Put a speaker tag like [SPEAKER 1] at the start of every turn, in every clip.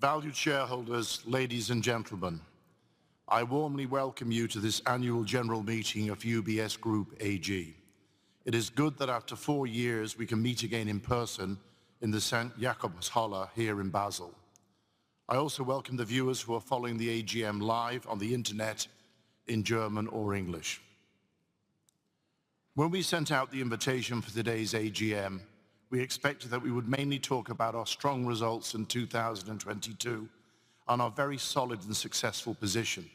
[SPEAKER 1] Valued shareholders, ladies and gentlemen, I warmly welcome you to this annual general meeting of UBS Group AG. It is good that after four years we can meet again in person in the St. Jakobshalle here in Basel. I also welcome the viewers who are following the AGM live on the internet in German or English. When we sent out the invitation for today's AGM, we expected that we would mainly talk about our strong results in 2022 and our very solid and successful position.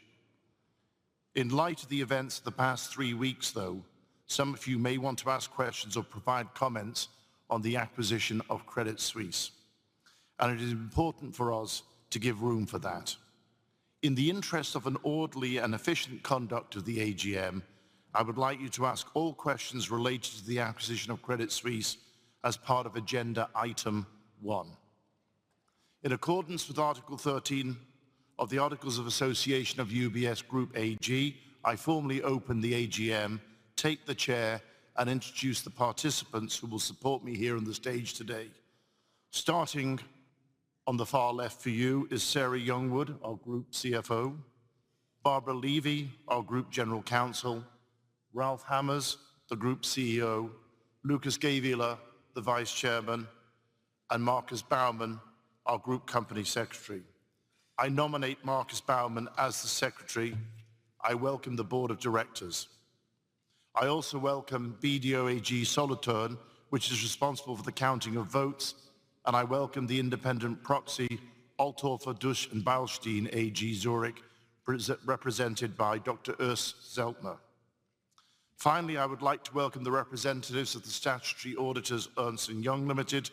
[SPEAKER 1] In light of the events of the past three weeks, though, some of you may want to ask questions or provide comments on the acquisition of Credit Suisse, and it is important for us to give room for that. In the interest of an orderly and efficient conduct of the AGM, I would like you to ask all questions related to the acquisition of Credit Suisse as part of Agenda Item one. In accordance with Article 13 of the Articles of Association of UBS Group AG, I formally open the AGM, take the chair, and introduce the participants who will support me here on the stage today. Starting on the far left for you is Sarah Youngwood, our Group CFO, Barbara Levi, our Group General Counsel, Ralph Hamers, the Group CEO, Lukas Gähwiler, Vice Chairman, and Markus Baumann, Group Company Secretary. i nominate Markus Baumann as the secretary. I welcome the Board of Directors. I also welcome BDO AG Solothurn, which is responsible for the counting of votes, and I welcome the independent proxy, ADB Altorfer Duss & Beilstein AG, Zurich, represented by Dr. Urs Zeltner. Finally, I would like to welcome the representatives of the statutory auditors, Ernst & Young Ltd,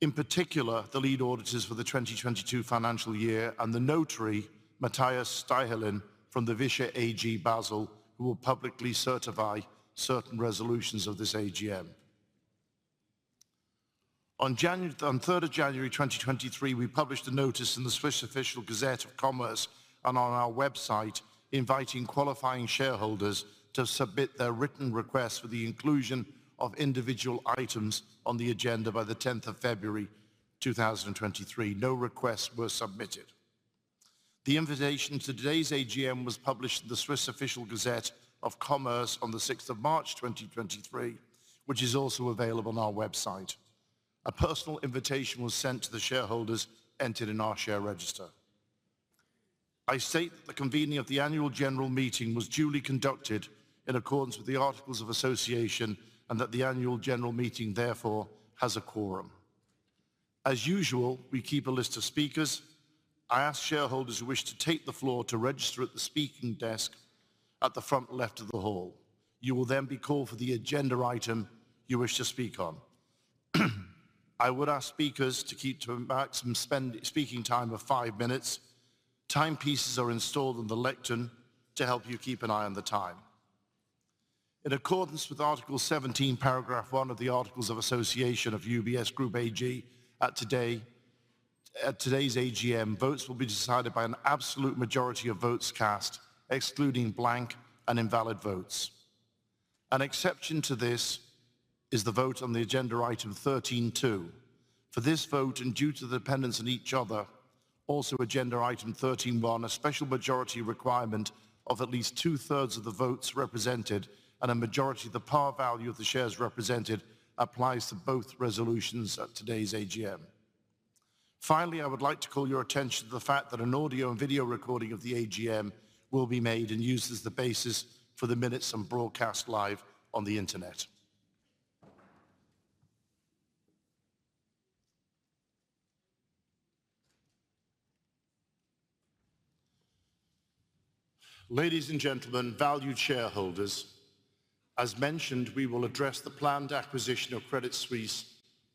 [SPEAKER 1] in particular, the lead auditors for the 2022 financial year, and the notary, Matthias Staehelin, from the VISCHER AG, Basel, who will publicly certify certain resolutions of this AGM. On 3rd of January 2023, we published a notice in the Swiss Official Gazette of Commerce and on our website inviting qualifying shareholders to submit their written requests for the inclusion of individual items on the agenda by the 10th of February 2023. No requests were submitted. The invitation to today's AGM was published in the Swiss Official Gazette of Commerce on the 6th of March 2023, which is also available on our website. A personal invitation was sent to the shareholders entered in our share register. I state that the convening of the annual general meeting was duly conducted in accordance with the Articles of Association and that the annual general meeting therefore has a quorum. As usual, we keep a list of speakers. I ask shareholders who wish to take the floor to register at the speaking desk at the front left of the hall. You will be called for the agenda item you wish to speak on. I would ask speakers to keep to a maximum speaking time of five minutes. Timepieces are installed on the lectern to help you keep an eye on the time. In accordance with Article 17, Paragraph 1 of the Articles of Association of UBS Group AG, at today's AGM, votes will be decided by an absolute majority of votes cast, excluding blank and invalid votes. An exception to this is the vote on the agenda item 13.2. For this vote, due to the dependence on each other, also agenda item 13.1, a special majority requirement of at least 2/3 of the votes represented and a majority of the par value of the shares represented applies to both resolutions at today's AGM. Finally, I would like to call your attention to the fact that an audio and video recording of the AGM will be made and used as the basis for the minutes and broadcast live on the internet. Ladies and gentlemen, valued shareholders, as mentioned, we will address the planned acquisition of Credit Suisse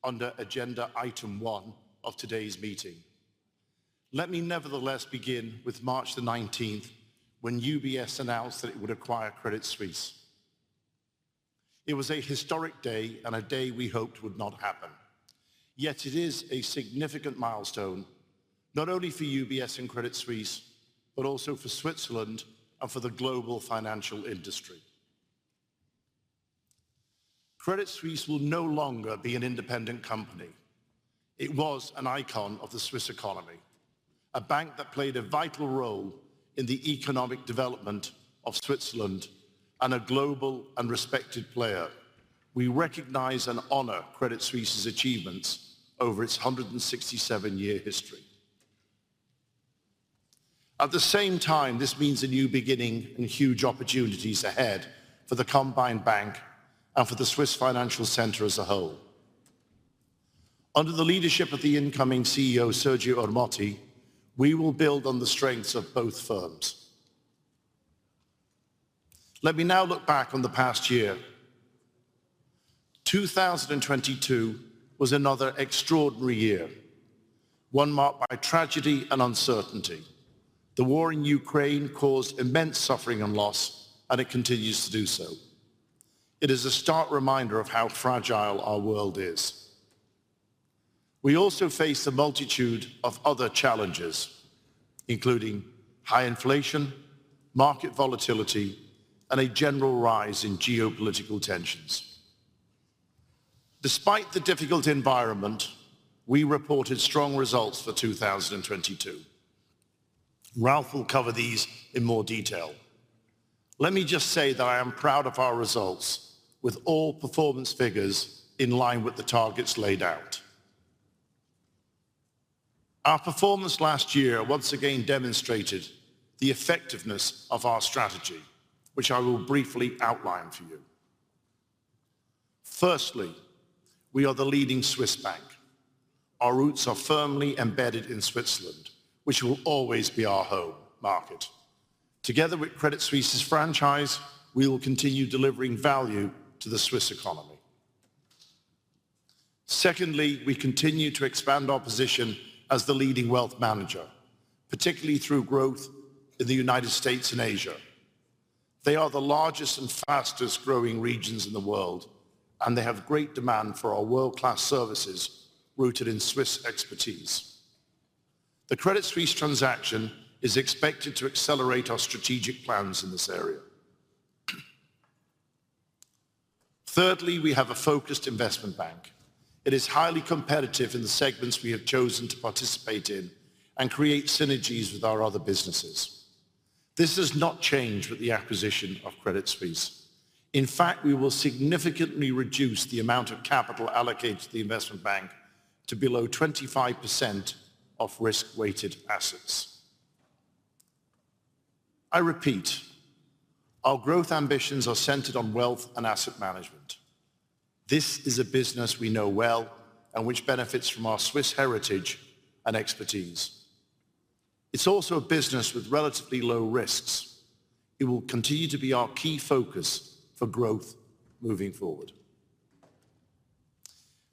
[SPEAKER 1] under agenda item one of today's meeting. Let me nevertheless begin with March the 19th, when UBS announced that it would acquire Credit Suisse. It was a historic day and a day we hoped would not happen. It is a significant milestone, not only for UBS and Credit Suisse, but also for Switzerland and for the global financial industry. Credit Suisse will no longer be an independent company. It was an icon of the Swiss economy, a bank that played a vital role in the economic development of Switzerland and a global and respected player. We recognize and honor Credit Suisse's achievements over its 167-year history. At the same time, this means a new beginning and huge opportunities ahead for the combined bank and for the Swiss financial center as a whole. Under the leadership of the incoming CEO, Sergio Ermotti, we will build on the strengths of both firms. Let me now look back on the past year. 2022 was another extraordinary year, one marked by tragedy and uncertainty. The war in Ukraine caused immense suffering and loss, and it continues to do so. It is a stark reminder of how fragile our world is. We also face a multitude of other challenges. Including high inflation, market volatility, and a general rise in geopolitical tensions. Despite the difficult environment, we reported strong results for 2022. Ralph will cover these in more detail. Let me just say that I am proud of our results with all performance figures in line with the targets laid out. Our performance last year once again demonstrated the effectiveness of our strategy, which I will briefly outline for you. Firstly, we are the leading Swiss bank. Our roots are firmly embedded in Switzerland, which will always be our home market. Together with Credit Suisse's franchise, we will continue delivering value to the Swiss economy. Secondly, we continue to expand our position as the leading wealth manager, particularly through growth in the United States and Asia. They are the largest and fastest-growing regions in the world, and they have great demand for our world-class services rooted in Swiss expertise. The Credit Suisse transaction is expected to accelerate our strategic plans in this area. Thirdly, we have a focused Investment Bank. It is highly competitive in the segments we have chosen to participate in and create synergies with our other businesses. This has not changed with the acquisition of Credit Suisse. In fact, we will significantly reduce the amount of capital allocated to the Investment Bank to below 25% of risk-weighted assets. I repeat, our growth ambitions are centered on wealth and Asset Management. This is a business we know well and which benefits from our Swiss heritage and expertise. It's also a business with relatively low risks. It will continue to be our key focus for growth moving forward.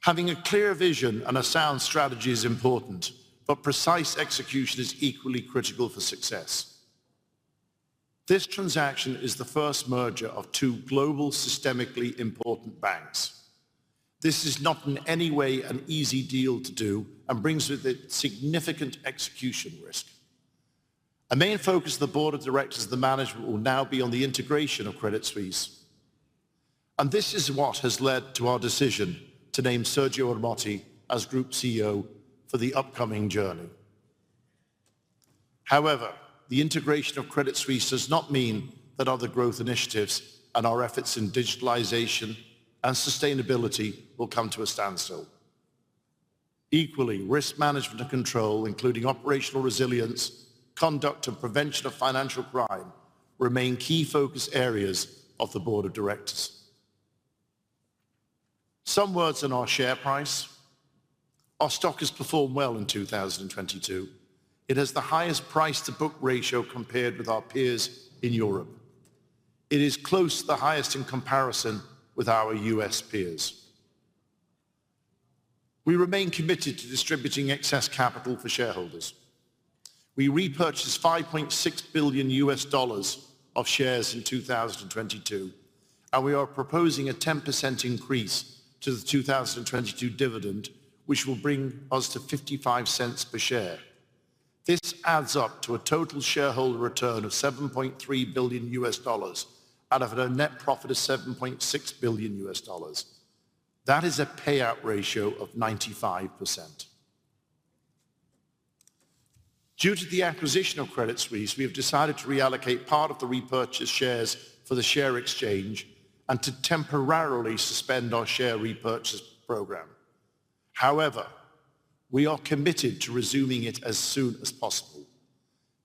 [SPEAKER 1] Having a clear vision and a sound strategy is important, but precise execution is equally critical for success. This transaction is the first merger of two global systemically important banks. This is not in any way an easy deal to do and brings with it significant execution risk. A main focus of the Board of Directors and the management will now be on the integration of Credit Suisse, and this is what has led to our decision to name Sergio Ermotti as Group CEO for the upcoming journey. The integration of Credit Suisse does not mean that other growth initiatives and our efforts in digitalization and sustainability will come to a standstill. Equally, risk management and control, including operational resilience, conduct, and prevention of financial crime, remain key focus areas of the Board of Directors. Some words on our share price. Our stock has performed well in 2022. It has the highest price-to-book ratio compared with our peers in Europe. It is close to the highest in comparison with our U.S. peers. We remain committed to distributing excess capital for shareholders. We repurchased $5.6 billion of shares in 2022, and we are proposing a 10% increase to the 2022 dividend, which will bring us to $0.55 per share. This adds up to a total shareholder return of $7.3 billion out of a net profit of $7.6 billion. That is a payout ratio of 95%. Due to the acquisition of Credit Suisse, we have decided to reallocate part of the repurchased shares for the share exchange and to temporarily suspend our share repurchase program. We are committed to resuming it as soon as possible.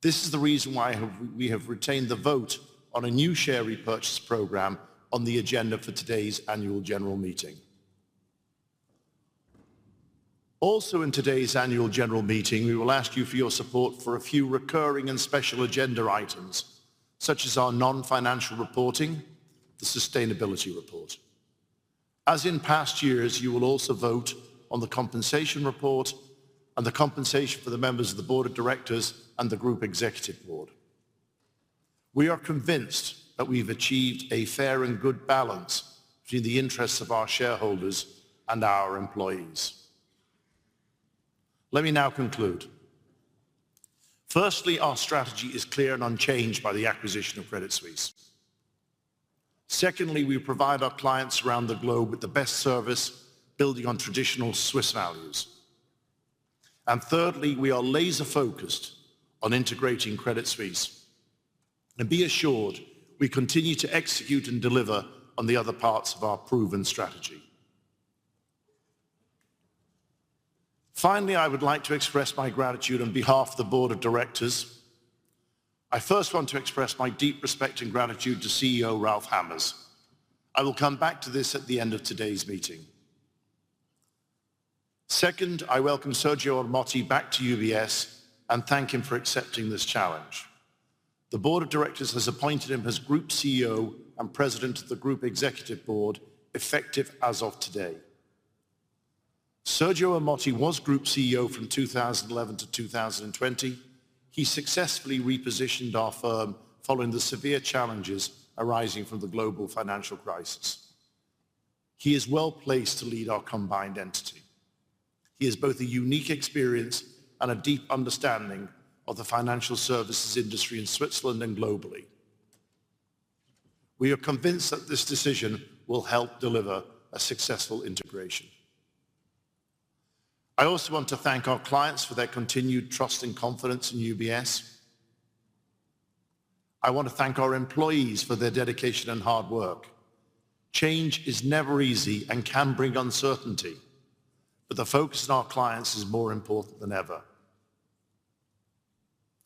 [SPEAKER 1] This is the reason why we have retained the vote on a new share repurchase program on the agenda for today's annual general meeting. In today's annual general meeting, we will ask you for your support for a few recurring and special agenda items, such as our non-financial reporting, the sustainability report. As in past years, you will also vote on the compensation report and the compensation for the members of the Board of Directors and Group Executive Board. we are convinced that we've achieved a fair and good balance between the interests of our shareholders and our employees. Let me now conclude. Firstly, our strategy is clear and unchanged by the acquisition of Credit Suisse. Secondly, we provide our clients around the globe with the best service, building on traditional Swiss values. Thirdly, we are laser-focused on integrating Credit Suisse. Be assured, we continue to execute and deliver on the other parts of our proven strategy. Finally, I would like to express my gratitude on behalf of the Board of Directors. I first want to express my deep respect and gratitude to CEO Ralph Hamers. I will come back to this at the end of today's meeting. Second, I welcome Sergio Ermotti back to UBS and thank him for accepting this challenge. The Board of Directors has appointed him as Group CEO and President of Group Executive Board, effective as of today. Sergio Ermotti was Group CEO from 2011 to 2020. He successfully repositioned our firm following the severe challenges arising from the global financial crisis. He is well placed to lead our combined entity. He has both a unique experience and a deep understanding of the financial services industry in Switzerland and globally. We are convinced that this decision will help deliver a successful integration. I also want to thank our clients for their continued trust and confidence in UBS. I want to thank our employees for their dedication and hard work. Change is never easy and can bring uncertainty, but the focus on our clients is more important than ever.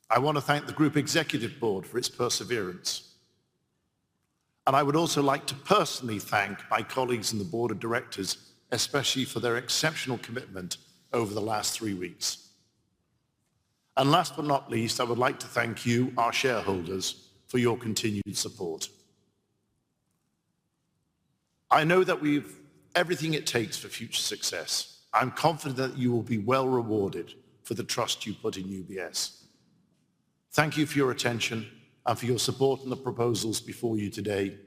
[SPEAKER 1] I want to thank Group Executive Board for its perseverance, and I would also like to personally thank my colleagues and the Board of Directors, especially for their exceptional commitment over the last three weeks. Last but not least, I would like to thank you, our shareholders, for your continued support. I know that we've everything it takes for future success. I'm confident that you will be well rewarded for the trust you put in UBS. Thank you for your attention and for your support on the proposals before you today.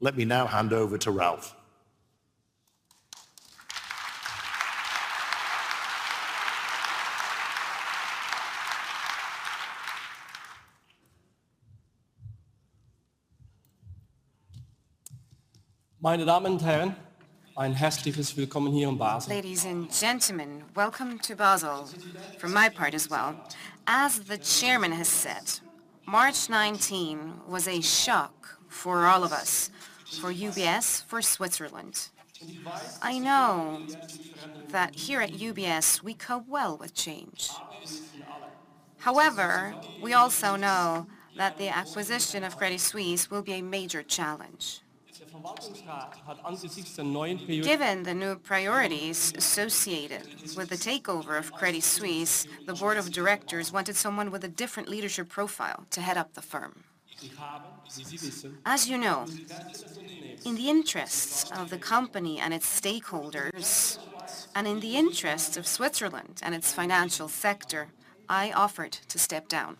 [SPEAKER 1] Let me now hand over to Ralph.
[SPEAKER 2] Ladies and gentlemen, welcome to Basel from my part as well. As the chairman has said, March 19 was a shock for all of us, for UBS, for Switzerland. I know that here at UBS we cope well with change. We also know that the acquisition of Credit Suisse will be a major challenge. Given the new priorities associated with the takeover of Credit Suisse, the Board of Directors wanted someone with a different leadership profile to head up the firm. As you know, in the interests of the company and its stakeholders, and in the interests of Switzerland and its financial sector, I offered to step down.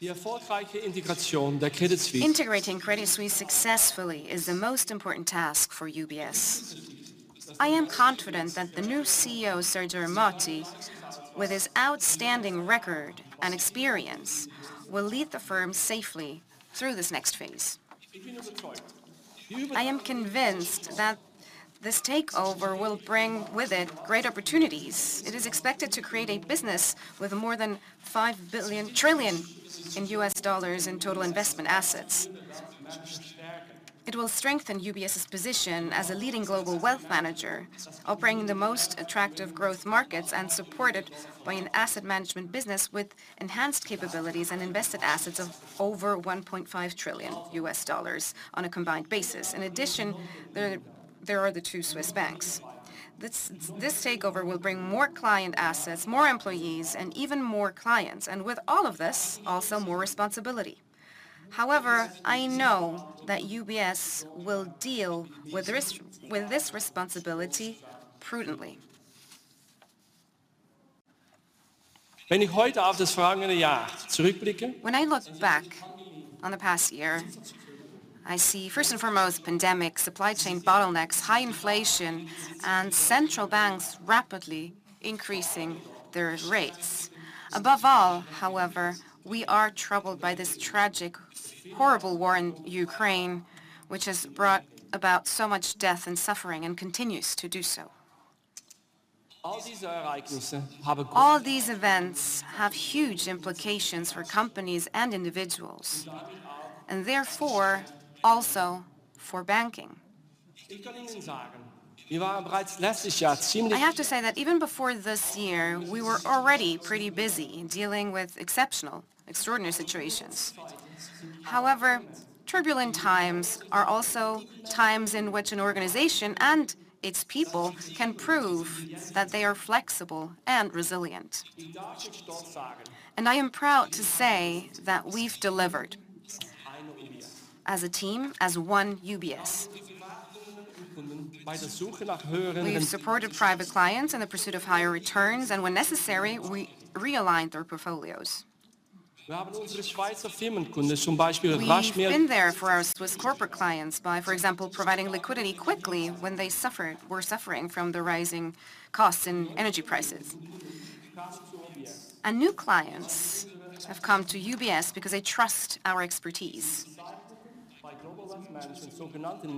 [SPEAKER 2] Integrating Credit Suisse successfully is the most important task for UBS. I am confident that the new CEO, Sergio Ermotti, with his outstanding record and experience, will lead the firm safely through this next phase. I am convinced that this takeover will bring with it great opportunities. It is expected to create a business with more than $5 trillion in total investment assets. It will strengthen UBS's position as a leading global wealth manager, operating in the most attractive growth markets and supported by an Asset Management business with enhanced capabilities and invested assets of over $1.5 trillion on a combined basis. In addition, there are the two Swiss banks. This takeover will bring more client assets, more employees, and even more clients, and with all of this, also more responsibility. However, I know that UBS will deal with this responsibility prudently. When I look back on the past year, I see first and foremost pandemic supply chain bottlenecks, high inflation, and central banks rapidly increasing their rates. Above all, however, we are troubled by this tragic, horrible war in Ukraine, which has brought about so much death and suffering, and continues to do so. All of these events have huge implications for companies and individuals, and therefore also for banking. I have to say that even before this year, we were already pretty busy dealing with exceptional, extraordinary situations. However, turbulent times are also times in which an organization and its people can prove that they are flexible and resilient. I am proud to say that we've delivered as a team, as one UBS. We've supported private clients in the pursuit of higher returns, and when necessary, we realigned their portfolios. We've been there for our Swiss corporate clients by, for example, providing liquidity quickly when they were suffering from the rising costs and energy prices. New clients have come to UBS because they trust our expertise.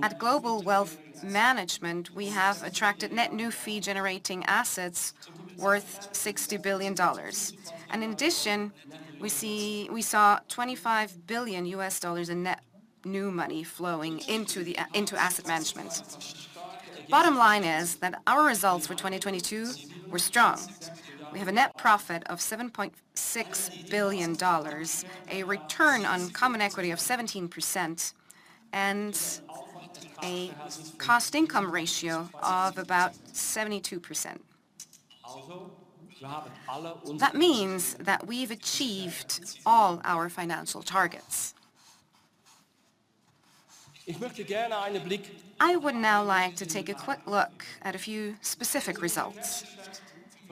[SPEAKER 2] At Global Wealth Management, we have attracted net new fee-generating assets worth $60 billion. In addition, we saw $25 billion in net new money flowing into Asset Management. Bottom line is that our results for 2022 were strong. We have a net profit of $7.6 billion, a return on common equity of 17%, and a cost-income ratio of about 72%. That means that we've achieved all our financial targets. I would now like to take a quick look at a few specific results.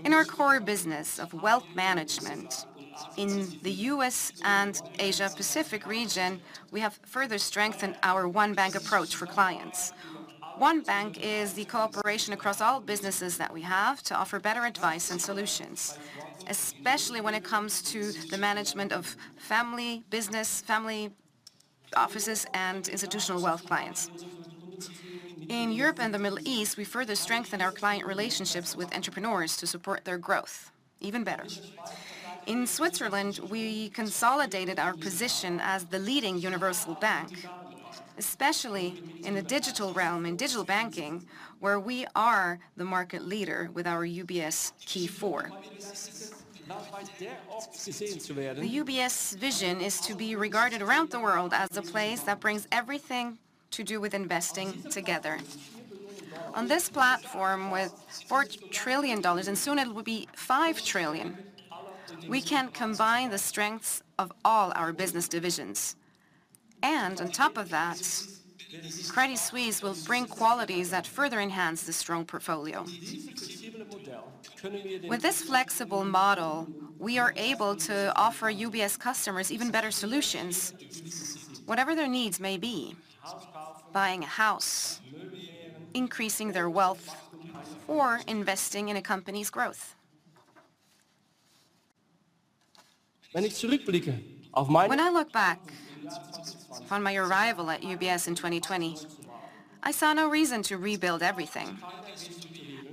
[SPEAKER 2] In our core business of wealth management in the U.S. and Asia Pacific region, we have further strengthened our One Bank approach for clients. One Bank is the cooperation across all businesses that we have to offer better advice and solutions, especially when it comes to the management of family business, family offices and institutional wealth clients. In Europe and the Middle East, we further strengthen our client relationships with entrepreneurs to support their growth even better. In Switzerland, we consolidated our position as the leading universal bank, especially in the digital realm, in digital banking, where we are the market leader with our UBS key4. The UBS vision is to be regarded around the world as the place that brings everything to do with investing together. On this platform with $4 trillion, and soon it will be $5 trillion, we can combine the strengths of all our business divisions. On top of that, Credit Suisse will bring qualities that further enhance the strong portfolio. With this flexible model, we are able to offer UBS customers even better solutions, whatever their needs may be. Buying a house, increasing their wealth, or investing in a company's growth. When I look back upon my arrival at UBS in 2020, I saw no reason to rebuild everything.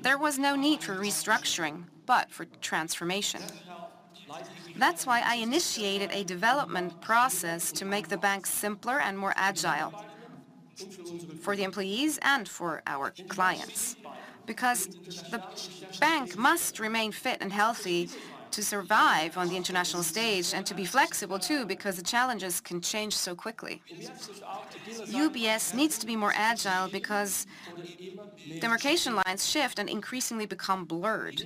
[SPEAKER 2] There was no need for restructuring, but for transformation. That's why I initiated a development process to make the bank simpler and more agile for the employees and for our clients, because the bank must remain fit and healthy to survive on the international stage and to be flexible too, because the challenges can change so quickly. UBS needs to be more agile because demarcation lines shift and increasingly become blurred.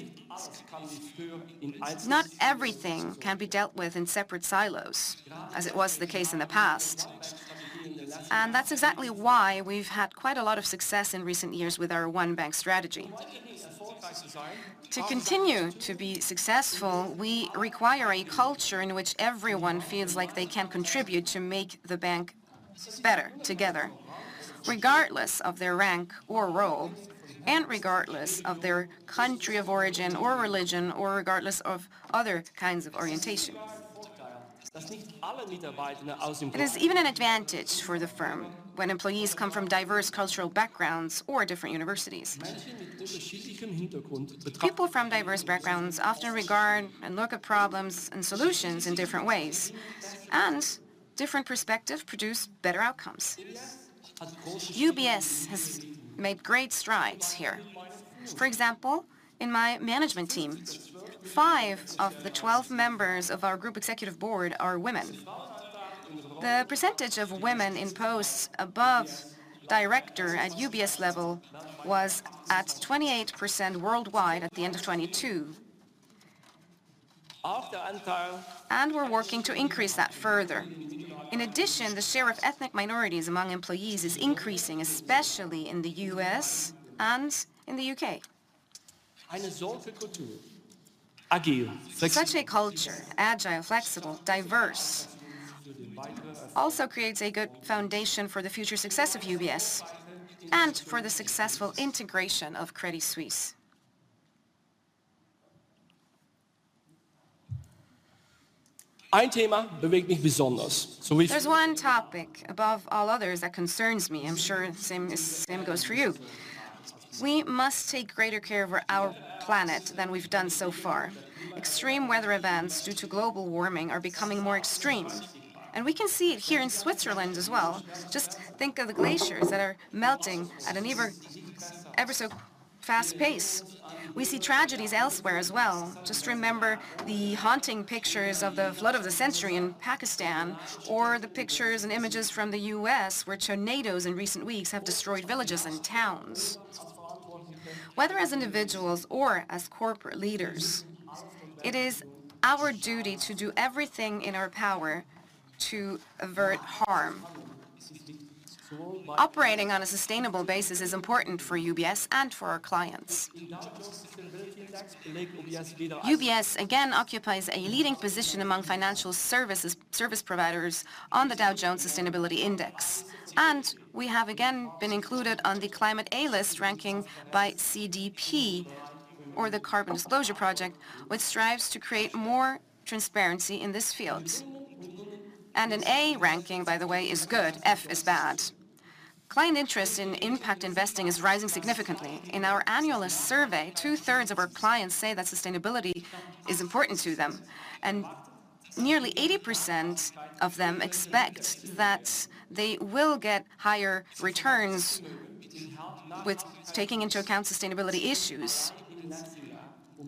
[SPEAKER 2] Not everything can be dealt with in separate silos, as it was the case in the past. That's exactly why we've had quite a lot of success in recent years with our One Bank strategy. To continue to be successful, we require a culture in which everyone feels like they can contribute to make the bank better together, regardless of their rank or role, and regardless of their country of origin or religion, or regardless of other kinds of orientation. It is even an advantage for the firm when employees come from diverse cultural backgrounds or different universities. People from diverse backgrounds often regard and look at problems and solutions in different ways, and different perspectives produce better outcomes. UBS has made great strides here. For example, in my management team, five of the 12 members of Group Executive Board are women. The percentage of women in posts above director at UBS level was at 28% worldwide at the end of 2022. We're working to increase that further. In addition, the share of ethnic minorities among employees is increasing, especially in the U.S. and in the U.K. Such a culture, agile, flexible, diverse, also creates a good foundation for the future success of UBS and for the successful integration of Credit Suisse. There's one topic above all others that concerns me. I'm sure the same goes for you. We must take greater care of our planet than we've done so far. Extreme weather events due to global warming are becoming more extreme, we can see it here in Switzerland as well. Just think of the glaciers that are melting at an ever so fast pace. We see tragedies elsewhere as well. Just remember the haunting pictures of the flood of the century in Pakistan, or the pictures and images from the U.S. where tornadoes in recent weeks have destroyed villages and towns. Whether as individuals or as corporate leaders, it is our duty to do everything in our power to avert harm. Operating on a sustainable basis is important for UBS and for our clients. UBS again occupies a leading position among financial services, service providers on the Dow Jones Sustainability Indices. We have again been included on the Climate A List ranking by CDP, or the Carbon Disclosure Project, which strives to create more transparency in this field. An A ranking, by the way, is good. F is bad. Client interest in impact investing is rising significantly. In our annual survey, 2/3 of our clients say that sustainability is important to them. Nearly 80% of them expect that they will get higher returns with taking into account sustainability issues.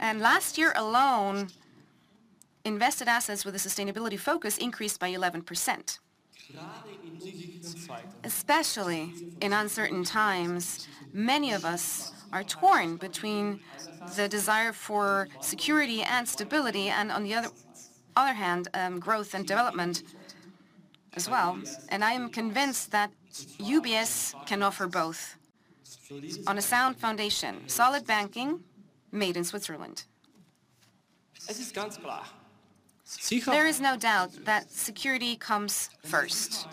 [SPEAKER 2] Last year alone, invested assets with a sustainability focus increased by 11%. Especially in uncertain times, many of us are torn between the desire for security and stability, and on the other hand, growth and development. As well, I am convinced that UBS can offer both on a sound foundation, solid banking made in Switzerland. There is no doubt that security comes first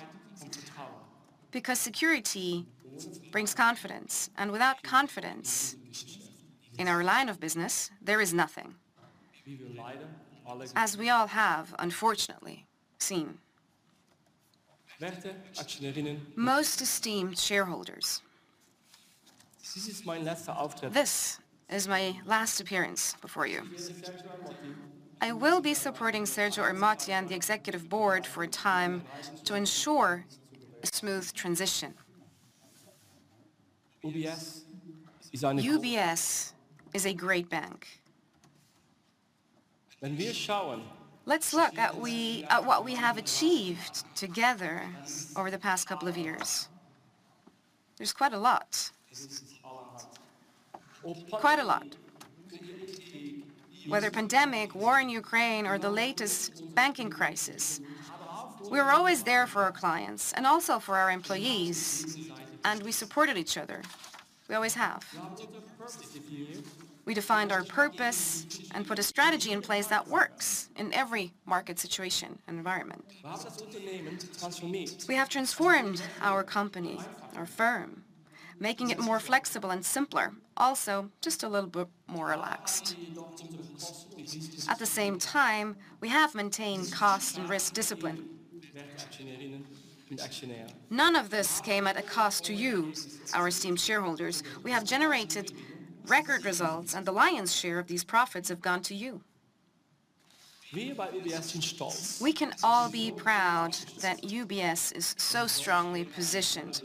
[SPEAKER 2] because security brings confidence, and without confidence in our line of business, there is nothing. As we all have unfortunately seen. Most esteemed shareholders, this is my last appearance before you. I will be supporting Sergio Ermotti and the Executive Board for a time to ensure a smooth transition. UBS is a great bank. Let's look at what we have achieved together over the past couple of years. There's quite a lot. Whether pandemic, war in Ukraine or the latest banking crisis, we were always there for our clients and also for our employees, and we supported each other. We always have. We defined our purpose and put a strategy in place that works in every market situation and environment. We have transformed our company, our firm, making it more flexible and simpler, also just a little bit more relaxed. At the same time, we have maintained cost and risk discipline. None of this came at a cost to you, our esteemed shareholders. We have generated record results, and the lion's share of these profits have gone to you. We can all be proud that UBS is so strongly positioned.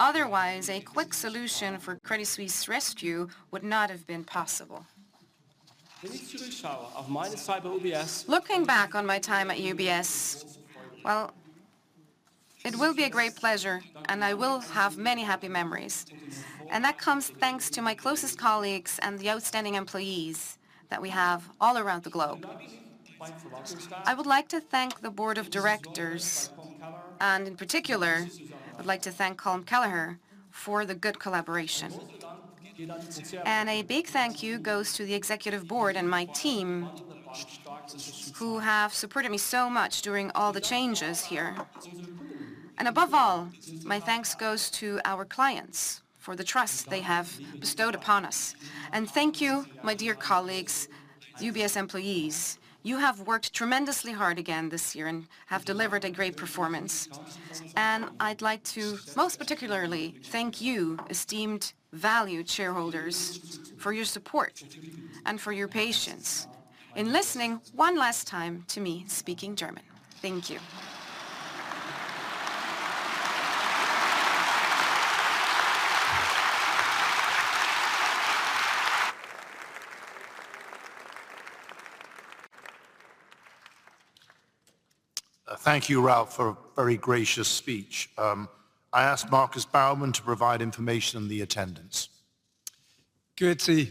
[SPEAKER 2] Otherwise, a quick solution for Credit Suisse rescue would not have been possible. Looking back on my time at UBS, well, it will be a great pleasure, and I will have many happy memories. That comes thanks to my closest colleagues and the outstanding employees that we have all around the globe. I would like to thank the Board of Directors, in particular, I'd like to thank Colm Kelleher for the good collaboration. A big thank you goes to the Executive Board and my team who have supported me so much during all the changes here. Above all, my thanks goes to our clients for the trust they have bestowed upon us. Thank you, my dear colleagues, UBS employees. You have worked tremendously hard again this year and have delivered a great performance. I'd like to most particularly thank you, esteemed valued shareholders, for your support and for your patience in listening one last time to me speaking German. Thank you.
[SPEAKER 1] Thank you, Ralph, for a very gracious speech. I ask Markus Baumann to provide information on the attendance.
[SPEAKER 3] Check-in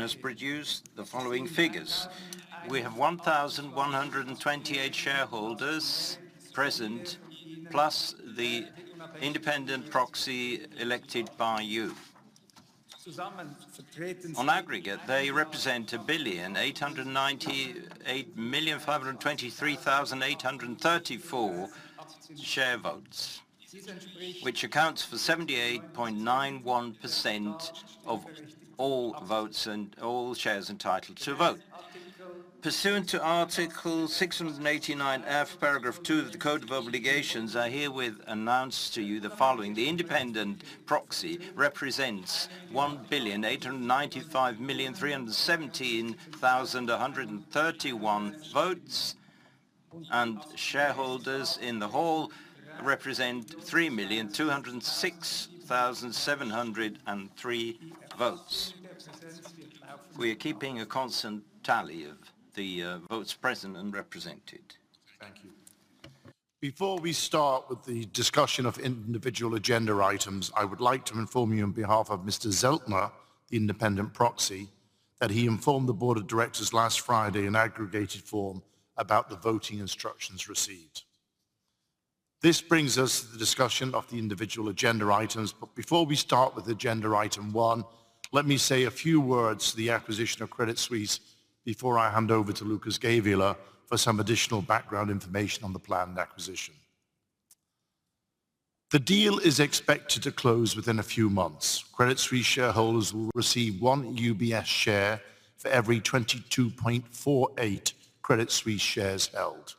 [SPEAKER 3] has produced the following figures. We have 1,128 shareholders present, plus the independent proxy elected by you. On aggregate, they represent 1,898,523,834 share votes, which accounts for 78.91% of all votes and all shares entitled to vote. Pursuant to Article 689 F, Paragraph 2 of the Code of Obligations, I herewith announce to you the following. The independent proxy represents 1,895,317,131 votes, and shareholders in the hall represent 3,206,703 votes. We are keeping a constant tally of the votes present and represented.
[SPEAKER 1] Thank you. Before we start with the discussion of individual agenda items, I would like to inform you on behalf of Mr. Zeltner, the independent proxy, that he informed the Board of Directors last Friday in aggregated form about the voting instructions received. This brings us to the discussion of the individual agenda items. Before we start with agenda item one, let me say a few words to the acquisition of Credit Suisse before I hand over to Lukas Gähwiler for some additional background information on the planned acquisition. The deal is expected to close within a few months. Credit Suisse shareholders will receive one UBS share for every 22.48 Credit Suisse shares held.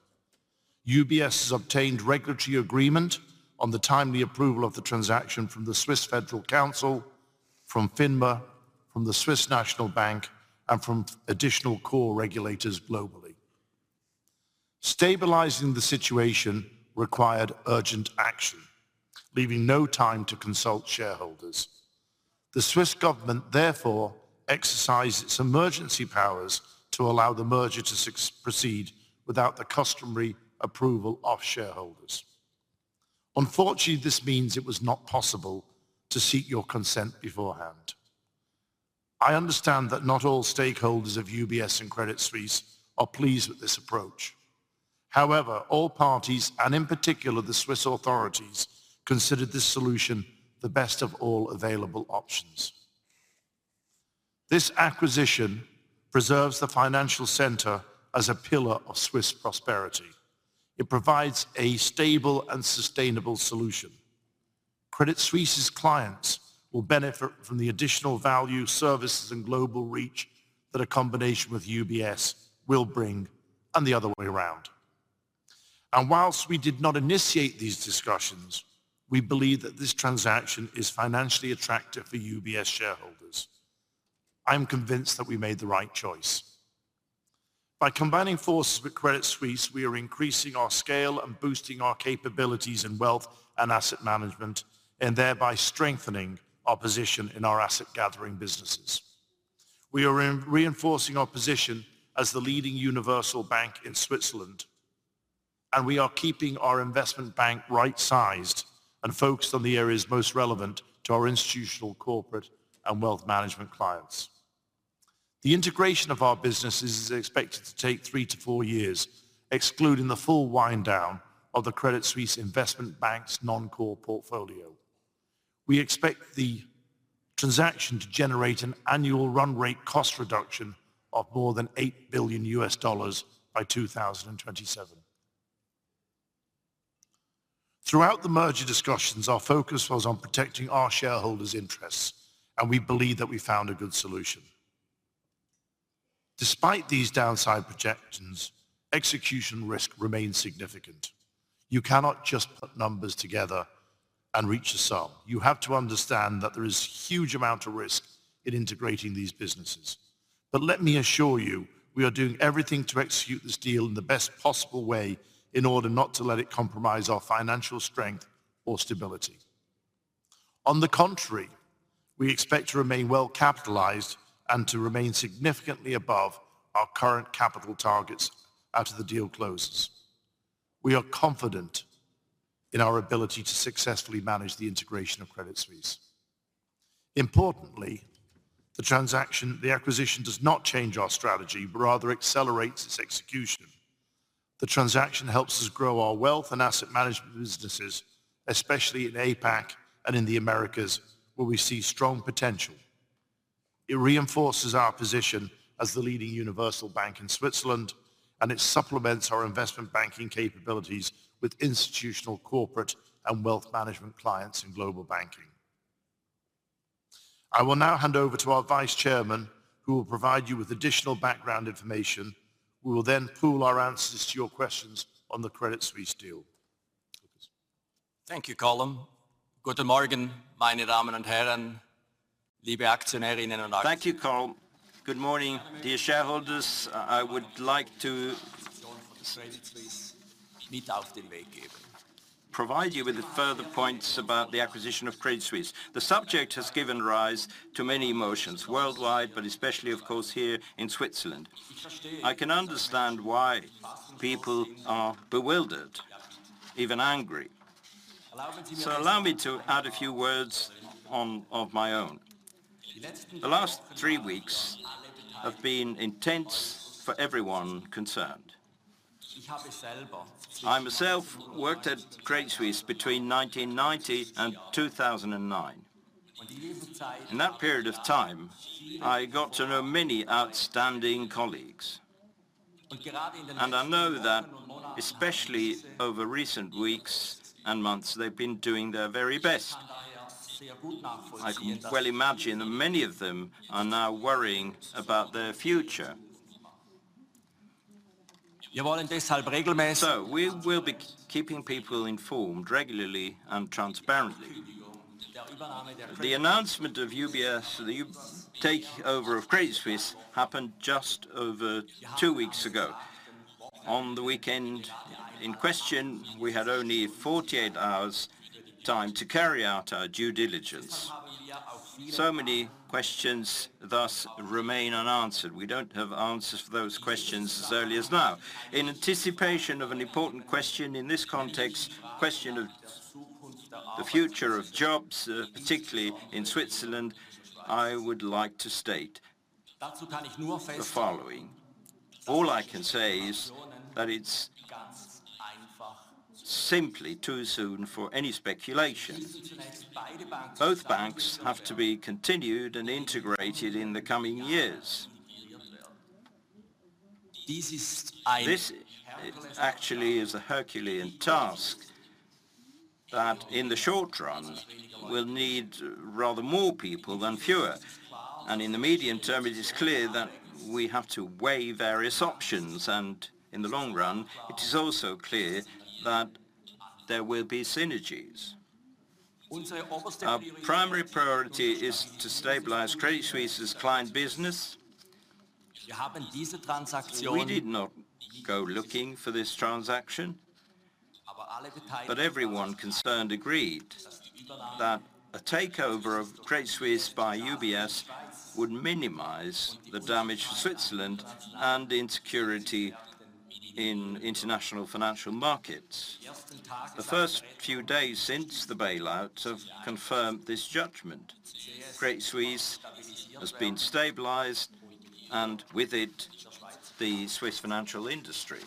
[SPEAKER 1] UBS has obtained regulatory agreement on the timely approval of the transaction from the Swiss Federal Council, from FINMA, from the Swiss National Bank, and from additional core regulators globally. Stabilizing the situation required urgent action, leaving no time to consult shareholders. The Swiss government, therefore, exercised its emergency powers to allow the merger to proceed without the customary approval of shareholders. Unfortunately, this means it was not possible to seek your consent beforehand. I understand that not all stakeholders of UBS and Credit Suisse are pleased with this approach. However, all parties, and in particular the Swiss authorities, considered this solution the best of all available options. This acquisition preserves the financial center as a pillar of Swiss prosperity. It provides a stable and sustainable solution. Credit Suisse's clients will benefit from the additional value, services, and global reach that a combination with UBS will bring, and the other way around. Whilst we did not initiate these discussions, we believe that this transaction is financially attractive for UBS shareholders. I'm convinced that we made the right choice. By combining forces with Credit Suisse, we are increasing our scale and boosting our capabilities in wealth and Asset Management, and thereby strengthening our position in our asset gathering businesses. We are re-reinforcing our position as the leading universal bank in Switzerland. We are keeping our Investment Bank right-sized and focused on the areas most relevant to our institutional, corporate, and wealth management clients. The integration of our businesses is expected to take three to four years, excluding the full wind down of the Credit Suisse Investment Bank's non-core portfolio. We expect the transaction to generate an annual run-rate cost reduction of more than $8 billion by 2027. Throughout the merger discussions, our focus was on protecting our shareholders' interests. We believe that we found a good solution. Despite these downside projections, execution risk remains significant. You cannot just put numbers together and reach a sum. You have to understand that there is huge amount of risk in integrating these businesses. Let me assure you, we are doing everything to execute this deal in the best possible way in order not to let it compromise our financial strength or stability. On the contrary, we expect to remain well capitalized and to remain significantly above our current capital targets after the deal closes. We are confident in our ability to successfully manage the integration of Credit Suisse. Importantly, the acquisition does not change our strategy, but rather accelerates its execution. The transaction helps us grow our wealth and Asset Management businesses, especially in APAC and in the Americas, where we see strong potential. It reinforces our position as the leading universal bank in Switzerland, and it supplements our investment banking capabilities with institutional, corporate, and wealth management clients in global banking. I will now hand over to Vice Chairman, who will provide you with additional background information. We will then pool our answers to your questions on the Credit Suisse deal.
[SPEAKER 4] Thank you, Colm. Thank you, Colm. Good morning, dear shareholders. I would like to provide you with further points about the acquisition of Credit Suisse. The subject has given rise to many emotions worldwide, especially of course here in Switzerland. I can understand why people are bewildered, even angry. Allow me to add a few words of my own. The last three weeks have been intense for everyone concerned. I myself worked at Credit Suisse between 1990 and 2009. In that period of time, I got to know many outstanding colleagues. I know that especially over recent weeks and months, they've been doing their very best. I can well imagine that many of them are now worrying about their future. We will be keeping people informed regularly and transparently. The announcement of UBS the takeover of Credit Suisse happened just over two weeks ago. On the weekend in question, we had only 48 hours time to carry out our due diligence. Many questions thus remain unanswered. We don't have answers for those questions as early as now. In anticipation of an important question in this context, question of the future of jobs, particularly in Switzerland, I would like to state the following. All I can say is that it's simply too soon for any speculation. Both banks have to be continued and integrated in the coming years. This actually is a Herculean task that, in the short run, will need rather more people than fewer. In the medium term, it is clear that we have to weigh various options, and in the long run, it is also clear that there will be synergies. Our primary priority is to stabilize Credit Suisse's client business. We did not go looking for this transaction, but everyone concerned agreed that A takeover of Credit Suisse by UBS would minimize the damage to Switzerland and insecurity in international financial markets. The first few days since the bailout have confirmed this judgment. Credit Suisse has been stabilized and with it, the Swiss financial industry.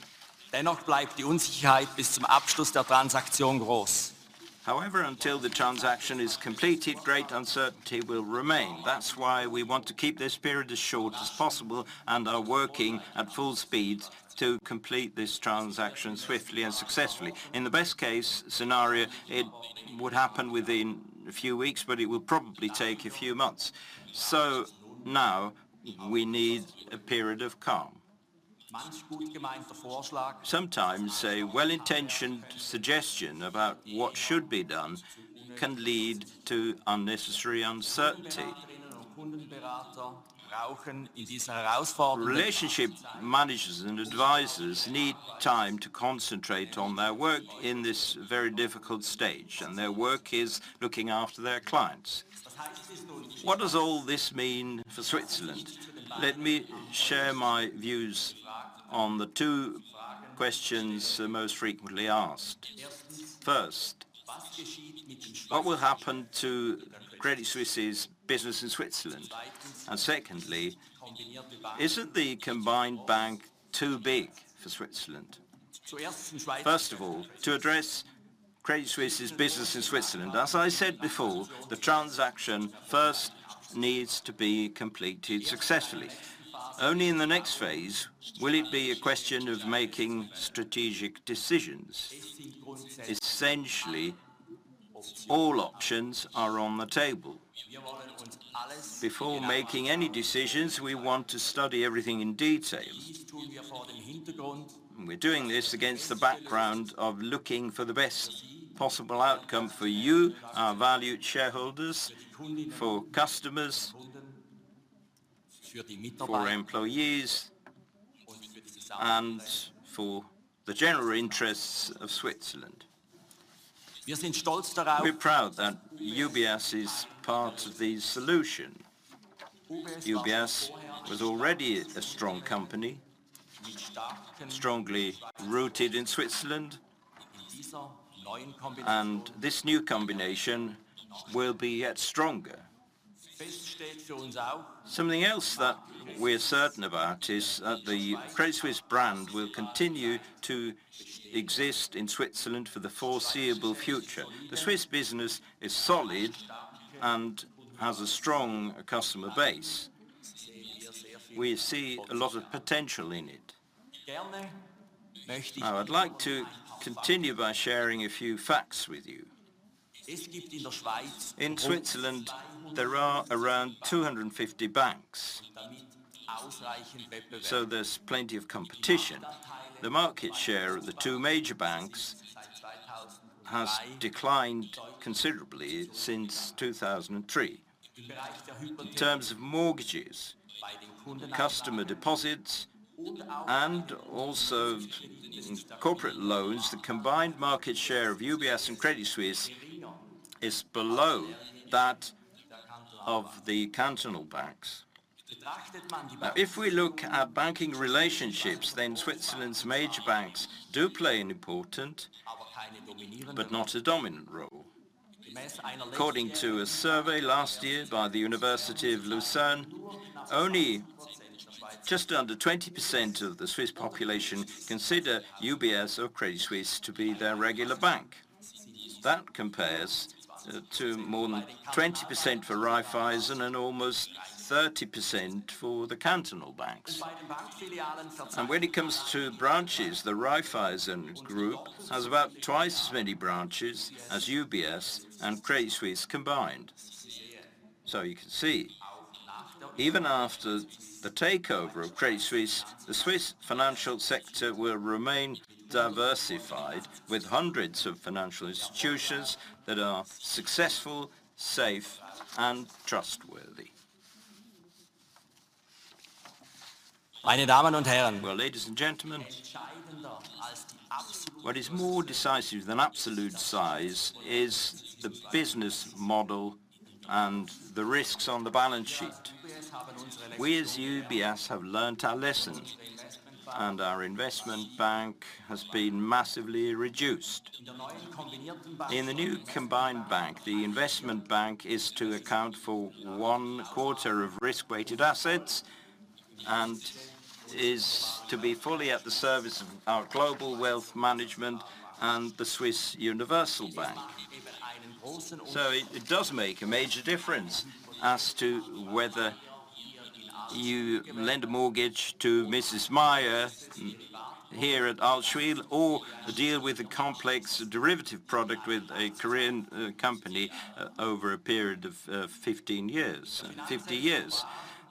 [SPEAKER 4] However, until the transaction is completed, great uncertainty will remain. That's why we want to keep this period as short as possible and are working at full speed to complete this transaction swiftly and successfully. In the best case scenario, it would happen within a few weeks, but it will probably take a few months. Now we need a period of calm. Sometimes a well-intentioned suggestion about what should be done can lead to unnecessary uncertainty. Relationship managers and advisors need time to concentrate on their work in this very difficult stage, and their work is looking after their clients. What does all this mean for Switzerland? Let me share my views on the two questions most frequently asked. First, what will happen to Credit Suisse's business in Switzerland? Secondly, isn't the combined bank too big for Switzerland? First of all, to address Credit Suisse's business in Switzerland, as I said before, the transaction first needs to be completed successfully. Only in the next phase will it be a question of making strategic decisions. Essentially, all options are on the table. Before making any decisions, we want to study everything in detail. We're doing this against the background of looking for the best possible outcome for you, our valued shareholders, for customers, for employees, and for the general interests of Switzerland. We're proud that UBS is part of the solution. UBS was already a strong company, strongly rooted in Switzerland, and this new combination will be yet stronger. Something else that we're certain about is that the Credit Suisse brand will continue to exist in Switzerland for the foreseeable future. The Swiss business is solid and has a strong customer base. We see a lot of potential in it. I'd like to continue by sharing a few facts with you. In Switzerland, there are around 250 banks, there's plenty of competition. The market share of the two major banks has declined considerably since 2003. In terms of mortgages, customer deposits, and also corporate loans, the combined market share of UBS and Credit Suisse is below that of the cantonal banks. If we look at banking relationships, Switzerland's major banks do play an important, but not a dominant role. According to a survey last year by the University of Lucerne, only just under 20% of the Swiss population consider UBS or Credit Suisse to be their regular bank. That compares to more than 20% for Raiffeisen and almost 30% for the cantonal banks. When it comes to branches, the Raiffeisen group has about twice as many branches as UBS and Credit Suisse combined. You can see, even after the takeover of Credit Suisse, the Swiss financial sector will remain diversified with hundreds of financial institutions that are successful, safe, and trustworthy. Ladies and gentlemen. What is more decisive than absolute size is the business model and the risks on the balance sheet. We as UBS have learned our lessons, and our Investment Bank has been massively reduced. In the new combined bank, the Investment Bank is to account for 1/4 of risk-weighted assets and is to be fully at the service of our Global Wealth Management and the Swiss Universal Bank. It does make a major difference as to whether you lend a mortgage to Mrs. Meyer here at Allschwil or deal with a complex derivative product with a Korean company over a period of 50 years.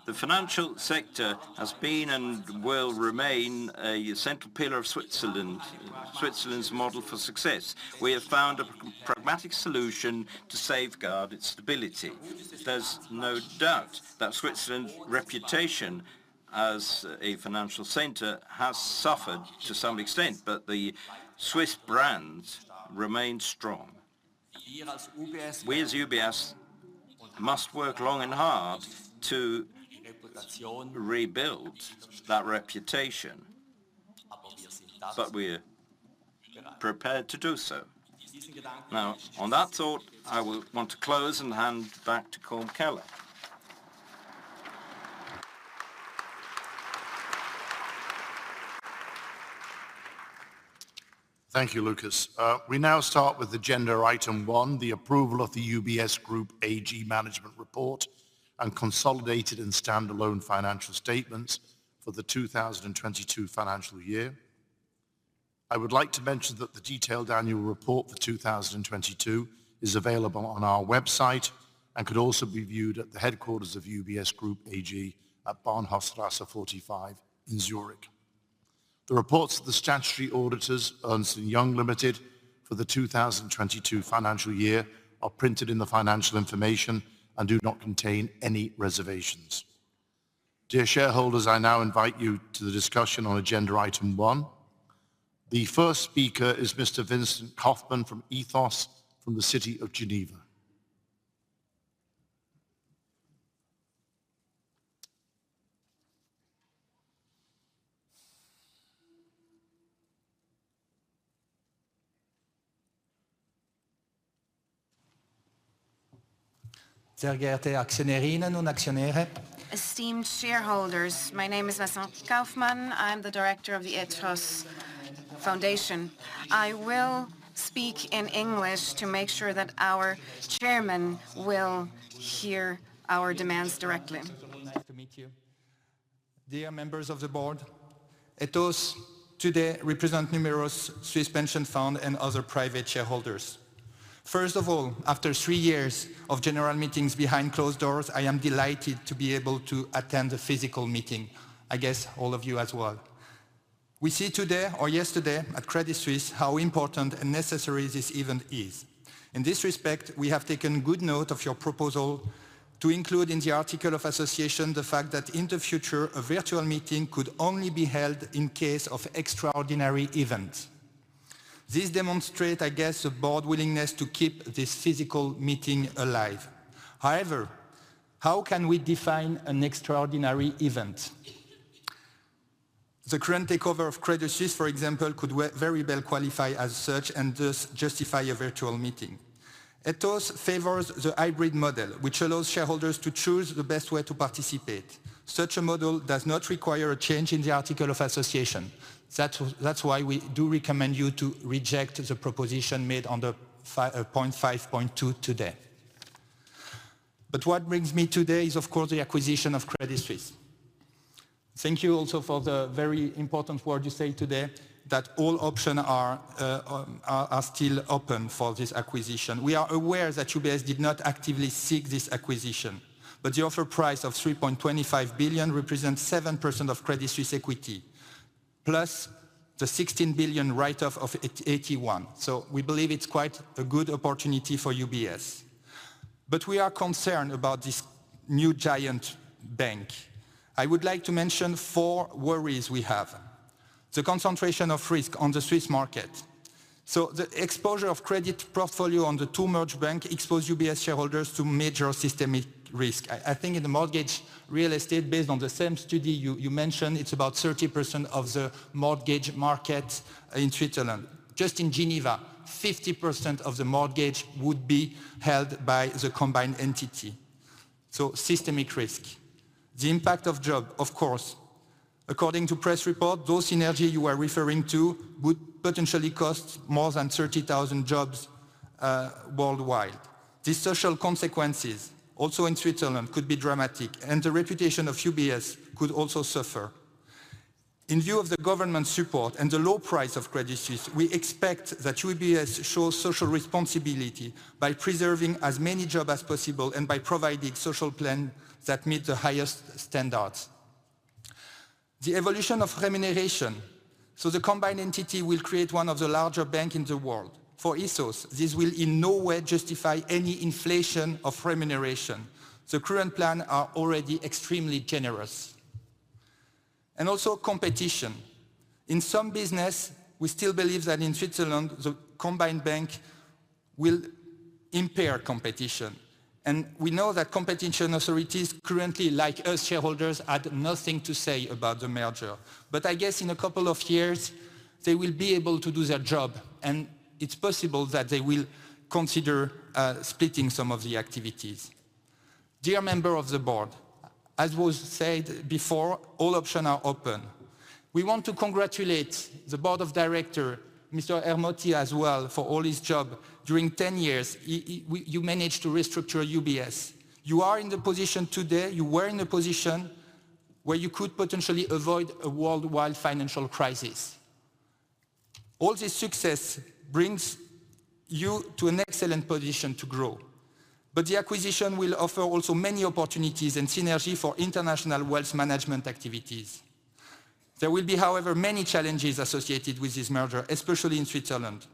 [SPEAKER 4] The financial sector has been and will remain a central pillar of Switzerland's model for success. We have found a pragmatic solution to safeguard its stability. There's no doubt that Switzerland's reputation as a financial center has suffered to some extent, the Swiss brand remains strong. We as UBS must work long and hard to rebuild that reputation. We're prepared to do so. On that thought, I will want to close and hand back to Colm Kelleher.
[SPEAKER 1] Thank you, Lukas. We now start with agenda item one, the approval of the UBS Group AG management report, and consolidated and standalone financial statements for the 2022 financial year. I would like to mention that the detailed annual report for 2022 is available on our website and could also be viewed at the headquarters of UBS Group AG at Bahnhofstrasse 45 in Zurich. The reports of the statutory auditors, Ernst & Young Ltd for the 2022 financial year, are printed in the financial information and do not contain any reservations. Dear shareholders, I now invite you to the discussion on agenda item one. The first speaker is Mr. Vincent Kaufmann from Ethos from the city of Geneva.
[SPEAKER 5] Esteemed shareholders. My name is Vincent Kaufmann. I am the director of the Ethos Foundation. I will speak in English to make sure that our chairman will hear our demands directly. Nice to meet you. Dear members of the board, Ethos today represent numerous Swiss pension fund and other private shareholders. First of all, after three years of general meetings behind closed doors, I am delighted to be able to attend the physical meeting. I guess all of you as well. We see today or yesterday at Credit Suisse how important and necessary this event is. In this respect, we have taken good note of your proposal to include in the article of association the fact that in the future, a virtual meeting could only be held in case of extraordinary events. This demonstrate, I guess, the board willingness to keep this physical meeting alive. How can we define an extraordinary event? The current takeover of Credit Suisse, for example, could very well qualify as such and thus justify a virtual meeting. Ethos favors the hybrid model, which allows shareholders to choose the best way to participate. Such a model does not require a change in the article of association. That's why we do recommend you to reject the proposition made under point 5.2 today. What brings me today is, of course, the acquisition of Credit Suisse. Thank you also for the very important word you say today that all option are still open for this acquisition. We are aware that UBS did not actively seek this acquisition, but the offer price of $3.25 billion represents 7% of Credit Suisse equity, plus the $16 billion write-off of AT1. We believe it's quite a good opportunity for UBS. We are concerned about this new giant bank. I would like to mention four worries we have. The concentration of risk on the Swiss market. The exposure of credit portfolio on the two merged bank expose UBS shareholders to major systemic risk. I think in the mortgage real estate, based on the same study you mentioned, it's about 30% of the mortgage market in Switzerland. Just in Geneva, 50% of the mortgage would be held by the combined entity. Systemic risk. The impact of job, of course. According to press report, those synergy you are referring to would potentially cost more than 30,000 jobs worldwide. These social consequences, also in Switzerland, could be dramatic, and the reputation of UBS could also suffer. In view of the government support and the low price of Credit Suisse, we expect that UBS show social responsibility by preserving as many job as possible and by providing social plan that meet the highest standards. The evolution of remuneration. The combined entity will create one of the larger bank in the world. For Ethos, this will in no way justify any inflation of remuneration. The current plan are already extremely generous. Also competition. In some business, we still believe that in Switzerland, the combined bank will impair competition. We know that competition authorities currently, like us shareholders, had nothing to say about the merger. I guess in a couple of years, they will be able to do their job, and it's possible that they will consider splitting some of the activities. Dear member of the board, as was said before, all option are open. We want to congratulate the Board of Director, Mr. Ermotti as well, for all his job. During 10 years, you managed to restructure UBS. You are in the position today, you were in a position where you could potentially avoid a worldwide financial crisis. All this success brings you to an excellent position to grow. The acquisition will offer also many opportunities and synergy for international wealth management activities. There will be, however, many challenges associated with this merger, especially in Switzerland.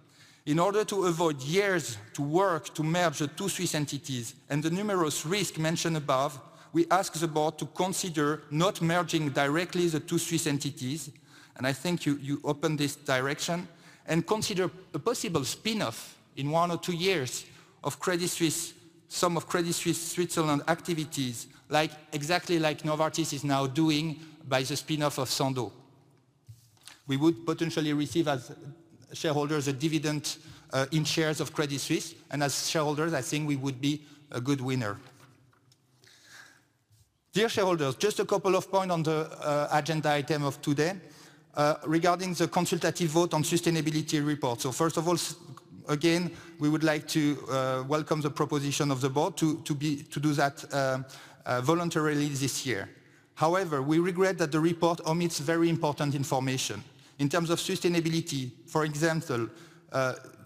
[SPEAKER 5] In order to avoid years to work to merge the two Swiss entities and the numerous risks mentioned above, we ask the board to consider not merging directly the two Swiss entities, and I think you open this direction, and consider a possible spin-off in one or two years of Credit Suisse, some of Credit Suisse Switzerland activities, exactly like Novartis is now doing by the spin-off of Sandoz. We would potentially receive as shareholders a dividend in shares of Credit Suisse, and as shareholders, I think we would be a good winner. Dear shareholders, just a couple of point on the agenda item of today, regarding the consultative vote on sustainability report. First of all, again, we would like to welcome the proposition of the board to do that voluntarily this year. We regret that the report omits very important information. In terms of sustainability, for example,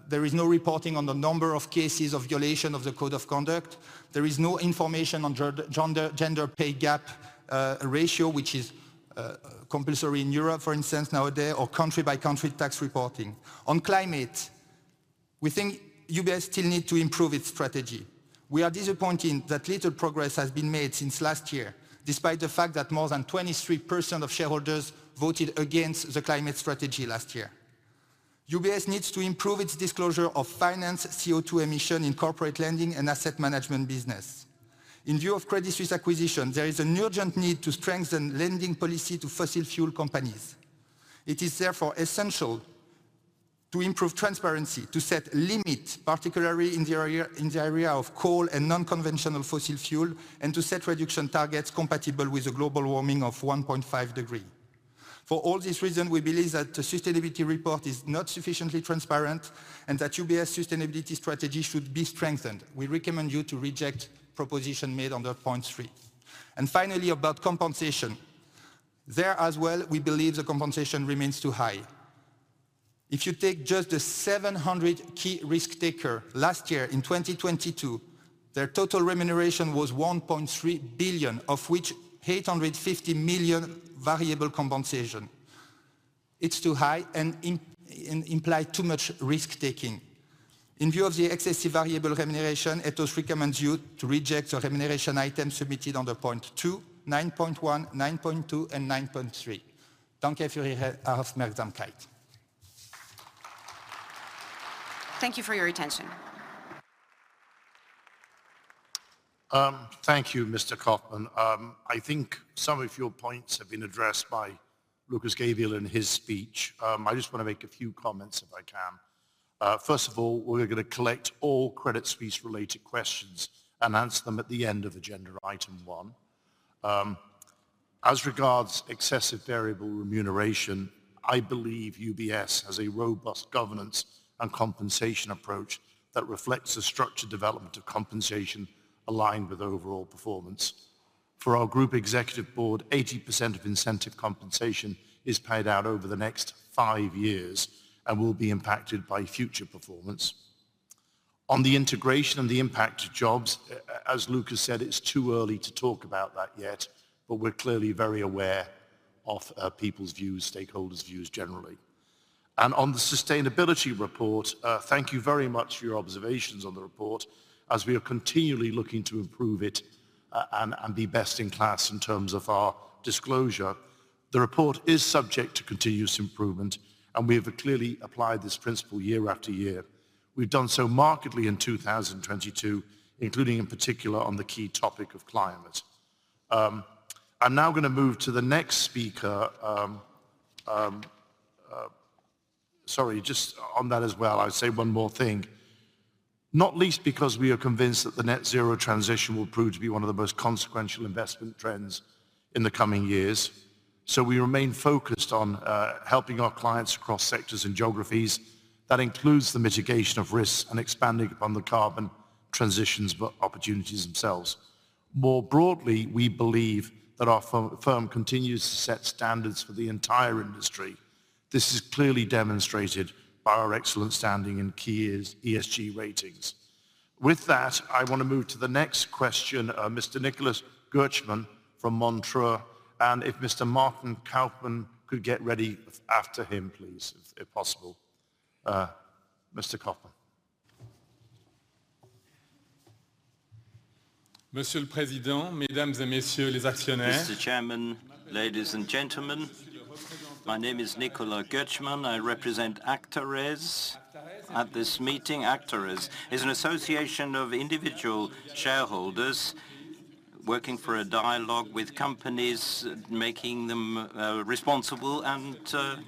[SPEAKER 5] there is no reporting on the number of cases of violation of the code of conduct. There is no information on gender pay gap ratio, which is compulsory in Europe, for instance, nowadays, or country by country tax reporting. On climate, we think UBS still needs to improve its strategy. We are disappointed that little progress has been made since last year, despite the fact that more than 23% of shareholders voted against the climate strategy last year. UBS needs to improve its disclosure of finance CO2 emissions in corporate lending and asset management business. In view of Credit Suisse acquisition, there is an urgent need to strengthen lending policy to fossil fuel companies. It is therefore essential to improve transparency, to set limit, particularly in the area of coal and non-conventional fossil fuel, and to set reduction targets compatible with a global warming of 1.5 degrees. For all these reason, we believe that the sustainability report is not sufficiently transparent and that UBS sustainability strategy should be strengthened. We recommend you to reject proposition made under point three. Finally, about compensation. There as well, we believe the compensation remains too high. If you take just the 700 key risk taker last year in 2022, their total remuneration was $1.3 billion, of which $850 million variable compensation. It's too high and imply too much risk-taking. In view of the excessive variable remuneration, Ethos recommends you to reject the remuneration item submitted under point two, 9.1, 9.2, and 9.3. Thank you for your attention.
[SPEAKER 1] Thank you, Mr. Kaufmann. I think some of your points have been addressed by Lukas Gähwiler in his speech. I just wanna make a few comments, if I can. First of all, we're gonna collect all Credit Suisse related questions and answer them at the end of agenda item one. As regards excessive variable remuneration, I believe UBS has a robust governance and compensation approach that reflects the structured development of compensation aligned with overall performance. For Group Executive Board, 80% of incentive compensation is paid out over the next five years and will be impacted by future performance. On the integration and the impact to jobs, as Lukas said, it's too early to talk about that yet, but we're clearly very aware of people's views, stakeholders' views generally. On the sustainability report, thank you very much for your observations on the report, as we are continually looking to improve it and be best in class in terms of our disclosure. The report is subject to continuous improvement, and we have clearly applied this principle year after year. We've done so markedly in 2022, including in particular on the key topic of climate. I'm now gonna move to the next speaker. Sorry, just on that as well, I'd say one more thing, not least because we are convinced that the net zero transition will prove to be one of the most consequential investment trends in the coming years. We remain focused on helping our clients across sectors and geographies. That includes the mitigation of risks and expanding upon the carbon transitions, but opportunities themselves. More broadly, we believe that our firm continues to set standards for the entire industry. This is clearly demonstrated by our excellent standing in key ESG ratings. With that, I wanna move to the next question, Mr. Nicolas Goetschel from Montreux. If Mr. Martin Kaufmann could get ready after him, please, if possible. Mr. Kaufmann.
[SPEAKER 6] Mr. Chairman, ladies and gentlemen, my name is Nicolas Goetschel. I represent Actares at this meeting. Actares is an association of individual shareholders working for a dialogue with companies, making them responsible and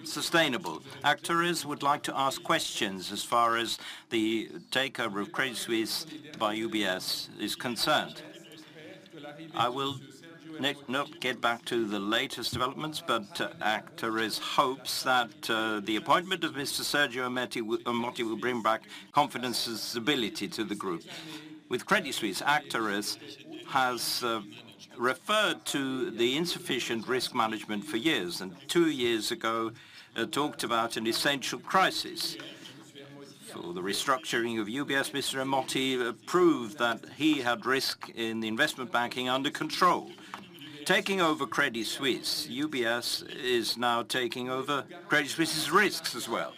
[SPEAKER 6] sustainable. Actares would like to ask questions as far as the takeover of Credit Suisse by UBS is concerned. I will not get back to the latest developments, but Actares hopes that the appointment of Mr. Sergio Ermotti will bring back confidence and stability to the group. With Credit Suisse, Actares has referred to the insufficient risk management for years, and two years ago talked about an essential crisis. The restructuring of UBS, Mr. Ermotti, proved that he had risk in the investment banking under control. Taking over Credit Suisse, UBS is now taking over Credit Suisse's risks as well.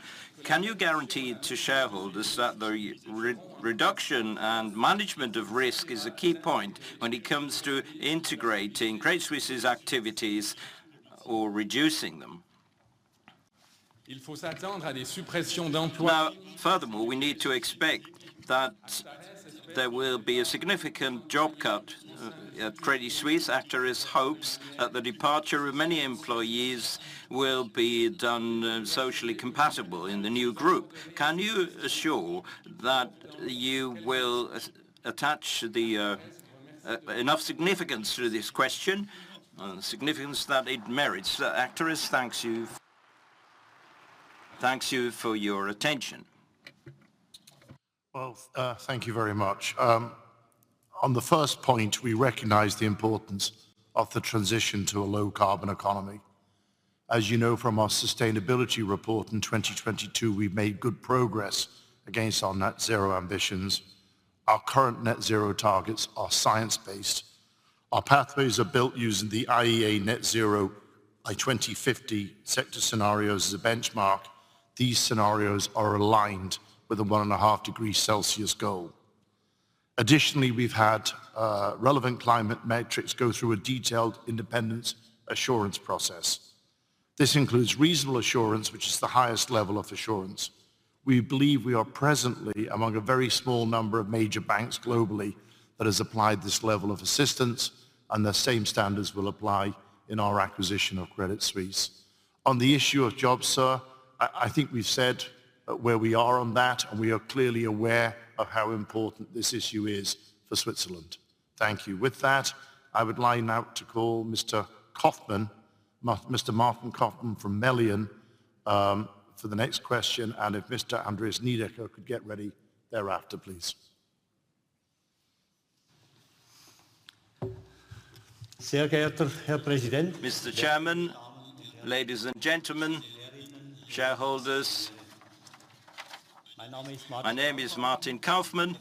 [SPEAKER 6] Can you guarantee to shareholders that the reduction and management of risk is a key point when it comes to integrating Credit Suisse's activities or reducing them? Now, furthermore, we need to expect that there will be a significant job cut at Credit Suisse. Actares hopes that the departure of many employees will be done socially compatible in the new group. Can you assure that you will attach enough significance to this question, significance that it merits? Actares thanks you. Thanks you for your attention.
[SPEAKER 1] Well, thank you very much. On the first point, we recognize the importance of the transition to a low carbon economy. As you know from our sustainability report in 2022, we've made good progress against our net zero ambitions. Our current net zero targets are science-based. Our pathways are built using the IEA net zero by 2050 sector scenarios as a benchmark. These scenarios are aligned with a 1.5 degrees Celsius goal. Additionally, we've had relevant climate metrics go through a detailed independent assurance process. This includes reasonable assurance, which is the highest level of assurance. We believe we are presently among a very small number of major banks globally that has applied this level of assistance, and the same standards will apply in our acquisition of Credit Suisse. On the issue of jobs, sir, I think we've said where we are on that, and we are clearly aware of how important this issue is for Switzerland. Thank you. With that, I would like now to call Mr. Martin Kaufmann from Meilen for the next question. If Mr. Andreas Nidecker could get ready thereafter, please.
[SPEAKER 7] Mr. Chairman, ladies and gentlemen, shareholders. My name is Martin Kaufmann,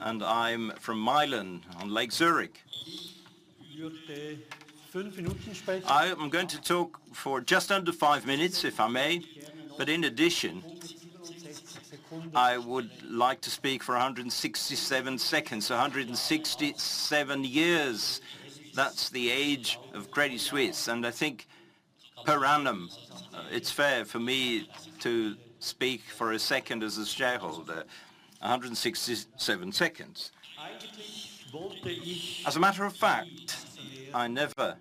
[SPEAKER 7] and I'm from Meilen on Lake Zurich. I am going to talk for just under five minutes, if I may. In addition, I would like to speak for 167 seconds. 16seven years, that's the age of Credit Suisse. I think per annum, it's fair for me to speak for one second as a shareholder, 167 seconds. As a matter of fact, I never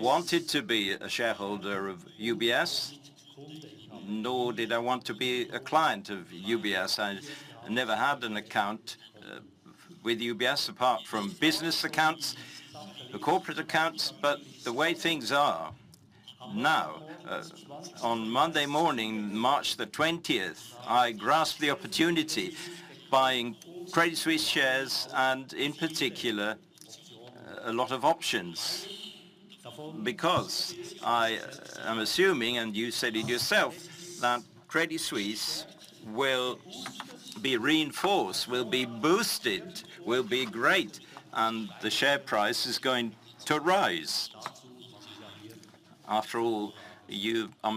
[SPEAKER 7] wanted to be a shareholder of UBS, nor did I want to be a client of UBS. I never had an account with UBS apart from business accounts or corporate accounts. The way things are now, on Monday morning, March 20th, I grasped the opportunity buying Credit Suisse shares and in particular a lot of options. I am assuming, and you said it yourself, that Credit Suisse will be reinforced, will be boosted, will be great, and the share price is going to rise. After all, you are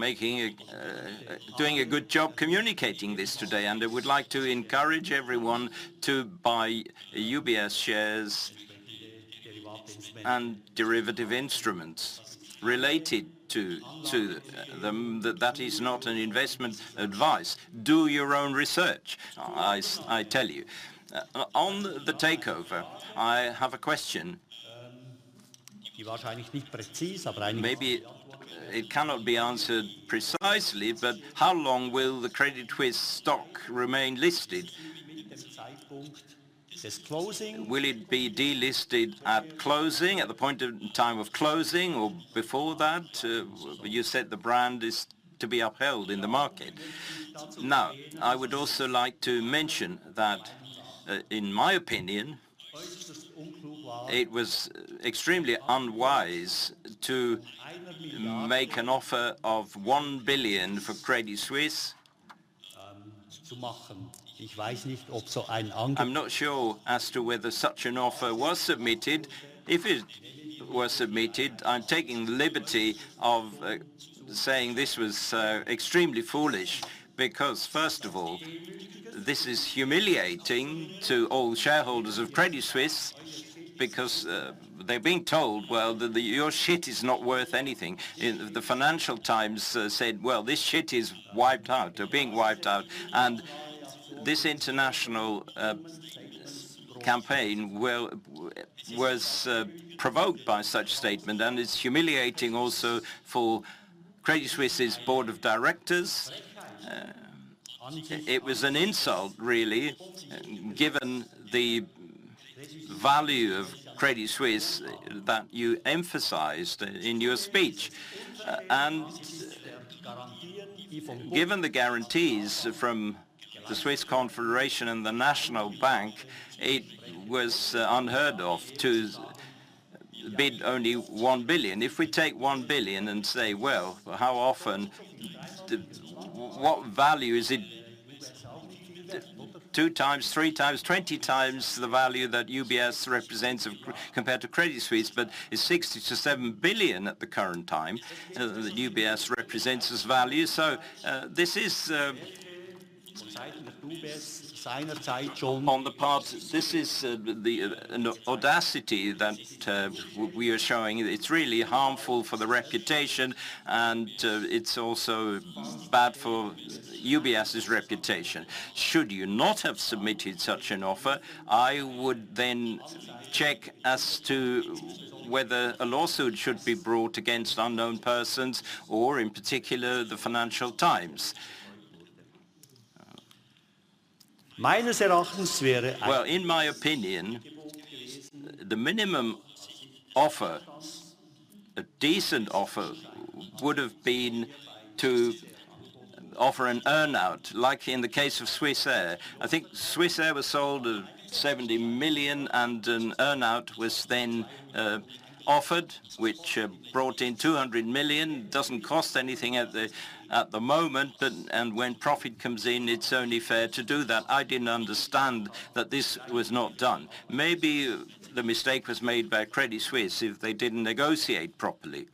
[SPEAKER 7] doing a good job communicating this today, and I would like to encourage everyone to buy UBS shares and derivative instruments related to them. That is not an investment advice. Do your own research, I tell you. On the takeover, I have a question. Maybe it cannot be answered precisely, how long will the Credit Suisse stock remain listed? Will it be delisted at closing, at the point in time of closing or before that? You said the brand is to be upheld in the market. Now, I would also like to mention that, in my opinion, it was extremely unwise to make an offer of 1 billion for Credit Suisse. I'm not sure as to whether such an offer was submitted. If it was submitted, I'm taking the liberty of saying this was extremely foolish. Because first of all, this is humiliating to all shareholders of Credit Suisse because they're being told, "Well, your shit is not worth anything." The Financial Times said, "Well, this shit is wiped out. They're being wiped out." This international campaign was provoked by such statement, and it's humiliating also for Credit Suisse's Board of Directors. It was an insult really, given the value of Credit Suisse that you emphasized in your speech. Given the guarantees from the Swiss Confederation and the Swiss National Bank, it was unheard of to bid only 1 billion. If we take 1 billion and say, "Well, how often—what value is it? Two times, three times, 20 times the value that UBS represents compared to Credit Suisse, but it's 67 billion at the current time that UBS represents as value. This is an audacity that we are showing. It's really harmful for the reputation, and it's also bad for UBS's reputation. Should you not have submitted such an offer, I would then check as to whether a lawsuit should be brought against unknown persons or, in particular, the Financial Times. Well, in my opinion, the minimum offer, a decent offer would have been to offer an earn-out, like in the case of Swissair. I think Swissair was sold at 70 million, and an earn-out was then offered, which brought in 200 million. Doesn't cost anything at the moment, but. When profit comes in, it's only fair to do that. I didn't understand that this was not done. Maybe the mistake was made by Credit Suisse if they didn't negotiate properly.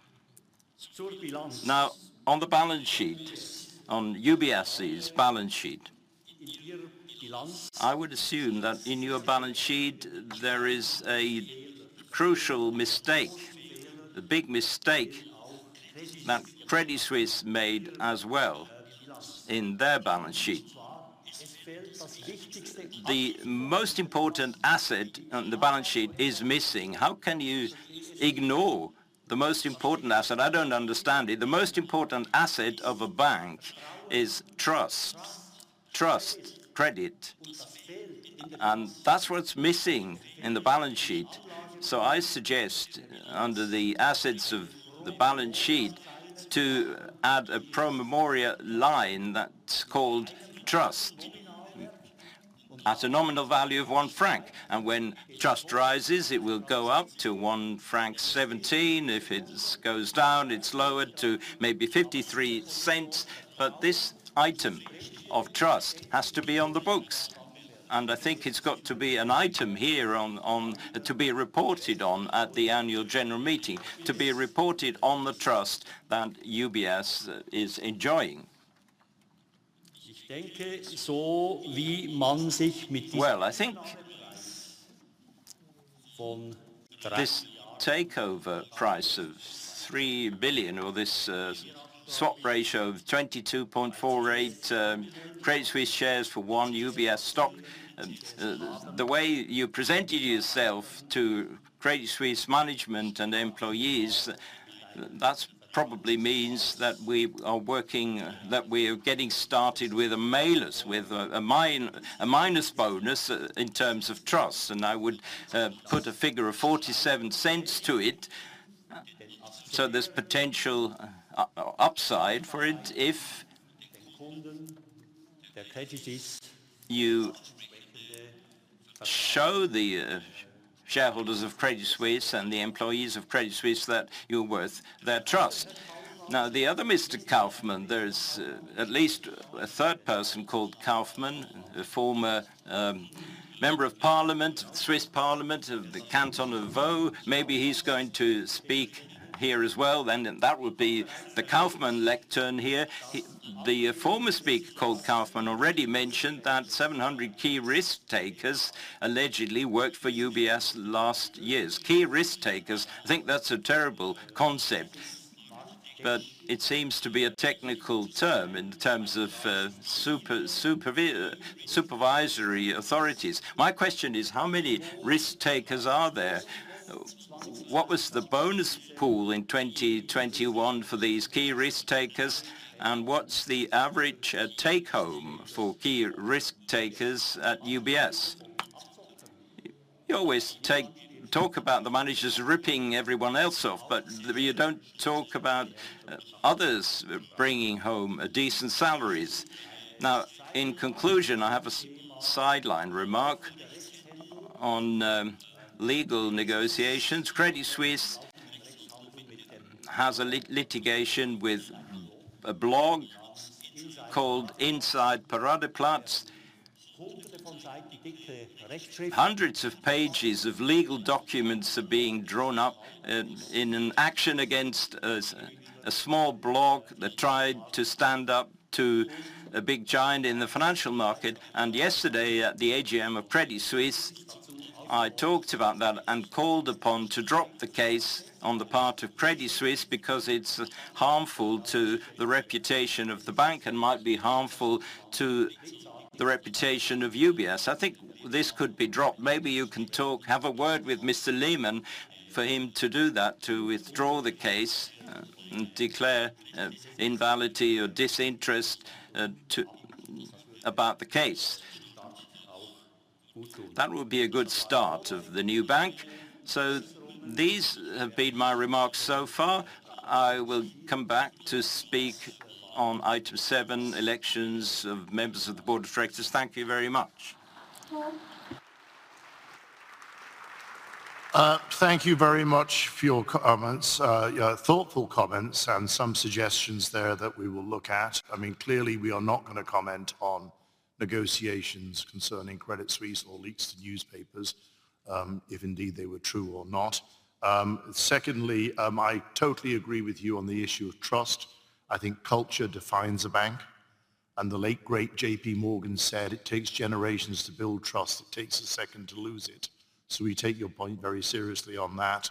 [SPEAKER 7] Now, on the balance sheet, on UBS's balance sheet, I would assume that in your balance sheet there is a crucial mistake, a big mistake that Credit Suisse made as well in their balance sheet. The most important asset on the balance sheet is missing. How can you ignore the most important asset? I don't understand it. The most important asset of a bank is trust. Trust, credit, and that's what's missing in the balance sheet. I suggest, under the assets of the balance sheet, to add a pro memoria line that's called trust at a nominal value of 1 franc. When trust rises, it will go up to 1.17 franc. If it goes down, it's lowered to maybe 0.53. This item of trust has to be on the books. I think it's got to be an item here to be reported on at the annual general meeting, to be reported on the trust that UBS is enjoying. Well, I think this takeover price of $3 billion or this swap ratio of 22.48 Credit Suisse shares for one UBS stock, the way you presented yourself to Credit Suisse management and employees, that probably means that we are working, that we are getting started with a malus, with a minus bonus in terms of trust. I would put a figure of $0.47 to it, so there's potential upside for it if you show the shareholders of Credit Suisse and the employees of Credit Suisse that you're worth their trust. Now, the other Mr. Kaufmann, there's at least a third person called Kaufmann, a former member of parliament, Swiss parliament of the Canton of Vaud. Maybe he's going to speak here as well then, and that would be the Kaufmann lectern here. The former speaker called Kaufmann already mentioned that 700 key risk takers allegedly worked for UBS last years. Key risk takers, I think that's a terrible concept, but it seems to be a technical term in terms of supervisory authorities. My question is, how many risk takers are there? What was the bonus pool in 2021 for these key risk takers? What's the average take-home for key risk takers at UBS? You always talk about the managers ripping everyone else off, but you don't talk about others bringing home decent salaries. In conclusion, I have a sideline remark on legal negotiations. Credit Suisse has a litigation with a blog called Inside Paradeplatz. Hundreds of pages of legal documents are being drawn up in an action against a small blog that tried to stand up to a big giant in the financial market. Yesterday at the AGM of Credit Suisse, I talked about that and called upon to drop the case on the part of Credit Suisse because it's harmful to the reputation of the bank and might be harmful to the reputation of UBS. I think this could be dropped. Maybe you can talk, have a word with Mr. Lehmann for him to do that, to withdraw the case and declare invalidity or disinterest about the case. That would be a good start of the new bank. These have been my remarks so far. I will come back to speak on item seven, elections of members of the Board of Directors. Thank you very much.
[SPEAKER 1] Thank you very much for your comments. Thoughtful comments and some suggestions there that we will look at. I mean, clearly we are not gonna comment on negotiations concerning Credit Suisse or leaks to newspapers, if indeed they were true or not. Secondly, I totally agree with you on the issue of trust. I think culture defines a bank, and the late great J.P. Morgan said, "It takes generations to build trust. It takes a second to lose it." We take your point very seriously on that.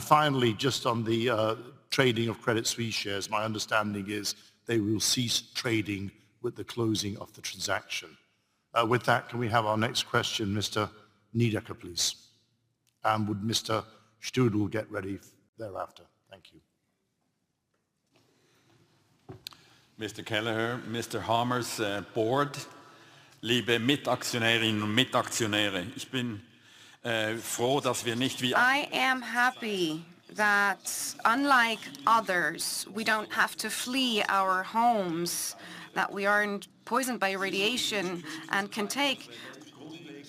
[SPEAKER 1] Finally, just on the trading of Credit Suisse shares, my understanding is they will cease trading with the closing of the transaction. With that, can we have our next question, Mr. Nidecker, please? Would Mr. Störi get ready thereafter. Thank you.
[SPEAKER 8] Mr. Kelleher, Mr. Hamers' board. I am happy that unlike others, we don't have to flee our homes, that we aren't poisoned by radiation and can take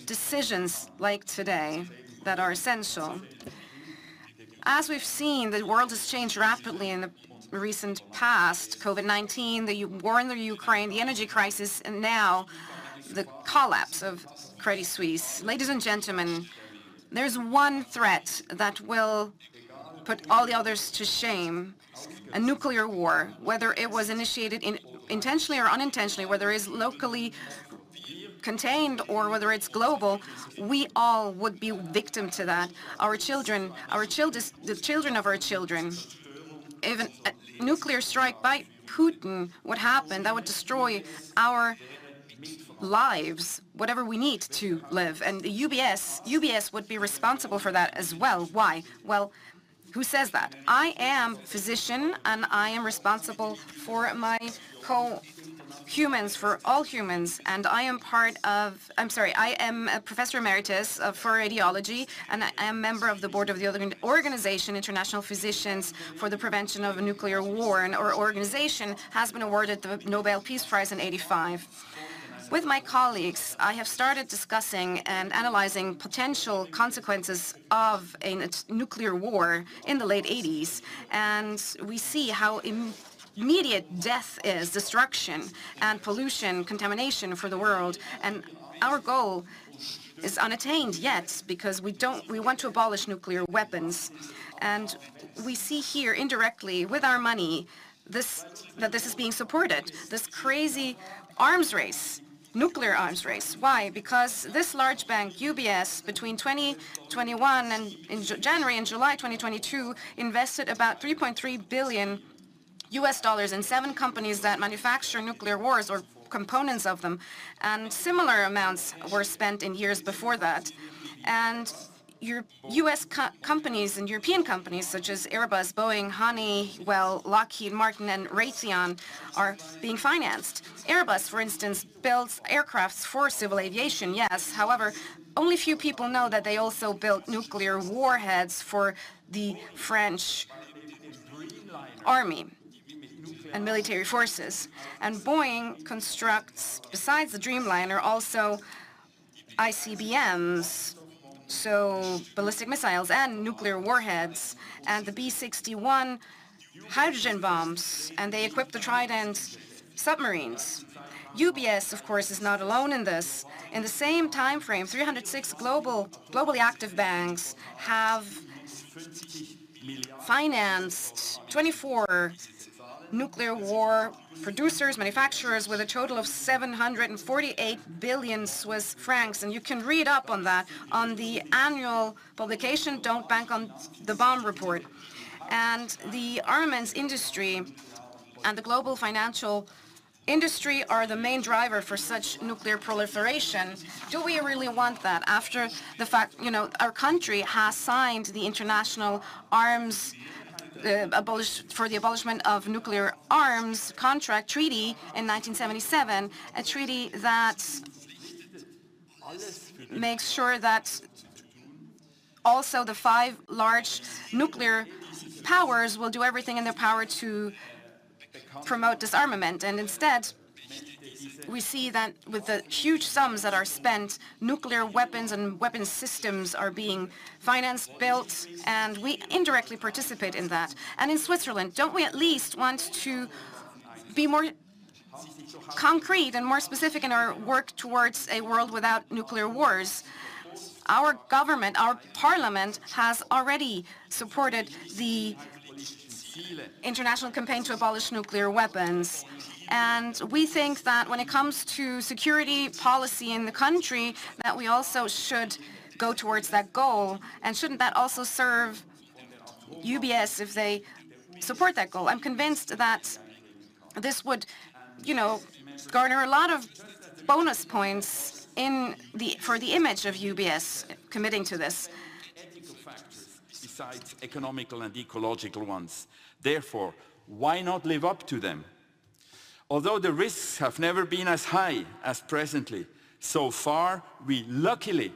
[SPEAKER 8] decisions like today that are essential. As we've seen, the world has changed rapidly in the recent past. COVID-19, the war in Ukraine, the energy crisis, and now the collapse of Credit Suisse. Ladies and gentlemen, there's one threat that will put all the others to shame, a nuclear war. Whether it was initiated intentionally or unintentionally, whether it's locally contained or whether it's global, we all would be victim to that. Our children, the children of our children. Even a nuclear strike by Putin would happen that would destroy our lives, whatever we need to live. UBS would be responsible for that as well. Why? Well, who says that? I am physician, I am responsible for my co-humans, for all humans, I am part of... I'm sorry. I am a professor emeritus for radiology, I am member of the board of the organization, International Physicians for the Prevention of Nuclear War. Our organization has been awarded the Nobel Peace Prize in 1985. With my colleagues, I have started discussing and analyzing potential consequences of a nuclear war in the late 1980s. We see how immediate death is, destruction and pollution, contamination for the world. Our goal is unattained yet because We want to abolish nuclear weapons. We see here indirectly with our money that this is being supported, this crazy arms race, nuclear arms race. Why? This large bank, UBS, between 2021 and January and July 2022 invested about $3.3 billion in seven companies that manufacture nuclear wars or components of them, and similar amounts were spent in years before that. US companies and European companies such as Airbus, Boeing, Honeywell, Lockheed Martin, and Raytheon are being financed. Airbus, for instance, builds aircrafts for civil aviation, yes. However, only few people know that they also built nuclear warheads for the French army and military forces. Boeing constructs, besides the Dreamliner, also ICBMs, so ballistic missiles and nuclear warheads, and the B61 hydrogen bombs, and they equip the Trident submarines. UBS, of course, is not alone in this. In the same timeframe, 306 globally active banks have financed 24 nuclear war producers, manufacturers with a total of 748 billion Swiss francs, you can read up on that on the annual publication Don't Bank on the Bomb report. The armaments industry and the global financial industry are the main driver for such nuclear proliferation. Do we really want that after the fact, you know, our country has signed the international arms for the abolishment of nuclear arms contract treaty in 1977, a treaty that makes sure that also the five large nuclear powers will do everything in their power to promote disarmament. Instead, we see that with the huge sums that are spent, nuclear weapons and weapon systems are being financed, built, and we indirectly participate in that. In Switzerland, don't we at least want to be more concrete and more specific in our work towards a world without nuclear wars? Our government, our parliament, has already supported the international campaign to abolish nuclear weapons, and we think that when it comes to security policy in the country, that we also should go towards that goal. Shouldn't that also serve UBS if they support that goal? I'm convinced that this would, you know, garner a lot of bonus points for the image of UBS committing to this.... ethical factors besides economical and ecological ones. Therefore, why not live up to them? Although the risks have never been as high as presently, so far we luckily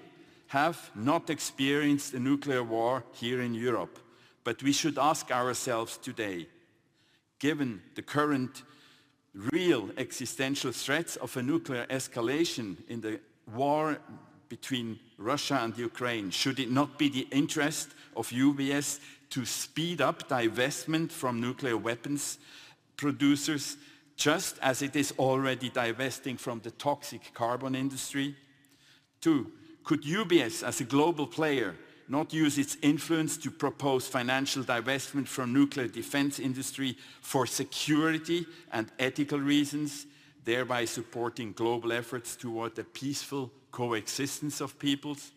[SPEAKER 8] have not experienced a nuclear war here in Europe. We should ask ourselves today Given the current real existential threats of a nuclear escalation in the war between Russia and Ukraine, should it not be the interest of UBS to speed up divestment from nuclear weapons producers, just as it is already divesting from the toxic carbon industry? 2, could UBS, as a global player, not use its influence to propose financial divestment from nuclear defense industry for security and ethical reasons, thereby supporting global efforts toward a peaceful coexistence of peoples?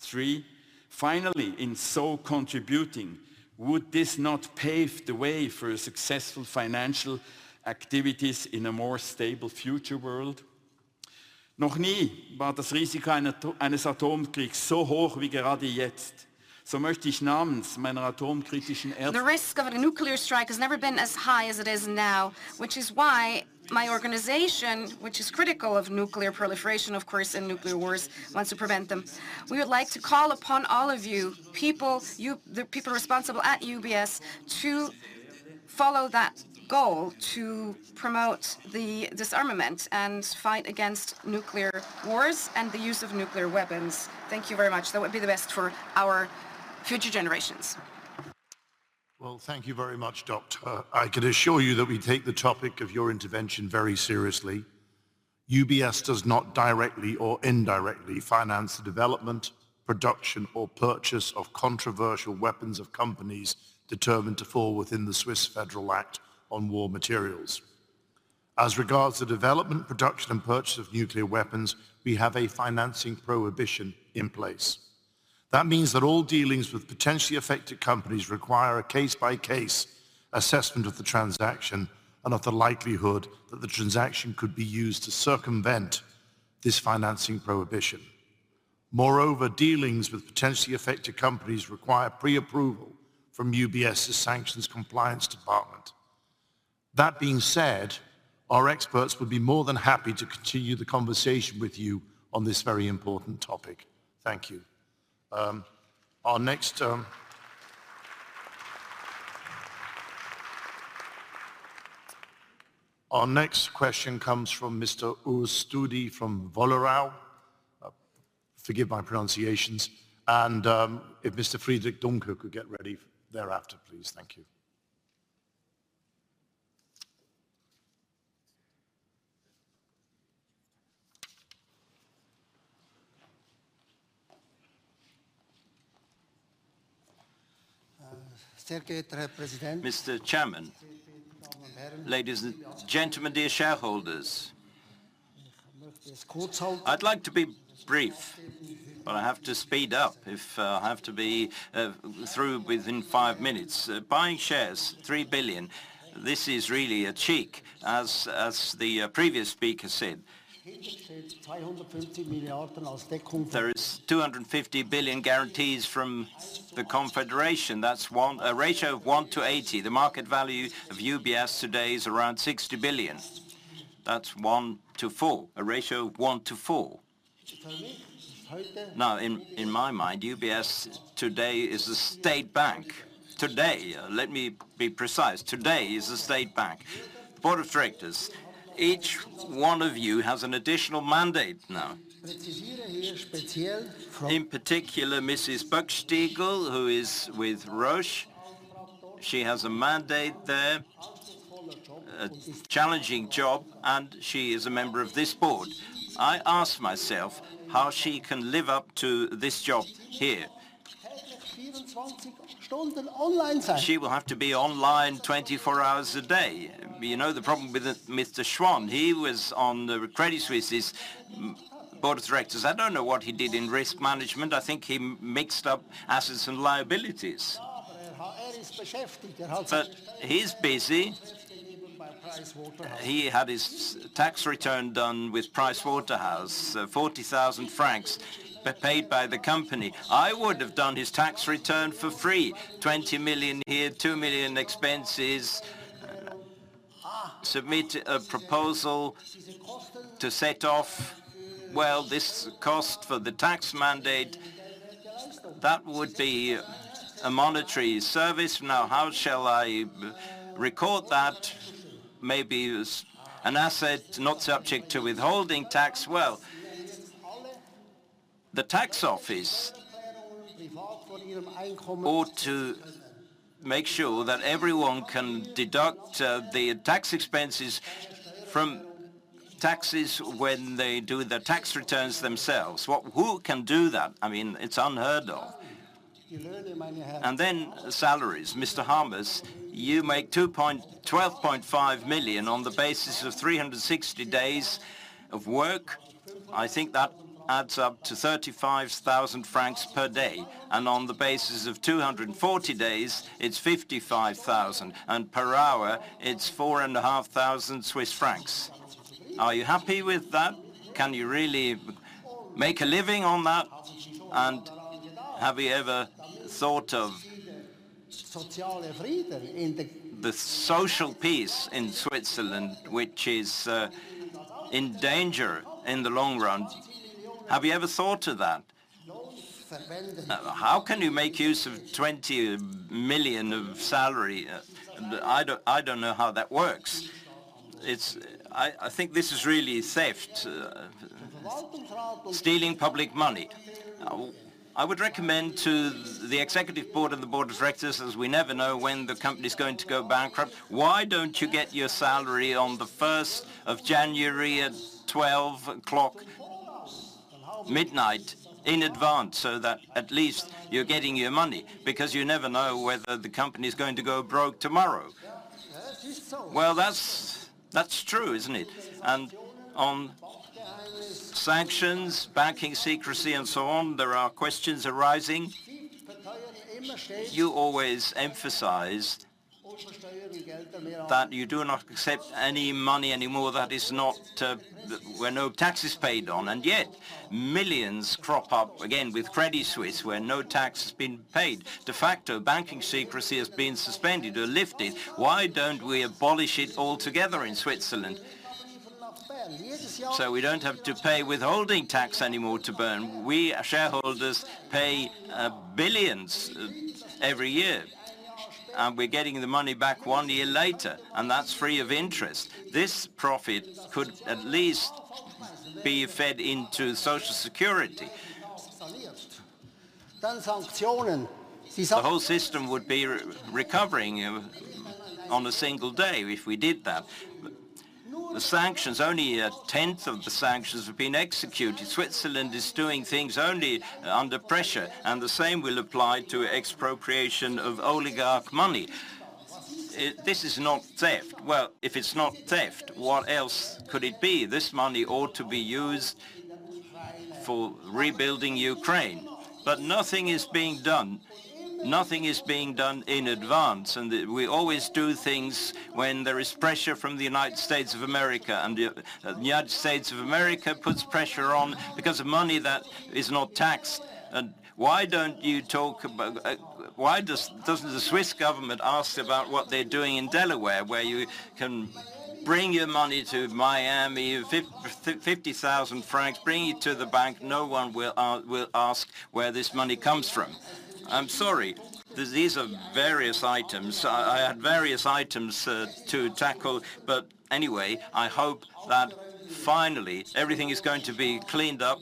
[SPEAKER 8] 3, finally, in so contributing, would this not pave the way for successful financial activities in a more stable future world? The risk of a nuclear strike has never been as high as it is now, which is why my organization, which is critical of nuclear proliferation, of course, and nuclear wars, wants to prevent them. We would like to call upon all of you people, you the people responsible at UBS, to follow that goal to promote the disarmament and fight against nuclear wars and the use of nuclear weapons. Thank you very much. That would be the best for our future generations.
[SPEAKER 1] Well, thank you very much, Doctor. I can assure you that we take the topic of your intervention very seriously. UBS does not directly or indirectly finance the development, production, or purchase of controversial weapons of companies determined to fall within the Swiss Federal Act on War Material. As regards the development, production, and purchase of nuclear weapons, we have a financing prohibition in place. That means that all dealings with potentially affected companies require a case-by-case assessment of the transaction and of the likelihood that the transaction could be used to circumvent this financing prohibition. Moreover, dealings with potentially affected companies require pre-approval from UBS's Sanctions Compliance Department. That being said, our experts would be more than happy to continue the conversation with you on this very important topic. Thank you. Our next question comes from Mr. Urs Störi from Wollerau. Forgive my pronunciations. If Mr. Friedrich Duncker could get ready thereafter, please. Thank you.
[SPEAKER 9] Mr. Chairman, ladies and gentlemen, dear shareholders, I'd like to be brief, but I have to speed up if I have to be through within five minutes. Buying shares, 3 billion, this is really a cheek, as the previous speaker said. There is 250 billion guarantees from the Confederation. That's a ratio of 1/80. The market value of UBS today is around 60 billion. That's 1 to 4, a ratio of 1/4. In my mind, UBS today is a state bank. Today, let me be precise, today is a state bank. Board of Directors, each one of you has an additional mandate now. In particular, Mrs. Böckstiegel, who is with Roche, she has a mandate there, a challenging job, and she is a member of this board. I ask myself how she can live up to this job here. She will have to be online 24 hours a day. You know the problem with Mr. Schwan. He was on the Credit Suisse's Board of Directors. I don't know what he did in risk management. I think he mixed up assets and liabilities. He's busy. He had his tax return done with PwC, so 40,000 francs paid by the company. I would have done his tax return for free. 20 million here, 2 million expenses. Submit a proposal to set off. Well, this cost for the tax mandate, that would be a monetary service. Now, how shall I record that? Maybe as an asset not subject to withholding tax. Well, the tax office ought to make sure that everyone can deduct the tax expenses from taxes when they do their tax returns themselves. Who can do that? I mean, it's unheard of. Then salaries. Mr. Hamers, you make 12.5 million on the basis of 360 days of work. I think that adds up to 35,000 francs per day. On the basis of 240 days, it's 55,000. Per hour, it's 4,500 Swiss francs. Are you happy with that? Can you really make a living on that? Have you ever thought of the social peace in Switzerland, which is in danger in the long run? Have you ever thought of that? How can you make use of 20 million of salary? I don't, I don't know how that works. I think this is really theft, stealing public money. I would recommend to the Executive Board and the Board of Directors, as we never know when the company's going to go bankrupt, why don't you get your salary on the 1st of January at 12:00 A.M. in advance so that at least you're getting your money? Because you never know whether the company's going to go broke tomorrow. Well, that's true, isn't it? On sanctions, banking secrecy, and so on, there are questions arising. You always emphasize that you do not accept any money anymore that is not where no tax is paid on, and yet millions crop up again with Credit Suisse where no tax has been paid. De facto, banking secrecy has been suspended or lifted. Why don't we abolish it altogether in Switzerland? We don't have to pay withholding tax anymore to Bern. We shareholders pay billions of dollars every year, and we're getting the money back one year later, and that's free of interest. This profit could at least be fed into Social Security. The whole system would be recovering, you know, on a one day if we did that. The sanctions, only a tenth of the sanctions have been executed. Switzerland is doing things only under pressure, and the same will apply to expropriation of oligarch money. This is not theft. Well, if it's not theft, what else could it be? This money ought to be used for rebuilding Ukraine. Nothing is being done. Nothing is being done in advance, we always do things when there is pressure from the United States of America, and the United States of America puts pressure on because of money that is not taxed. Why don't you talk about? Why doesn't the Swiss government ask about what they're doing in Delaware, where you can bring your money to Miami, 50,000 francs, bring it to the bank, no one will ask where this money comes from? I'm sorry. These are various items. I had various items to tackle. Anyway, I hope that finally everything is going to be cleaned up,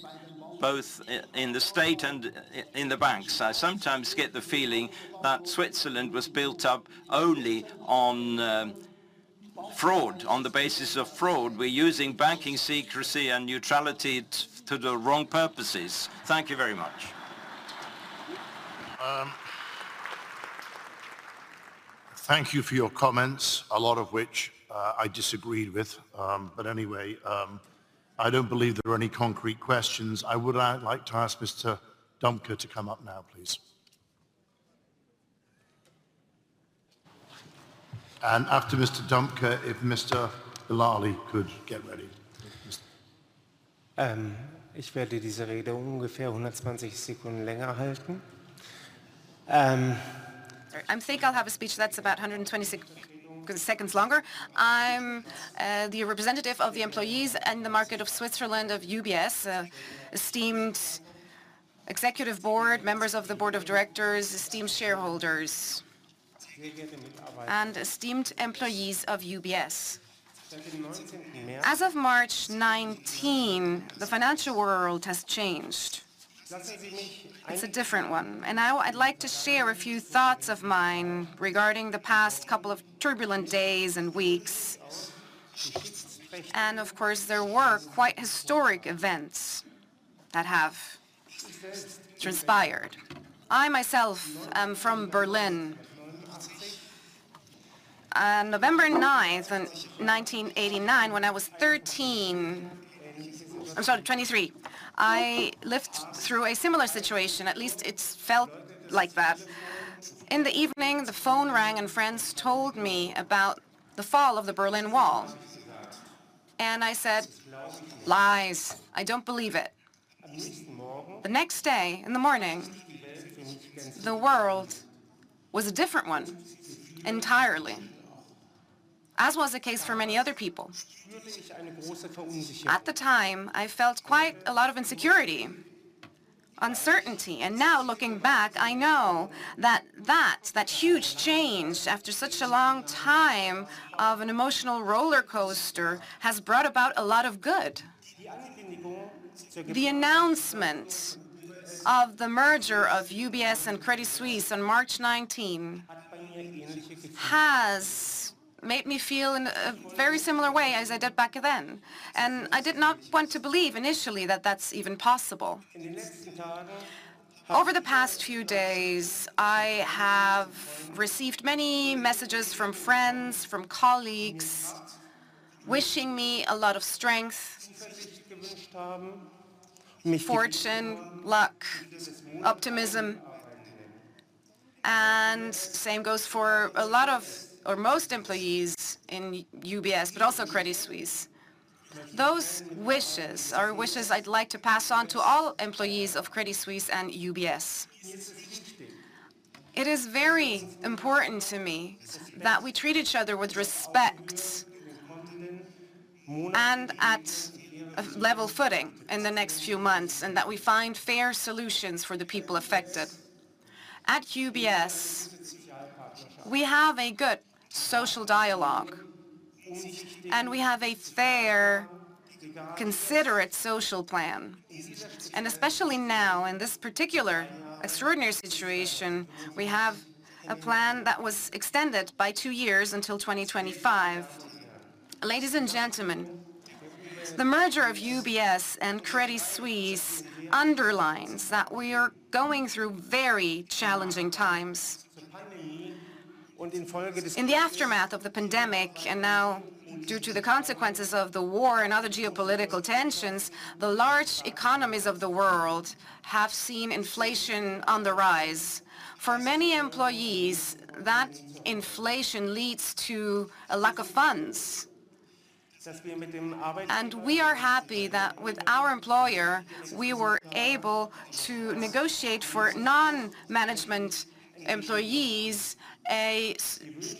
[SPEAKER 9] both in the state and in the banks. I sometimes get the feeling that Switzerland was built up only on fraud, on the basis of fraud. We're using banking secrecy and neutrality to the wrong purposes. Thank you very much.
[SPEAKER 1] Thank you for your comments, a lot of which I disagreed with. Anyway, I don't believe there are any concrete questions. I would like to ask Mr. Dümke to come up now, please. After Mr. Bellali could get ready. Please.
[SPEAKER 10] Um, I think I'll have a speech that's about 120 seconds longer. I'm the representative of the employees in the market of Switzerland of UBS. Esteemed Executive Board, members of the Board of Directors, esteemed shareholders, and esteemed employees of UBS. As of March 19, the financial world has changed. It's a different one, now I'd like to share a few thoughts of mine regarding the past couple of turbulent days and weeks. Of course, there were quite historic events that have transpired. I myself am from Berlin. On November 9 in 1989, when I was 23, I lived through a similar situation. At least it's felt like that. In the evening, the phone rang, and friends told me about the fall of the Berlin Wall, and I said, "Lies. I don't believe it." The next day, in the morning, the world was a different one entirely, as was the case for many other people. At the time, I felt quite a lot of insecurity, uncertainty, now looking back, I know that huge change after such a long time of an emotional roller coaster, has brought about a lot of good. The announcement of the merger of UBS and Credit Suisse on March nineteen has made me feel in a very similar way as I did back then. I did not want to believe initially that that's even possible. Over the past few days, I have received many messages from friends, from colleagues, wishing me a lot of strength, fortune, luck, optimism. Same goes for a lot of or most employees in UBS but also Credit Suisse. Those wishes are wishes I'd like to pass on to all employees of Credit Suisse and UBS. It is very important to me that we treat each other with respect. At a level footing in the next few months, and that we find fair solutions for the people affected. At UBS, we have a good social dialogue, and we have a fair, considerate social plan. Especially now in this particular extraordinary situation, we have a plan that was extended by two years until 2025. Ladies and gentlemen, the merger of UBS and Credit Suisse underlines that we are going through very challenging times. In the aftermath of the pandemic, and now due to the consequences of the war and other geopolitical tensions, the large economies of the world have seen inflation on the rise. For many employees, that inflation leads to a lack of funds. We are happy that with our employer, we were able to negotiate for non-management employees a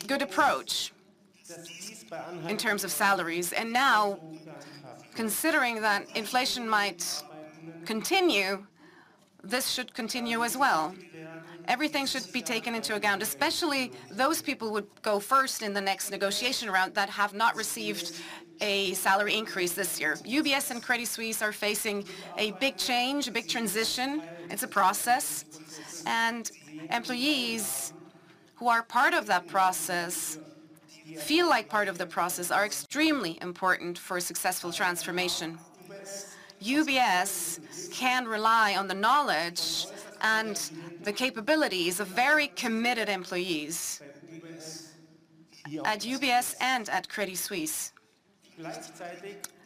[SPEAKER 10] good approach in terms of salaries. Now, considering that inflation might continue, this should continue as well. Everything should be taken into account, especially those people would go first in the next negotiation round that have not received a salary increase this year. UBS and Credit Suisse are facing a big change, a big transition. It's a process, and employees who are part of that process feel like part of the process are extremely important for a successful transformation. UBS can rely on the knowledge and the capabilities of very committed employees at UBS and at Credit Suisse.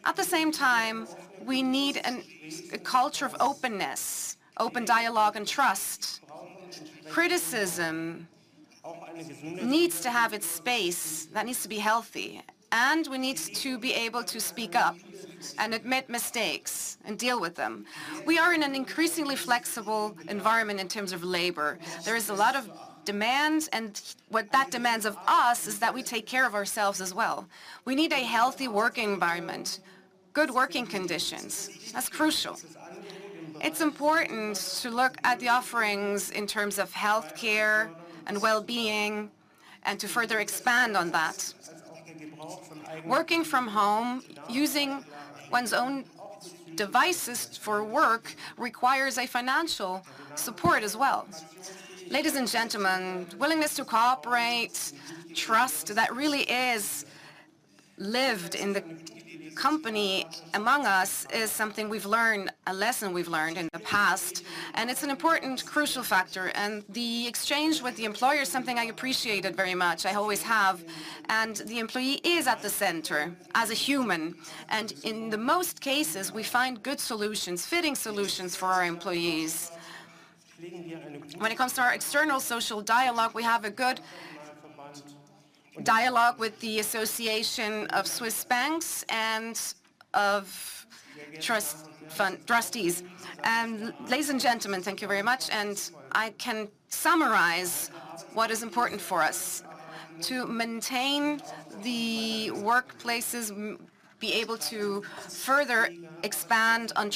[SPEAKER 10] At the same time, we need a culture of openness, open dialogue and trust. Criticism needs to have its space. That needs to be healthy, we need to be able to speak up and admit mistakes and deal with them. We are in an increasingly flexible environment in terms of labor. There is a lot of demands, and what that demands of us is that we take care of ourselves as well. We need a healthy work environment, good working conditions. That's crucial. It's important to look at the offerings in terms of healthcare and well-being, and to further expand on that. Working from home, using one's own devices for work requires a financial support as well. Ladies and gentlemen, willingness to cooperate, trust that really is lived in the company among us is something a lesson we've learned in the past, and it's an important crucial factor. The exchange with the employer is something I appreciated very much. I always have, the employee is at the center as a human, and in the most cases, we find good solutions, fitting solutions for our employees. When it comes to our external social dialogue, we have a good dialogue with the Swiss Bankers Association and of trustees. Ladies and gentlemen, thank you very much, and I can summarize what is important for us. To maintain the workplaces, be able to further expand on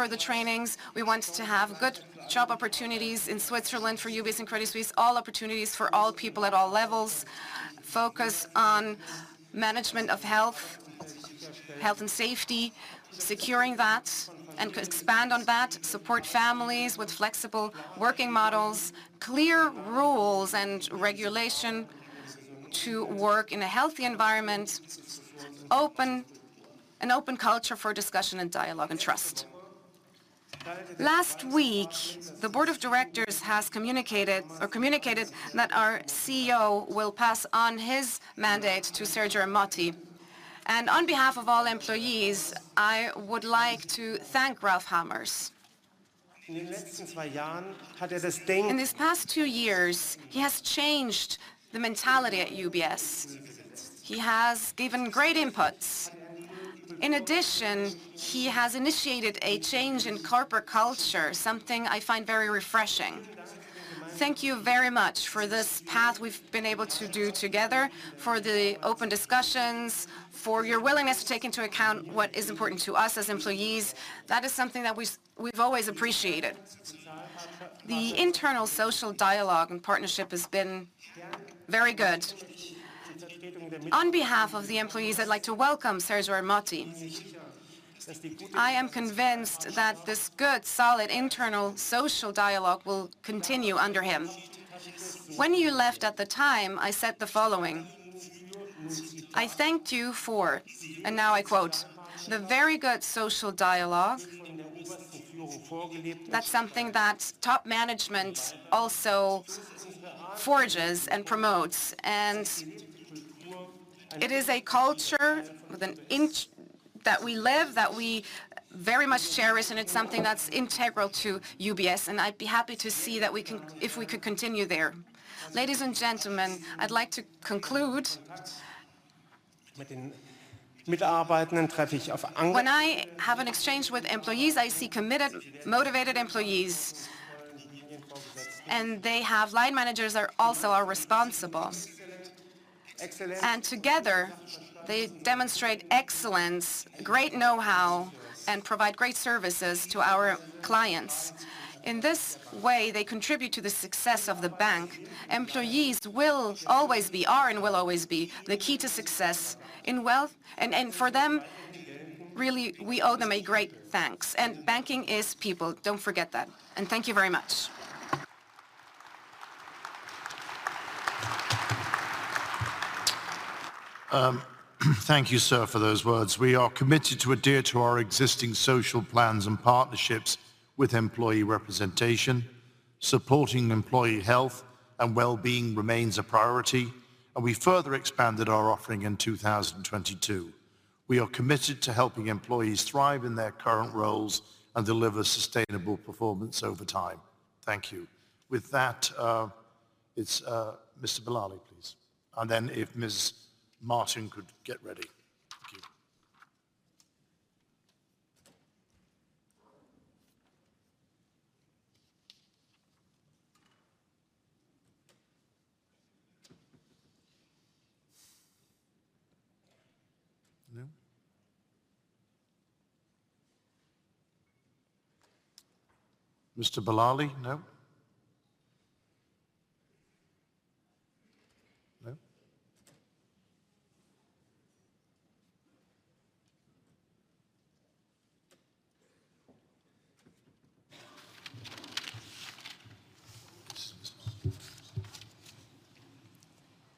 [SPEAKER 10] further trainings. We want to have good job opportunities in Switzerland for UBS and Credit Suisse, all opportunities for all people at all levels. Focus on management of health and safety, securing that and expand on that. Support families with flexible working models. Clear rules and regulation to work in a healthy environment. An open culture for discussion and dialogue and trust. Last week, the Board of Directors has communicated that our CEO will pass on his mandate to Sergio Ermotti. On behalf of all employees, I would like to thank Ralph Hamers. In these past two years, he has changed the mentality at UBS. He has given great inputs. In addition, he has initiated a change in corporate culture, something I find very refreshing. Thank you very much for this path we've been able to do together, for the open discussions, for your willingness to take into account what is important to us as employees. That is something that we've always appreciated. The internal social dialogue and partnership has been very good. On behalf of the employees, I'd like to welcome Sergio Ermotti. I am convinced that this good, solid internal social dialogue will continue under him. When you left at the time, I said the following. I thanked you for, and now I quote, "The very good social dialogue." That's something that top management also forges and promotes, and it is a culture with an inch that we live, that we very much cherish, and it's something that's integral to UBS, if we could continue there. Ladies and gentlemen, I'd like to conclude. When I have an exchange with employees, I see committed, motivated employees. And they have line managers are also responsible. Together they demonstrate excellence, great know-how, and provide great services to our clients. In this way, they contribute to the success of the bank. Employees will always be, are, and will always be the key to success in wealth. For them, really, we owe them a great thanks. Banking is people. Don't forget that. Thank you very much.
[SPEAKER 1] Thank you, sir, for those words. We are committed to adhere to our existing social plans and partnerships with employee representation. Supporting employee health and well-being remains a priority, and we further expanded our offering in 2022. We are committed to helping employees thrive in their current roles and deliver sustainable performance over time. Thank you. With that, it's Mr. Bellali, please. If Ms. Martin could get ready. Thank you. No? Mr. Bellali? No? No?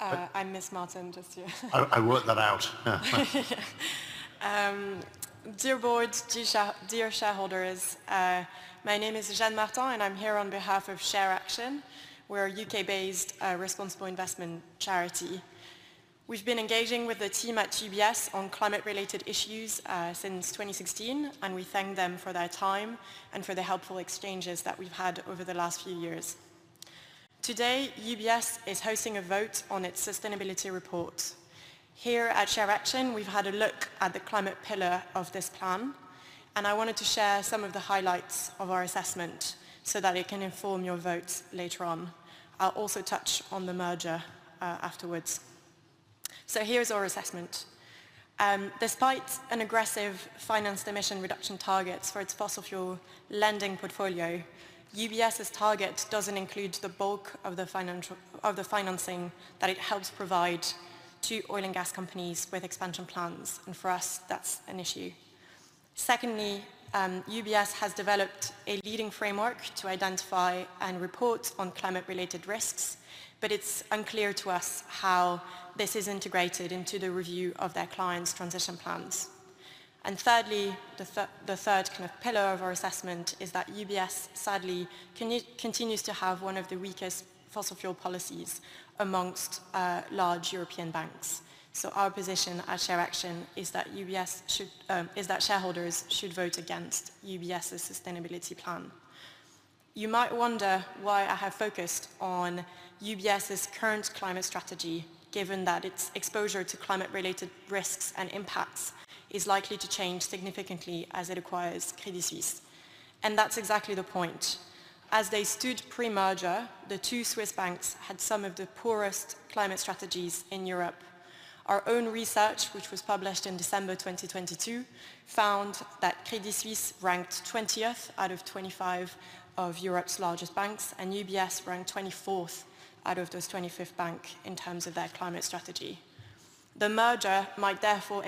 [SPEAKER 11] I'm Ms. Martin, just here.
[SPEAKER 1] I worked that out.
[SPEAKER 11] Dear board, dear shareholders, my name is Jeanne Martin, and I'm here on behalf of ShareAction. We're a UK-based responsible investment charity. We've been engaging with the team at UBS on climate-related issues since 2016, and we thank them for their time and for the helpful exchanges that we've had over the last few years. Today, UBS is hosting a vote on its sustainability report. Here at ShareAction, we've had a look at the climate pillar of this plan, and I wanted to share some of the highlights of our assessment so that it can inform your votes later on. I'll also touch on the merger afterwards. Here is our assessment. Despite an aggressive financed emission reduction targets for its fossil fuel lending portfolio, UBS's target doesn't include the bulk of the financing that it helps provide to oil and gas companies with expansion plans, and for us, that's an issue. Secondly, UBS has developed a leading framework to identify and report on climate-related risks, but it's unclear to us how this is integrated into the review of their clients' transition plans. Thirdly, the third kind of pillar of our assessment is that UBS sadly continues to have one of the weakest fossil fuel policies amongst large European banks. Our position at ShareAction is that shareholders should vote against UBS's sustainability plan. You might wonder why I have focused on UBS's current climate strategy, given that its exposure to climate-related risks and impacts is likely to change significantly as it acquires Credit Suisse. That's exactly the point. As they stood pre-merger, the two Swiss banks had some of the poorest climate strategies in Europe. Our own research, which was published in December 2022, found that Credit Suisse ranked 20th out of 25 of Europe's largest banks, and UBS ranked 24th out of those 25th bank in terms of their climate strategy. The merger might therefore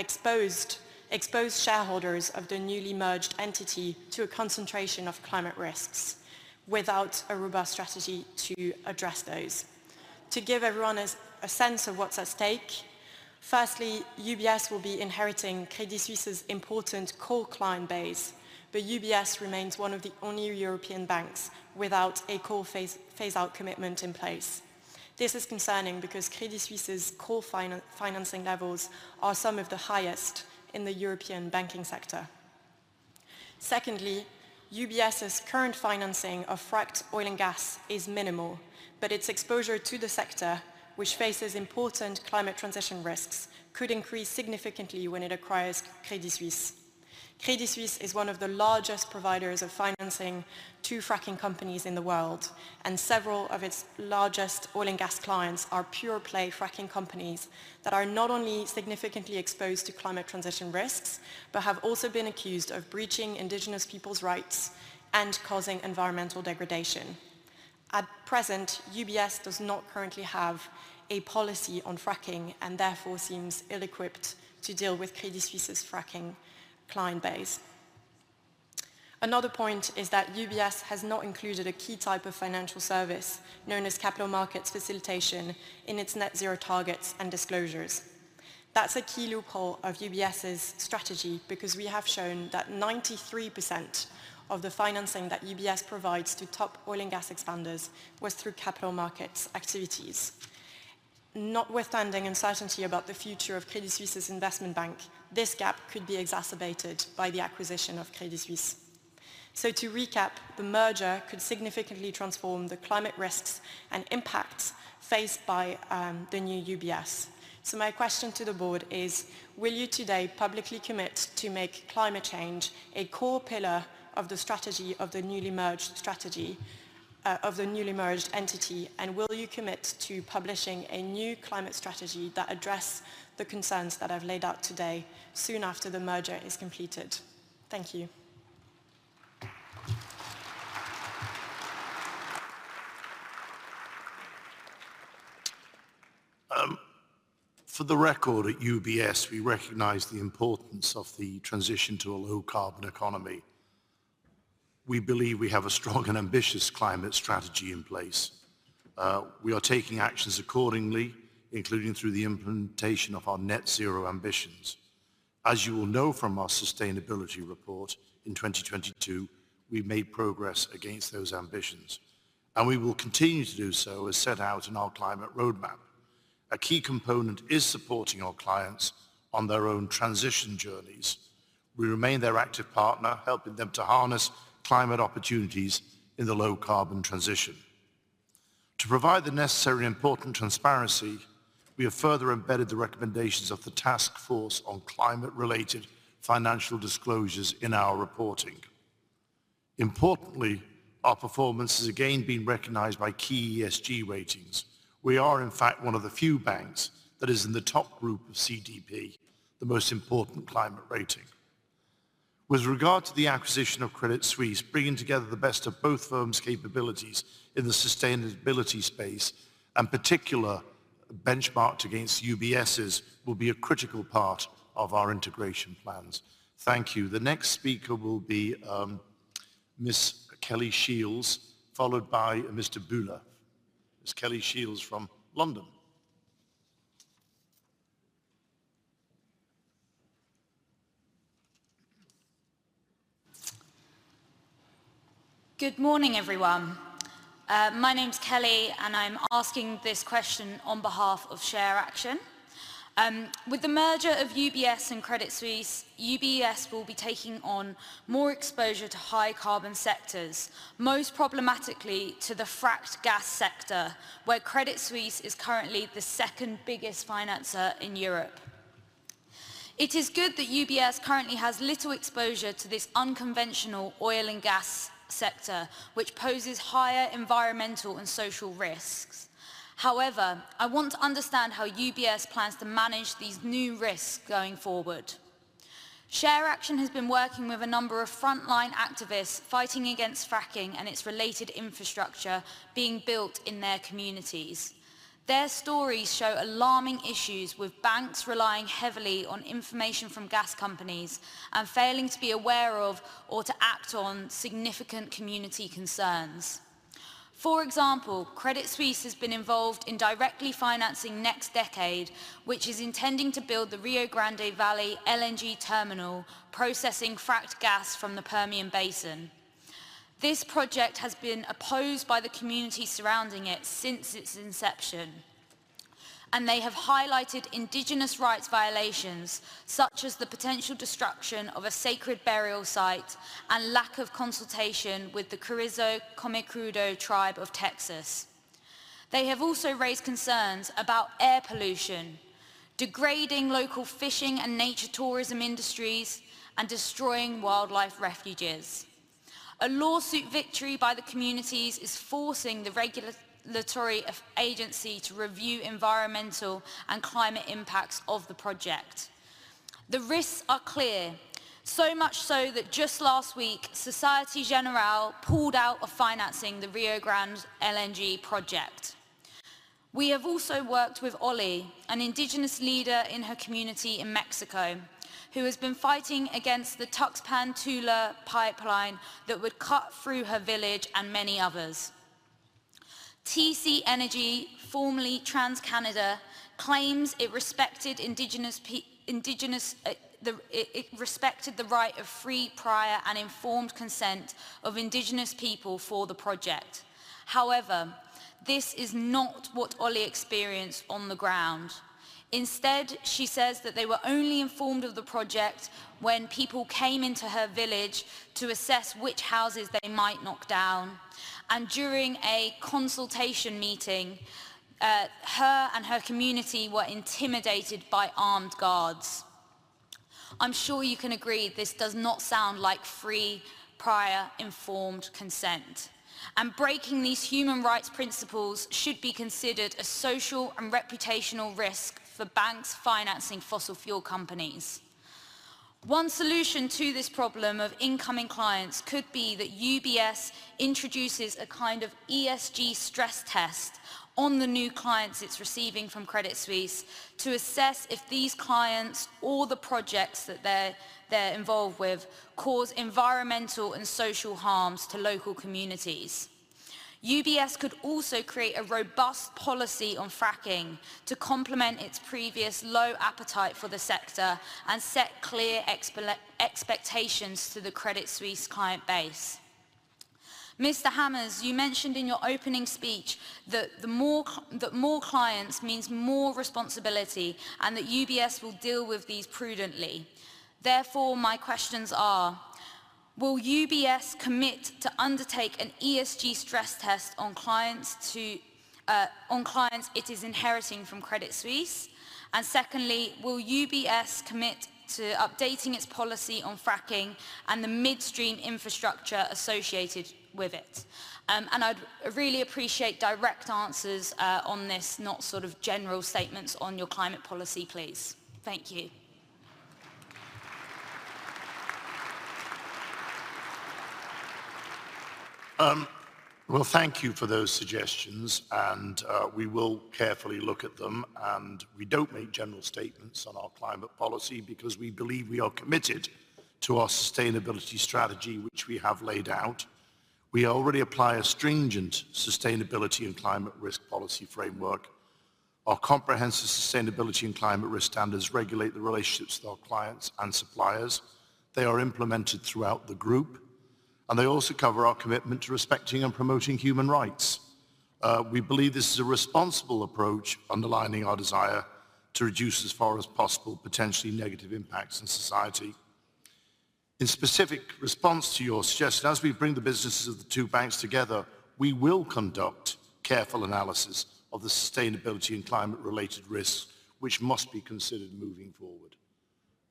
[SPEAKER 11] expose shareholders of the newly merged entity to a concentration of climate risks without a robust strategy to address those. To give everyone a sense of what's at stake, firstly, UBS will be inheriting Credit Suisse's important coal client base, but UBS remains one of the only European banks without a coal phase out commitment in place. This is concerning because Credit Suisse's coal financing levels are some of the highest in the European banking sector. Secondly, UBS's current financing of fracked oil and gas is minimal, but its exposure to the sector, which faces important climate transition risks, could increase significantly when it acquires Credit Suisse. Credit Suisse is one of the largest providers of financing to fracking companies in the world, and several of its largest oil and gas clients are pure-play fracking companies that are not only significantly exposed to climate transition risks but have also been accused of breaching indigenous people's rights and causing environmental degradation. At present, UBS does not currently have a policy on fracking and therefore seems ill-equipped to deal with Credit Suisse's fracking client base. Another point is that UBS has not included a key type of financial service known as capital markets facilitation in its net zero targets and disclosures. That's a key loophole of UBS's strategy because we have shown that 93% of the financing that UBS provides to top oil and gas expanders was through capital markets activities. Notwithstanding uncertainty about the future of Credit Suisse's Investment Bank, this gap could be exacerbated by the acquisition of Credit Suisse. To recap, the merger could significantly transform the climate risk impacts faced by the new UBS. My question to the board is, will you today publicly commit to make climate change a core pillar of the strategy of the newly merged entity? Will you commit to publishing a new climate strategy that address the concerns that I've laid out today soon after the merger is completed? Thank you.
[SPEAKER 1] For the record, at UBS, we recognize the importance of the transition to a low carbon economy. We believe we have a strong and ambitious climate strategy in place. We are taking actions accordingly, including through the implementation of our net zero ambitions. As you will know from our sustainability report in 2022, we made progress against those ambitions, and we will continue to do so as set out in our climate roadmap. A key component is supporting our clients on their own transition journeys. We remain their active partner, helping them to harness climate opportunities in the low carbon transition. To provide the necessary important transparency, we have further embedded the recommendations of the Task Force on Climate-related Financial Disclosures in our reporting. Importantly, our performance has again been recognized by key ESG ratings. We are in fact one of the few banks that is in the top group of CDP, the most important climate rating. With regard to the acquisition of Credit Suisse, bringing together the best of both firms' capabilities in the sustainability space, and particular benchmarked against UBS' will be a critical part of our integration plans. Thank you. The next speaker will be Ms. Kelly Shields, followed by Mr. Bühler. Ms. Kelly Shields from London.
[SPEAKER 12] Good morning, everyone. My name's Kelly, and I'm asking this question on behalf of ShareAction. With the merger of UBS and Credit Suisse, UBS will be taking on more exposure to high carbon sectors, most problematically to the fracked gas sector, where Credit Suisse is currently the second biggest financer in Europe. It is good that UBS currently has little exposure to this unconventional oil and gas sector, which poses higher environmental and social risks. However, I want to understand how UBS plans to manage these new risks going forward. ShareAction has been working with a number of frontline activists fighting against fracking and its related infrastructure being built in their communities. Their stories show alarming issues with banks relying heavily on information from gas companies and failing to be aware of or to act on significant community concerns. For example, Credit Suisse has been involved in directly financing NextDecade, which is intending to build the Rio Grande Valley LNG terminal, processing fracked gas from the Permian Basin. This project has been opposed by the community surrounding it since its inception, and they have highlighted indigenous rights violations, such as the potential destruction of a sacred burial site and lack of consultation with the Carrizo/Comecrudo Tribe of Texas. They have also raised concerns about air pollution, degrading local fishing and nature tourism industries, and destroying wildlife refuges. A lawsuit victory by the communities is forcing the regulatory agency to review environmental and climate impacts of the project. The risks are clear, so much so that just last week, Société Générale pulled out of financing the Rio Grande LNG project. We have also worked with Oli, an indigenous leader in her community in Mexico, who has been fighting against the Tuxpan-Tula pipeline that would cut through her village and many others. TC Energy, formerly TransCanada, claims it respected the right of free, prior, and informed consent of indigenous people for the project. However, this is not what Oli experienced on the ground. Instead, she says that they were only informed of the project when people came into her village to assess which houses they might knock down. During a consultation meeting, her and her community were intimidated by armed guards. I'm sure you can agree this does not sound like free, prior, informed consent, and breaking these human rights principles should be considered a social and reputational risk for banks financing fossil fuel companies. One solution to this problem of incoming clients could be that UBS introduces a kind of ESG stress test on the new clients it's receiving from Credit Suisse to assess if these clients or the projects that they're involved with cause environmental and social harms to local communities. UBS could also create a robust policy on fracking to complement its previous low appetite for the sector and set clear expectations to the Credit Suisse client base. Mr. Hamers, you mentioned in your opening speech that more clients means more responsibility and that UBS will deal with these prudently. Therefore, my questions are: Will UBS commit to undertake an ESG stress test on clients it is inheriting from Credit Suisse? Secondly, will UBS commit to updating its policy on fracking and the midstream infrastructure associated with it? I'd really appreciate direct answers on this, not sort of general statements on your climate policy, please. Thank you.
[SPEAKER 1] Well, thank you for those suggestions, we will carefully look at them. We don't make general statements on our climate policy because we believe we are committed to our sustainability strategy, which we have laid out. We already apply a stringent sustainability and climate risk policy framework. Our comprehensive sustainability and climate risk standards regulate the relationships with our clients and suppliers. They are implemented throughout the group, and they also cover our commitment to respecting and promoting human rights. We believe this is a responsible approach underlining our desire to reduce as far as possible potentially negative impacts in society. In specific response to your suggestion, as we bring the businesses of the two banks together, we will conduct careful analysis of the sustainability and climate-related risks, which must be considered moving forward.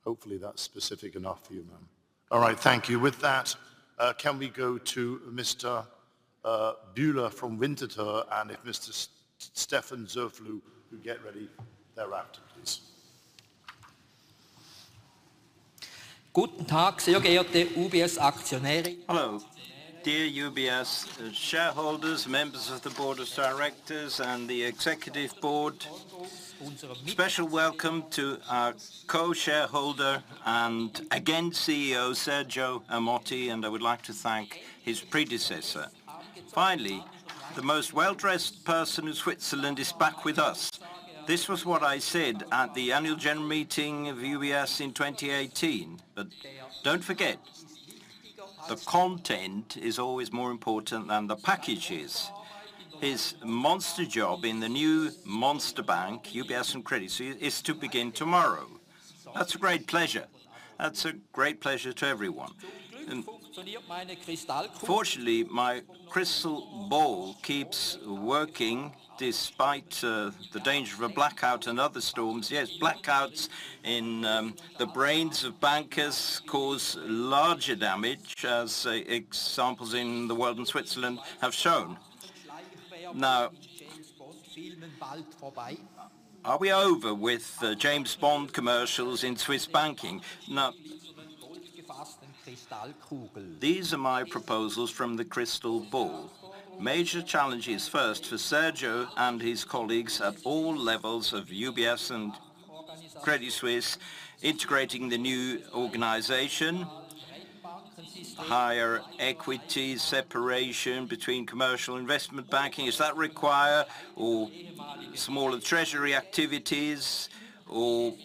[SPEAKER 1] Hopefully, that's specific enough for you, ma'am. All right. Thank you. With that, can we go to Mr. Bühler from Winterthur, and if Mr. Steffen Zürflüh will get ready thereafter, please.
[SPEAKER 13] Guten Tag, sehr geehrte UBS Aktionäre- Hello, dear UBS shareholders, members of the Board of Directors, and the Executive Board. A special welcome to our co-shareholder and again CEO, Sergio Ermotti, and I would like to thank his predecessor. Finally, the most well-dressed person in Switzerland is back with us. This was what I said at the annual general meeting of UBS in 2018. Don't forget, the content is always more important than the packages. His monster job in the new monster bank, UBS and Credit Suisse, is to begin tomorrow. That's a great pleasure. That's a great pleasure to everyone.... Fortunately, my crystal ball keeps working despite the danger of a blackout and other storms. Yes, blackouts in the brains of bankers cause larger damage, as examples in the world and Switzerland have shown. ... Are we over with James Bond commercials in Swiss banking?... These are my proposals from the crystal ball. Major challenges first for Sergio and his colleagues at all levels of UBS and Credit Suisse, integrating the new organization, higher equity, separation between commercial investment banking. Is that require or smaller treasury activities, or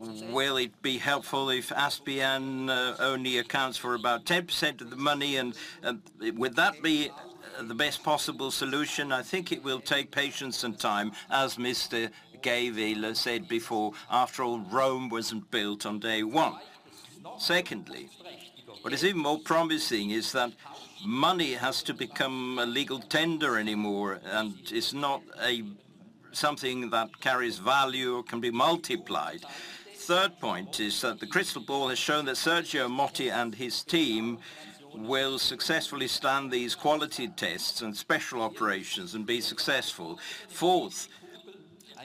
[SPEAKER 13] will it be helpful if SNB only accounts for about 10% of the money? Would that be the best possible solution? I think it will take patience and time, as Mr. Gähwiler said before. After all, Rome wasn't built on day one. Secondly, what is even more promising is that money has to become a legal tender anymore, and it's not something that carries value or can be multiplied. Third point is that the crystal ball has shown that Sergio Ermotti and his team will successfully stand these quality tests and special operations and be successful. Fourth,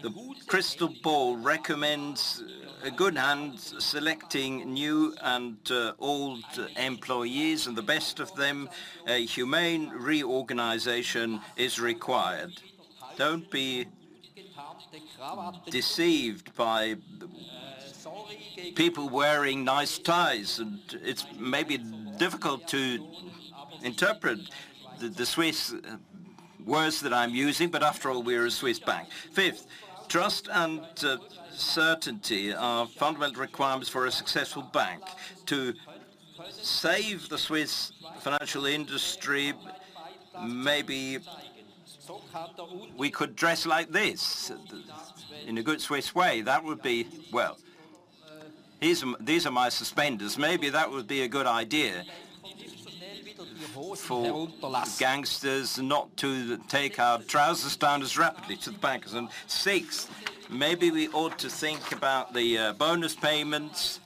[SPEAKER 13] the crystal ball recommends a good hand selecting new and old employees and the best of them. A humane reorganization is required. Don't be deceived by people wearing nice ties. It's maybe difficult to interpret the Swiss words that I'm using, but after all, we're a Swiss bank. Fifth, trust and certainty are fundamental requirements for a successful bank. To save the Swiss financial industry, maybe we could dress like this in a good Swiss way. That would be. Well, these are my suspenders. Maybe that would be a good idea for gangsters not to take our trousers down as rapidly to the bankers. Sixth, maybe we ought to think about the bonus payments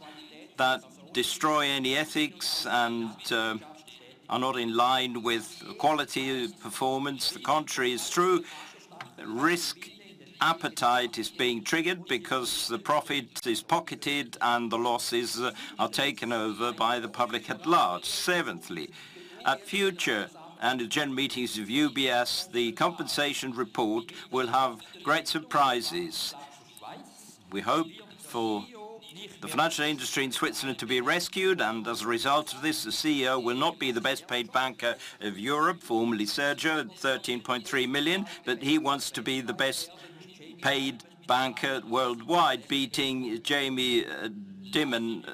[SPEAKER 13] that destroy any ethics and are not in line with quality performance. The contrary is true. Risk appetite is being triggered because the profit is pocketed and the losses are taken over by the public at large. Seventhly, at future and the general meetings of UBS, the compensation report will have great surprises. We hope for the financial industry in Switzerland to be rescued, and as a result of this, the CEO will not be the best paid banker of Europe, formerly Sergio, at 13.3 million, but he wants to be the best paid banker worldwide, beating Jamie Dimon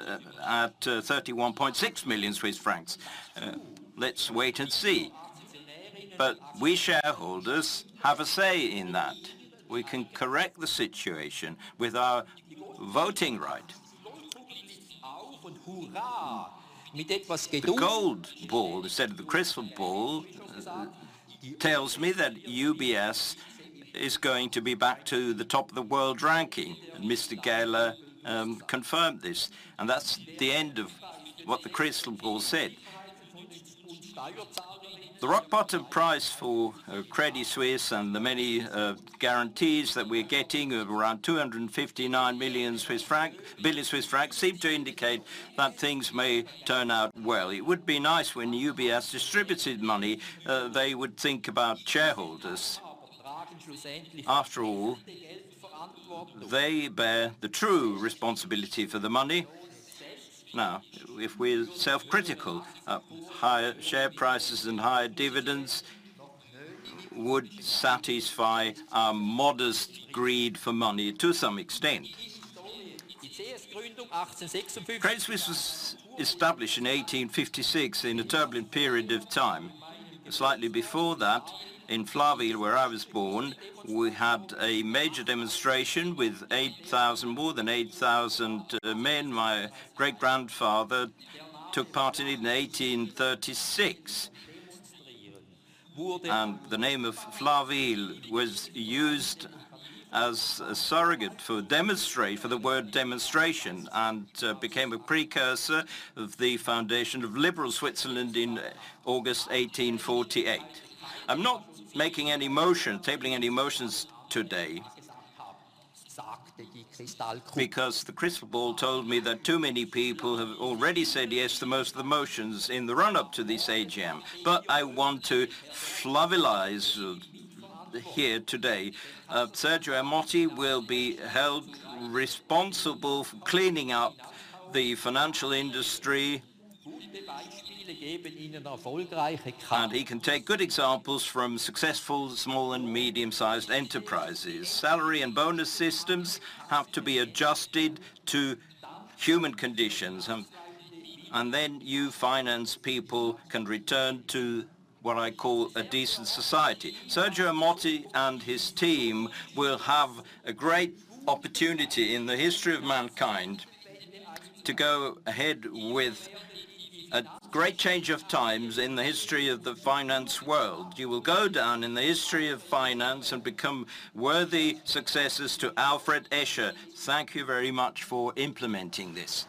[SPEAKER 13] at 31.6 million Swiss francs. let's wait and see. We shareholders have a say in that. We can correct the situation with our voting right. The gold ball instead of the crystal ball, tells me that UBS is going to be back to the top of the world ranking, and Mr. Gähwiler confirmed this. That's the end of what the crystal ball said. The rock bottom price for Credit Suisse and the many guarantees that we're getting of around 259 billion Swiss francs seem to indicate that things may turn out well. It would be nice when UBS distributed money, they would think about shareholders. After all, they bear the true responsibility for the money. If we're self-critical, higher share prices and higher dividends would satisfy our modest greed for money to some extent. Credit Suisse was established in 1856 in a turbulent period of time. Slightly before that, in Flawil, where I was born, we had a major demonstration with more than 8,000 men. My great-grandfather took part in it in 1836. The name of Flawil was used as a surrogate for the word demonstration and became a precursor of the foundation of liberal Switzerland in August 1848. I'm not making any motion, tabling any motions today because the crystal ball told me that too many people have already said yes to most of the motions in the run-up to this AGM. I want to Flawilize here today. Sergio Ermotti will be held responsible for cleaning up the financial industry. He can take good examples from successful small and medium-sized enterprises. Salary and bonus systems have to be adjusted to human conditions, then you finance people can return to what I call a decent society. Sergio Ermotti and his team will have a great opportunity in the history of mankind to go ahead with a great change of times in the history of the finance world. You will go down in the history of finance and become worthy successors to Alfred Escher. Thank you very much for implementing this.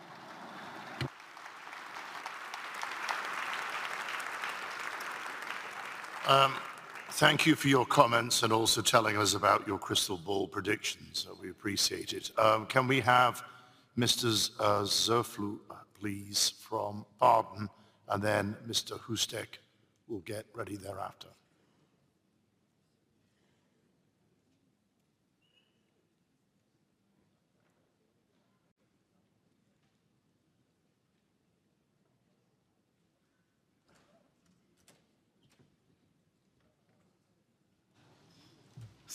[SPEAKER 1] Thank you for your comments and also telling us about your crystal ball predictions. We appreciate it. Can we have Mr. Zürflüh please from Baden, and then Mr. Hustek will get ready thereafter.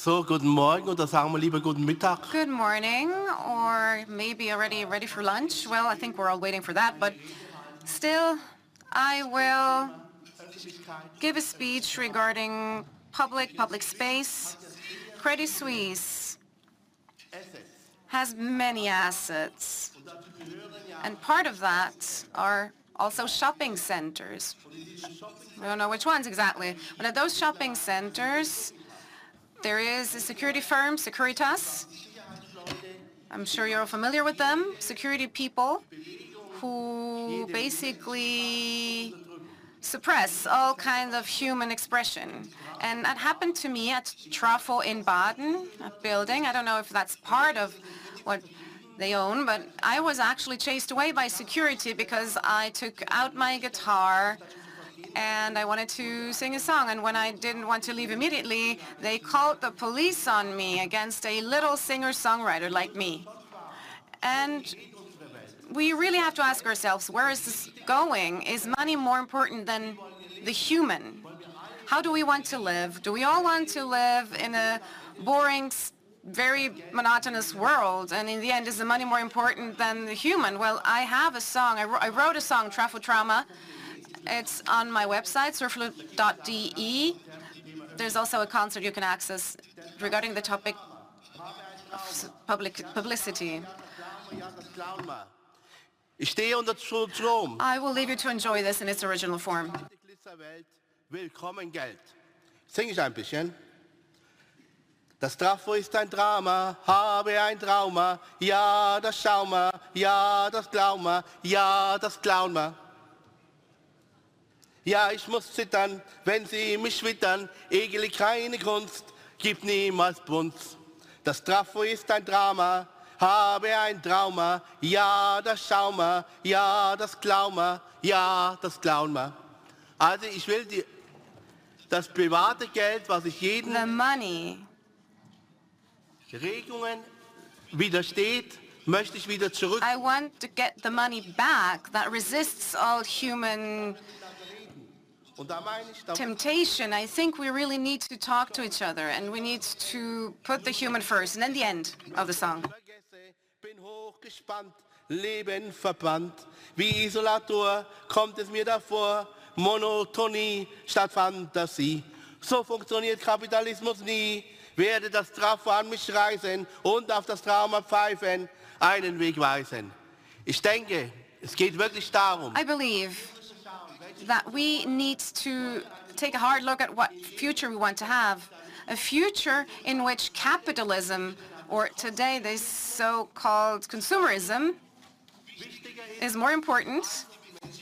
[SPEAKER 14] guten Morgen oder sagen wir lieber guten Mittag. Good morning, or maybe already ready for lunch. I think we're all waiting for that, but still, I will give a speech regarding public space. Credit Suisse has many assets, and part of that are also shopping centers. We don't know which ones exactly. One of those shopping centers, there is a security firm, Securitas. I'm sure you're all familiar with them, security people who basically suppress all kinds of human expression. That happened to me at Trafo in Baden, a building. I don't know if that's part of what they own, but I was actually chased away by security because I took out my guitar and I wanted to sing a song. When I didn't want to leave immediately, they called the police on me against a little singer-songwriter like me. We really have to ask ourselves, where is this going? Is money more important than the human? How do we want to live? Do we all want to live in a boring, very monotonous world? In the end, is the money more important than the human? Well, I have a song. I wrote a song, Trafo Trauma. It's on my website, zuerflueh.de. There's also a concert you can access regarding the topic of publicity. I will leave you to enjoy this in its original form. The money. I want to get the money back that resists all human temptation. I think we really need to talk to each other, and we need to put the human first. Then the end of the song. I believe that we need to take a hard look at what future we want to have. A future in which capitalism or today this so-called consumerism is more important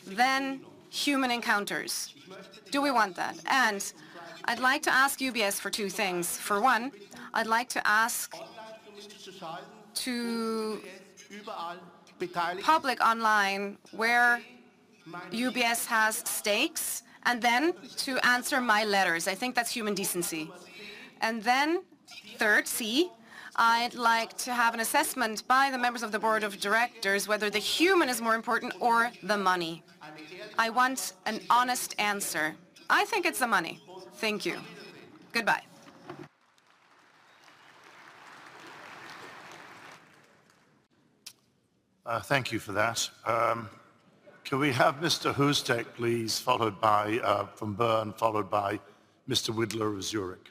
[SPEAKER 14] than human encounters. Do we want that? I'd like to ask UBS for two things. For one, I'd like to ask to public online where UBS has stakes, and then to answer my letters. I think that's human decency. Third, C, I'd like to have an assessment by the members of the Board of Directors whether the human is more important or the money. I want an honest answer. I think it's the money. Thank you. Goodbye.
[SPEAKER 1] Thank you for that. Can we have Mr. Hustek please, followed by from Bern, followed by Mr. Widler of Zurich.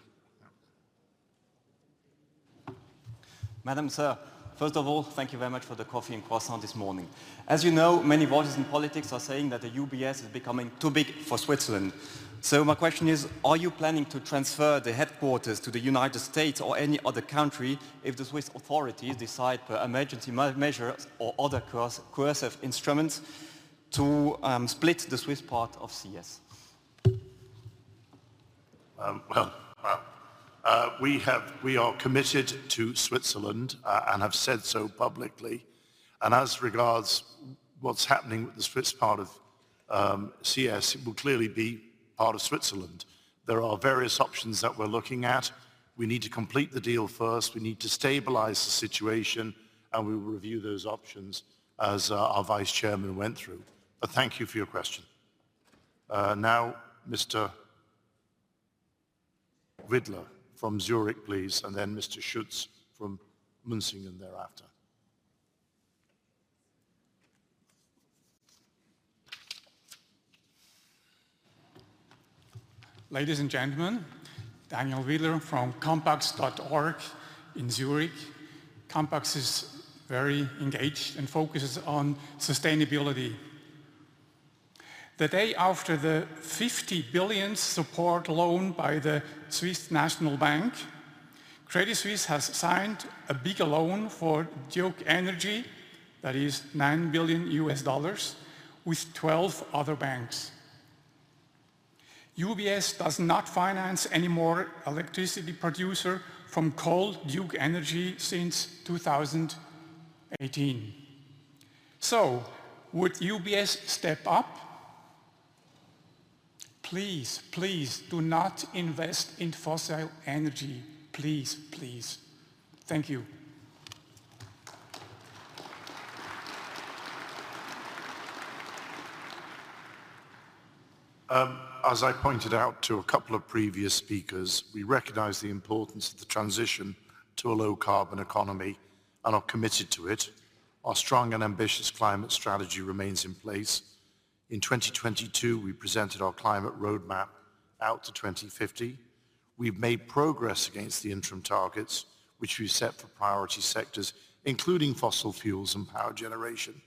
[SPEAKER 15] Madam, sir, first of all, thank you very much for the coffee and croissant this morning. As you know, many voices in politics are saying that UBS is becoming too big for Switzerland. My question is, are you planning to transfer the headquarters to the United States or any other country if the Swiss authorities decide per emergency measure or other coercive instruments to split the Swiss part of CS?
[SPEAKER 1] Well, we are committed to Switzerland, and have said so publicly. As regards what's happening with the Swiss part of CS, it will clearly be part of Switzerland. There are various options that we're looking at. We need to complete the deal first. We need to stabilize the situation, and we will review those options as Vice Chairman went through. Thank you for your question. Mr. Widler from Zurich, please, and then Mr. Schütz from Münsingen thereafter.
[SPEAKER 16] Ladies and gentlemen, Daniel Widler from campax.org in Zurich. Campax is very engaged and focuses on sustainability. The day after the 50 billion support loan by the Swiss National Bank, Credit Suisse has signed a big loan for Duke Energy, that is $9 billion, with 12 other banks. UBS does not finance any more electricity producer from coal Duke Energy since 2018. Would UBS step up? Please, please do not invest in fossil energy. Please, please. Thank you.
[SPEAKER 1] As I pointed out to a couple of previous speakers, we recognize the importance of the transition to a low carbon economy and are committed to it. Our strong and ambitious climate strategy remains in place. In 2022, we presented our climate roadmap out to 2050. We've made progress against the interim targets which we set for priority sectors, including fossil fuels and power generation.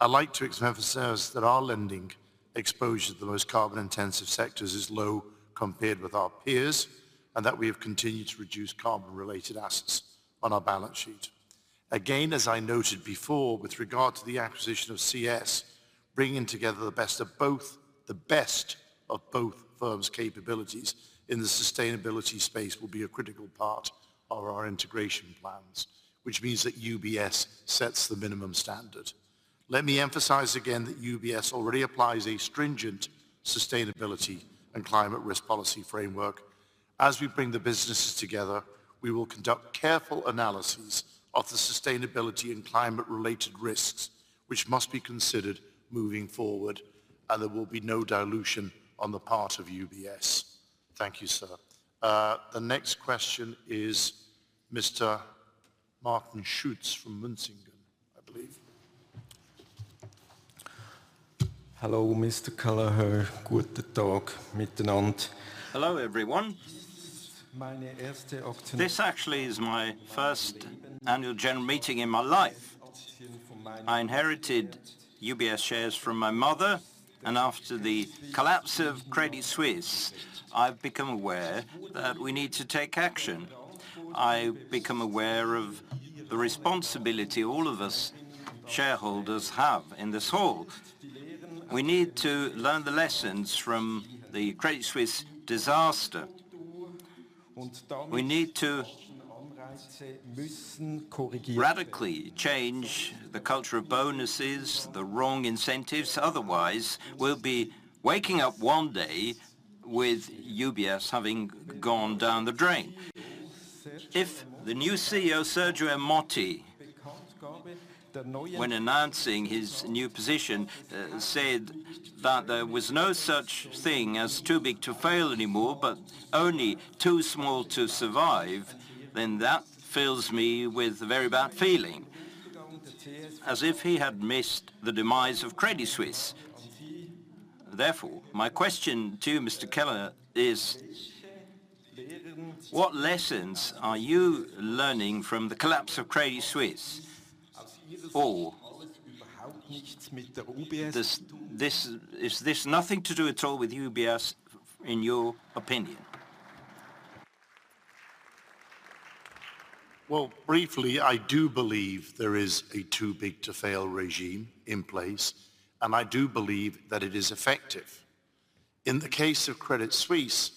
[SPEAKER 1] I'd like to emphasize that our lending exposure to the most carbon intensive sectors is low compared with our peers, and that we have continued to reduce carbon related assets on our balance sheet. Again, as I noted before with regard to the acquisition of CS, bringing together the best of both firms' capabilities in the sustainability space will be a critical part of our integration plans, which means that UBS sets the minimum standard. Let me emphasize again that UBS already applies a stringent sustainability and climate risk policy framework. As we bring the businesses together, we will conduct careful analysis of the sustainability and climate related risks, which must be considered moving forward, and there will be no dilution on the part of UBS. Thank you, sir. the next question is Mr. Martin Schütz from Münsingen, I believe.
[SPEAKER 17] Hello, Mr. Kelleher. Hello, everyone. This actually is my first annual general meeting in my life. I inherited UBS shares from my mother. After the collapse of Credit Suisse, I've become aware that we need to take action. I've become aware of the responsibility all of us shareholders have in this hall. We need to learn the lessons from the Credit Suisse disaster. We need to radically change the culture of bonuses, the wrong incentives, otherwise we'll be waking up one day with UBS having gone down the drain. The new CEO, Sergio Ermotti, when announcing his new position, said that there was no such thing as too big to fail anymore, but only too small to survive, then that fills me with a very bad feeling, as if he had missed the demise of Credit Suisse. Therefore, my question to Mr. What lessons are you learning from the collapse of Credit Suisse? This is nothing to do at all with UBS in your opinion?
[SPEAKER 1] Well, briefly, I do believe there is a too big to fail regime in place, and I do believe that it is effective. In the case of Credit Suisse,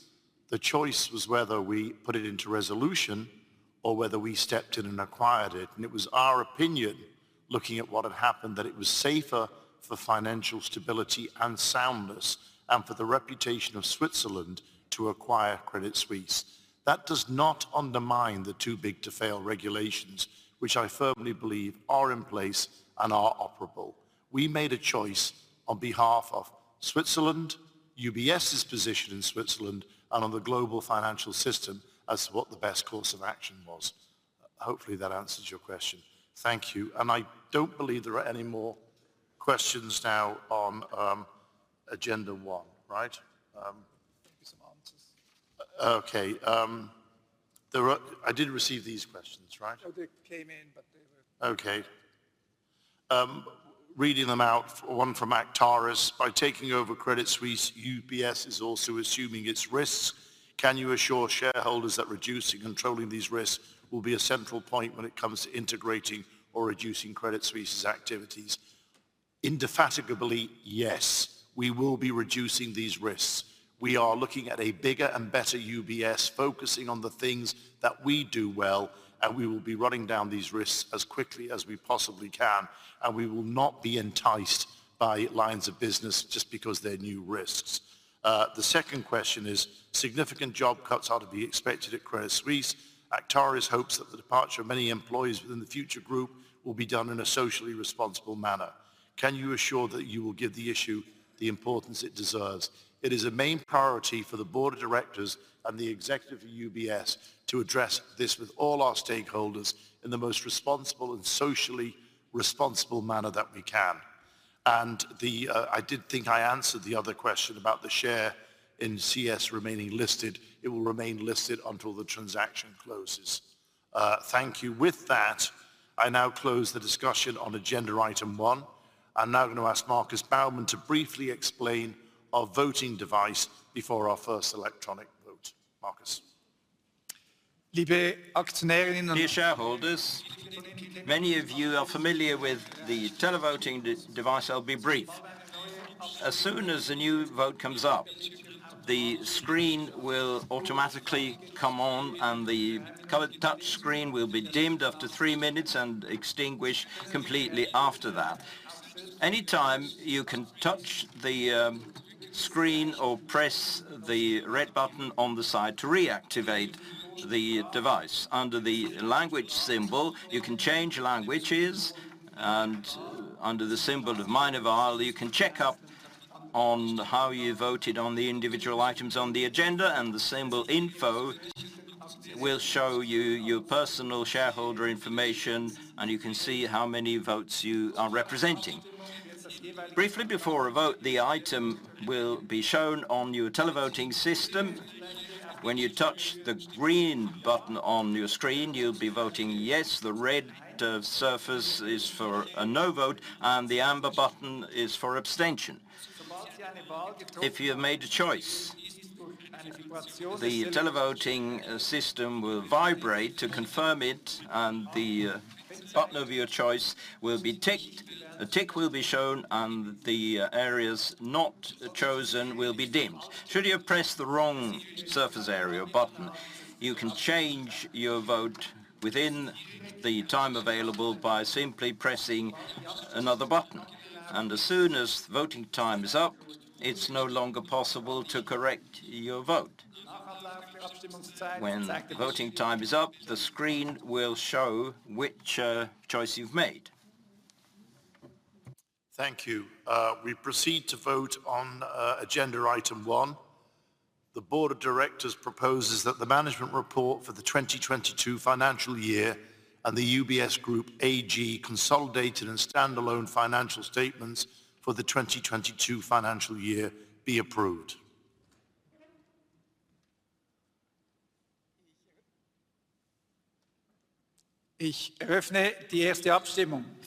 [SPEAKER 1] the choice was whether we put it into resolution or whether we stepped in and acquired it. It was our opinion, looking at what had happened, that it was safer for financial stability and soundness and for the reputation of Switzerland to acquire Credit Suisse. That does not undermine the too big to fail regulations, which I firmly believe are in place and are operable. We made a choice on behalf of Switzerland, UBS's position in Switzerland, and on the global financial system as to what the best course of action was. Hopefully, that answers your question. Thank you. I don't believe there are any more questions now on agenda one, right?
[SPEAKER 3] Maybe some answers.
[SPEAKER 1] Okay. I did receive these questions, right?
[SPEAKER 3] Oh, they came in, but they were-
[SPEAKER 1] Okay. reading them out, one from Actares. By taking over Credit Suisse, UBS is also assuming its risks. Can you assure shareholders that reducing and controlling these risks will be a central point when it comes to integrating or reducing Credit Suisse's activities? Indefatigably, yes, we will be reducing these risks. We are looking at a bigger and better UBS, focusing on the things that we do well, we will be running down these risks as quickly as we possibly can. We will not be enticed by lines of business just because they're new risks. The second question is, significant job cuts are to be expected at Credit Suisse. Actares hopes that the departure of many employees within the future group will be done in a socially responsible manner. Can you assure that you will give the issue the importance it deserves? It is a main priority for the Board of Directors and the executive of UBS to address this with all our stakeholders in the most responsible and socially responsible manner that we can. The, I did think I answered the other question about the share in CS remaining listed. It will remain listed until the transaction closes. Thank you. With that, I now close the discussion on agenda item one. I'm now gonna ask Markus Baumann to briefly explain our voting device before our first electronic vote. Markus.
[SPEAKER 3] Dear shareholders, many of you are familiar with the televoting device. I'll be brief. As soon as a new vote comes up, the screen will automatically come on, and the colored touch screen will be dimmed after three minutes and extinguish completely after that. Anytime you can touch the screen or press the red button on the side to reactivate the device. Under the language symbol, you can change languages, and under the symbol of Meine Wahl, you can check up on how you voted on the individual items on the agenda. The symbol Info will show you your personal shareholder information, and you can see how many votes you are representing. Briefly, before a vote, the item will be shown on your televoting system. When you touch the green button on your screen, you'll be voting yes. The red surface is for a no vote, and the amber button is for abstention. If you have made a choice, the televoting system will vibrate to confirm it, and the button of your choice will be ticked. A tick will be shown, and the areas not chosen will be dimmed. Should you press the wrong surface area button, you can change your vote within the time available by simply pressing another button. As soon as voting time is up, it's no longer possible to correct your vote. When the voting time is up, the screen will show which choice you've made.
[SPEAKER 1] Thank you. We proceed to vote on agenda item one. The Board of Directors proposes that the management report for the 2022 financial year and the UBS Group AG consolidated and standalone financial statements for the 2022 financial year be approved.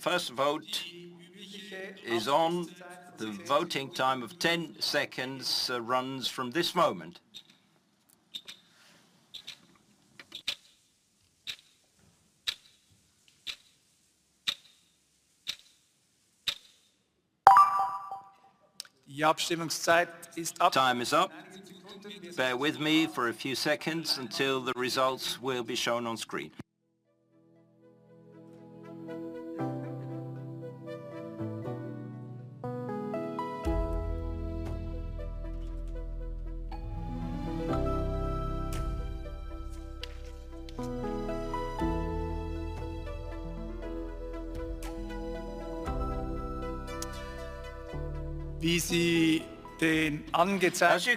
[SPEAKER 3] First vote is on. The voting time of 10 seconds runs from this moment. Time is up. Bear with me for a few seconds until the results will be shown on screen. As you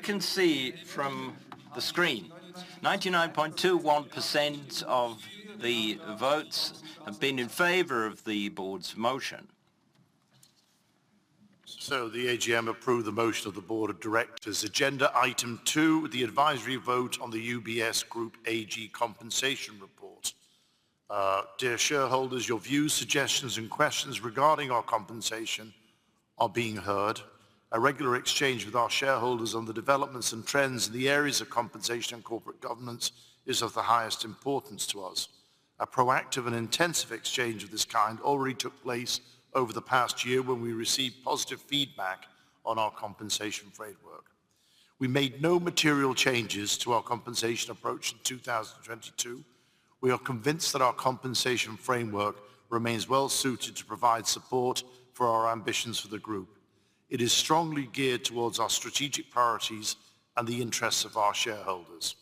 [SPEAKER 3] can see from the screen, 99.21% of the votes have been in favor of the board's motion.
[SPEAKER 1] The AGM approved the motion of the Board of Directors. Agenda item two, the advisory vote on the UBS Group AG compensation report. Dear shareholders, your views, suggestions, and questions regarding our compensation are being heard. A regular exchange with our shareholders on the developments and trends in the areas of compensation and corporate governance is of the highest importance to us. A proactive and intensive exchange of this kind already took place over the past year when we received positive feedback on our compensation framework. We made no material changes to our compensation approach in 2022. We are convinced that our compensation framework remains well suited to provide support for our ambitions for the group. It is strongly geared towards our strategic priorities and the interests of our shareholders.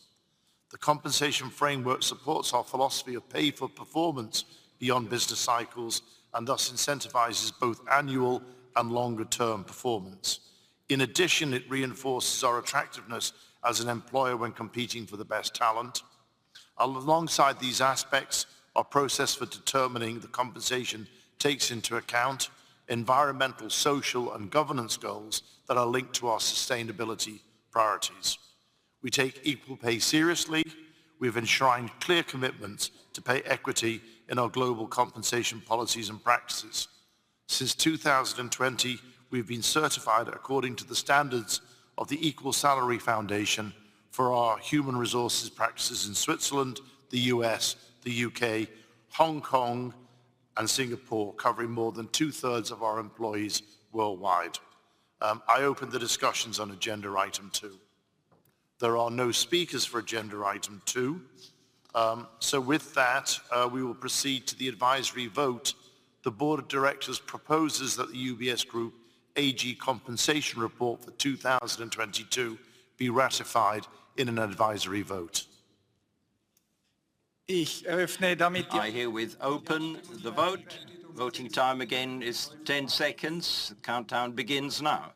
[SPEAKER 1] The compensation framework supports our philosophy of pay for performance beyond business cycles, and thus incentivizes both annual and longer term performance. In addition, it reinforces our attractiveness as an employer when competing for the best talent. Alongside these aspects, our process for determining the compensation takes into account environmental, social, and governance goals that are linked to our sustainability priorities. We take equal pay seriously. We've enshrined clear commitments to pay equity in our global compensation policies and practices. Since 2020, we've been certified according to the standards of the EQUAL-SALARY Foundation for our human resources practices in Switzerland, the U.S., the U.K., Hong Kong, and Singapore, covering more than 2/3 of our employees worldwide. I open the discussions on agenda item two. There are no speakers for agenda item two. With that, we will proceed to the advisory vote. The Board of Directors proposes that the UBS Group AG compensation report for 2022 be ratified in an advisory vote.
[SPEAKER 3] I herewith open the vote. Voting time again is 10 seconds. The countdown begins now.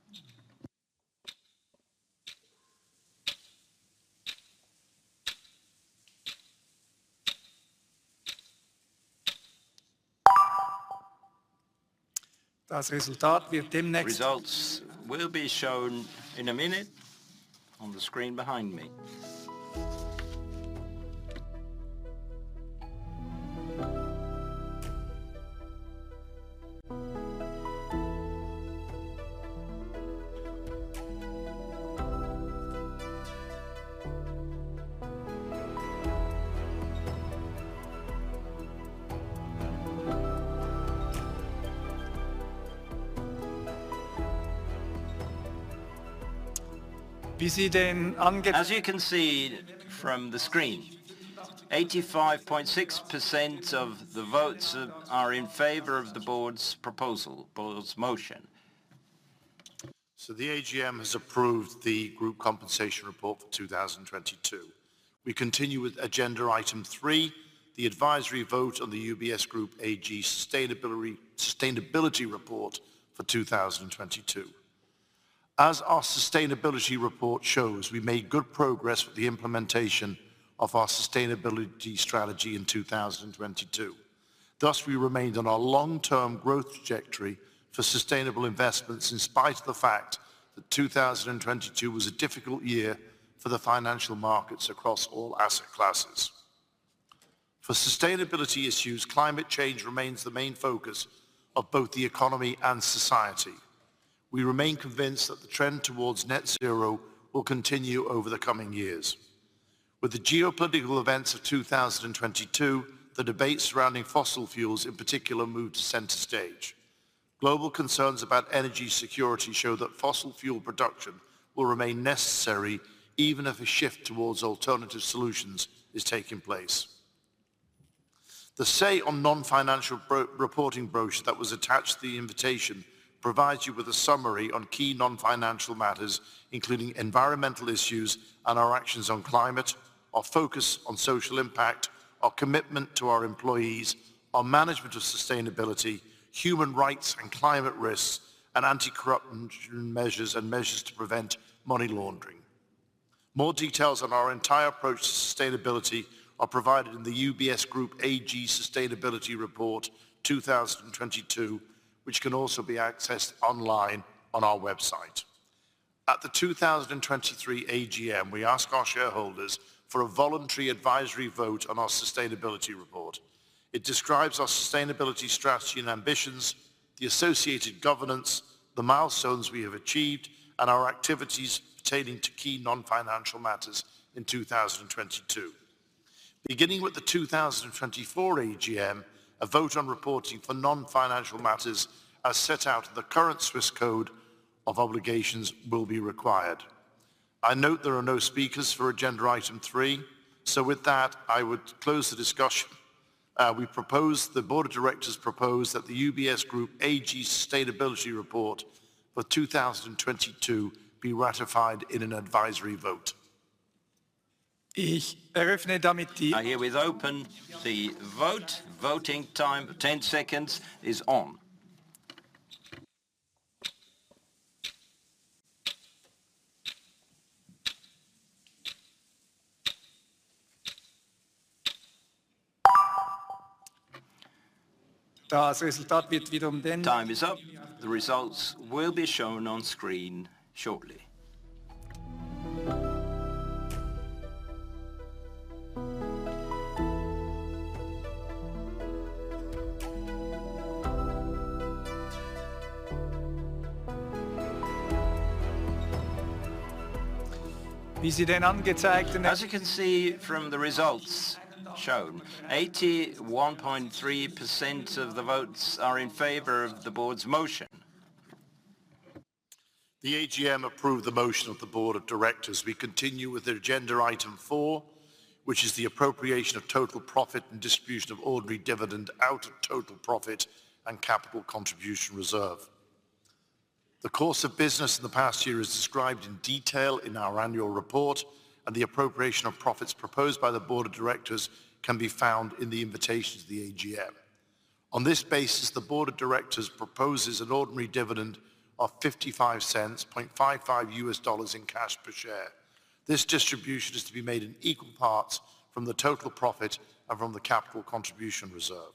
[SPEAKER 3] Results will be shown in a minute on the screen behind me. As you can see from the screen, 85.6% of the votes are in favor of the board's motion.
[SPEAKER 1] The AGM has approved the group compensation report for 2022. We continue with agenda item three, the advisory vote on the UBS Group AG Sustainability Report for 2022. As our sustainability report shows, we made good progress with the implementation of our sustainability strategy in 2022. Thus, we remained on our long-term growth trajectory for sustainable investments in spite of the fact that 2022 was a difficult year for the financial markets across all asset classes. For sustainability issues, climate change remains the main focus of both the economy and society. We remain convinced that the trend towards net zero will continue over the coming years. With the geopolitical events of 2022, the debate surrounding fossil fuels in particular moved to center stage. Global concerns about energy security show that fossil fuel production will remain necessary even if a shift towards alternative solutions is taking place. The say on non-financial reporting brochure that was attached to the invitation provides you with a summary on key non-financial matters, including environmental issues and our actions on climate, our focus on social impact, our commitment to our employees, our management of sustainability, human rights and climate risks, and anti-corruption measures and measures to prevent money laundering. More details on our entire approach to sustainability are provided in the UBS Group AG Sustainability Report 2022, which can also be accessed online on our website. At the 2023 AGM, we ask our shareholders for a voluntary advisory vote on our sustainability report. It describes our sustainability strategy and ambitions, the associated governance, the milestones we have achieved, and our activities pertaining to key non-financial matters in 2022. Beginning with the 2024 AGM, a vote on reporting for non-financial matters as set out in the current Swiss Code of Obligations will be required. I note there are no speakers for agenda item three, with that, I would close the discussion. The Board of Directors propose that the UBS Group AG Sustainability Report for 2022 be ratified in an advisory vote.
[SPEAKER 3] I herewith open the vote. Voting time, 10 seconds, is on. Time is up. The results will be shown on screen shortly. As you can see from the results shown, 81.3% of the votes are in favor of the board's motion.
[SPEAKER 1] The AGM approved the motion of the Board of Directors. We continue with the agenda item four, which is the appropriation of total profit and distribution of ordinary dividend out of total profit and capital contribution reserve. The course of business in the past year is described in detail in our annual report. The appropriation of profits proposed by the Board of Directors can be found in the invitation to the AGM. On this basis, the Board of Directors proposes an ordinary dividend of $0.55, $0.55 in cash per share. This distribution is to be made in equal parts from the total profit and from the capital contribution reserve.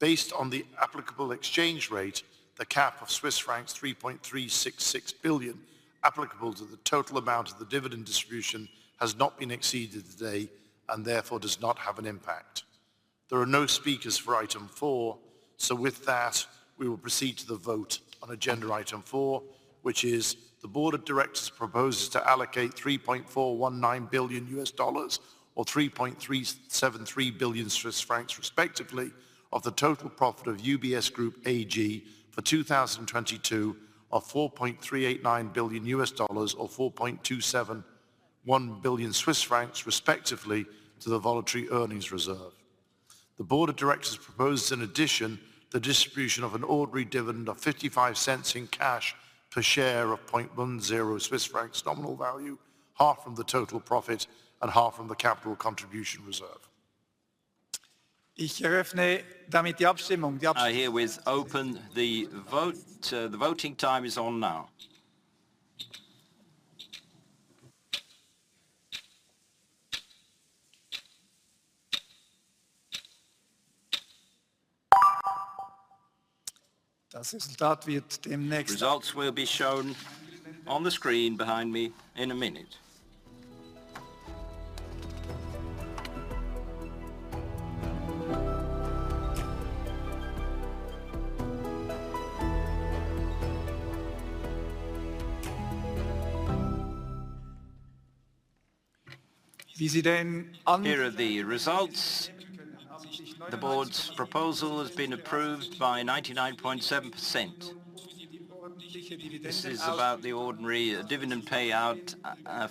[SPEAKER 1] Based on the applicable exchange rate, the cap of Swiss francs 3.366 billion applicable to the total amount of the dividend distribution has not been exceeded today and therefore does not have an impact. There are no speakers for item four. With that, we will proceed to the vote on agenda item four, which is the Board of Directors proposes to allocate $3.419 billion or 3.373 billion Swiss francs respectively of the total profit of UBS Group AG for 2022 of $4.389 billion or 4.271 billion Swiss francs respectively to the voluntary earnings reserve. The Board of Directors proposes, in addition, the distribution of an ordinary dividend of 0.55 in cash per share of 0.10 Swiss francs nominal value, half from the total profit and half from the capital contribution reserve.
[SPEAKER 3] I herewith open the vote. The voting time is on now. The results will be shown on the screen behind me in a minute. Here are the results. The board's proposal has been approved by 99.7%. This is about the ordinary dividend payout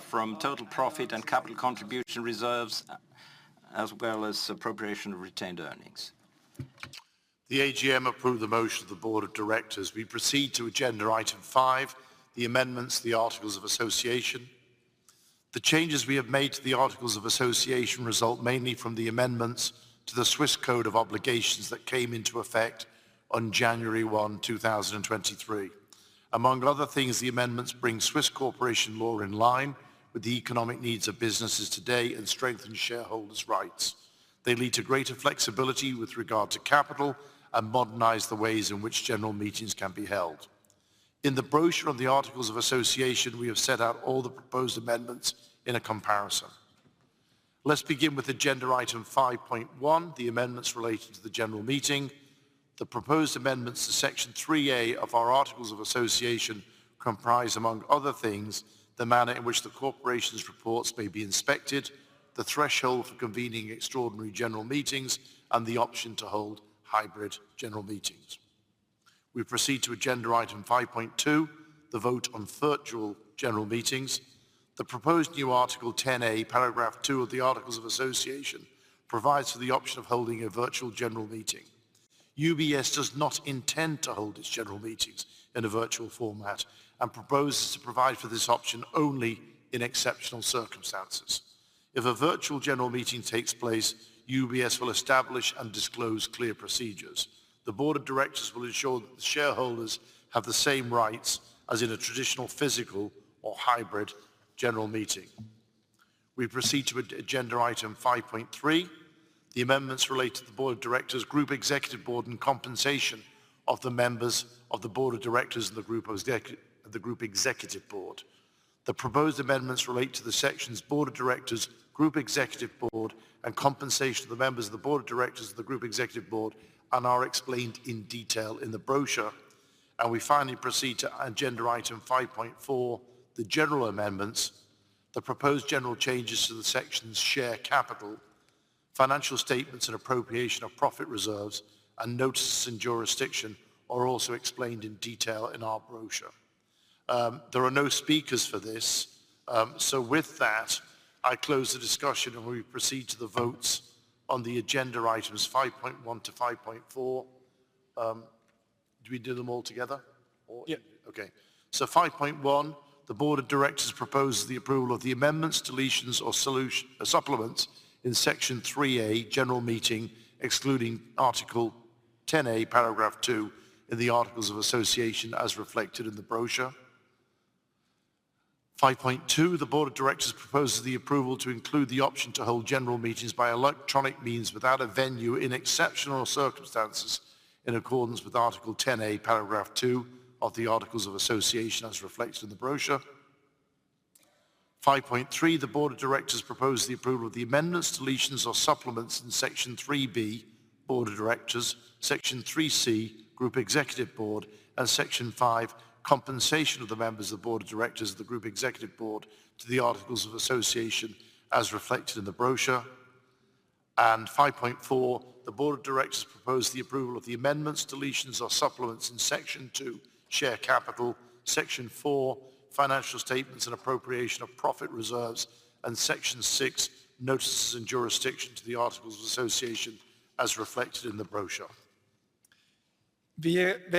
[SPEAKER 3] from total profit and capital contribution reserves, as well as appropriation of retained earnings.
[SPEAKER 1] The AGM approved the motion of the Board of Directors. We proceed to agenda item five, the amendments to the articles of association. The changes we have made to the articles of association result mainly from the amendments to the Swiss Code of Obligations that came into effect on January 1, 2023. Among other things, the amendments bring Swiss corporation law in line with the economic needs of businesses today and strengthen shareholders' rights. They lead to greater flexibility with regard to capital and modernize the ways in which general meetings can be held. In the brochure of the articles of association, we have set out all the proposed amendments in a comparison. Let's begin with agenda item five.1, the amendments related to the general meeting. The proposed amendments to Section 3A of our articles of association comprise, among other things, the manner in which the corporation's reports may be inspected, the threshold for convening extraordinary general meetings, and the option to hold hybrid general meetings. We proceed to agenda item five.2, the vote on virtual general meetings. The proposed new Article 10A, Paragraph 2 of the Articles of Association provides for the option of holding a virtual general meeting. UBS does not intend to hold its general meetings in a virtual format and proposes to provide for this option only in exceptional circumstances. If a virtual general meeting takes place, UBS will establish and disclose clear procedures. The Board of Directors will ensure that the shareholders have the same rights as in a traditional physical or hybrid general meeting. We proceed to agenda item five.3, the amendments related to the Group Executive Board, and compensation of the members of the Board of Directors and Group Executive Board. the proposed amendments relate to the sections Group Executive Board, and compensation to the members of the Board of Directors of Group Executive Board and are explained in detail in the brochure. We finally proceed to agenda item five.4, the general amendments. The proposed general changes to the sections share capital, financial statements and appropriation of profit reserves, and notices and jurisdiction are also explained in detail in our brochure. There are no speakers for this, so with that, I close the discussion, and we proceed to the votes on the agenda items 5.1 to 5.4. Do we do them all together?
[SPEAKER 3] Yeah.
[SPEAKER 1] Okay. 5.1, the Board of Directors proposes the approval of the amendments, deletions, or supplements in Section 3A, General Meeting, excluding Article 10A, Paragraph 2 in the Articles of Association, as reflected in the brochure. 5.2: the Board of Directors proposes the approval to include the option to hold general meetings by electronic means without a venue in exceptional circumstances in accordance with Article 10A, Paragraph 2 of the Articles of Association as reflected in the brochure. 5.3: the Board of Directors propose the approval of the amendments, deletions or supplements in Section 3B, Board of Directors, Section Group Executive Board, and Section 5, Compensation of the Members of Board of Directors of Group Executive Board to the Articles of Association as reflected in the brochure. 5.4: the Board of Directors propose the approval of the amendments, deletions or supplements in Section 2, Share Capital, Section 4, Financial Statements and Appropriation of Profit Reserves, and Section 6, Notices and Jurisdiction to the Articles of Association as reflected in the brochure.
[SPEAKER 3] These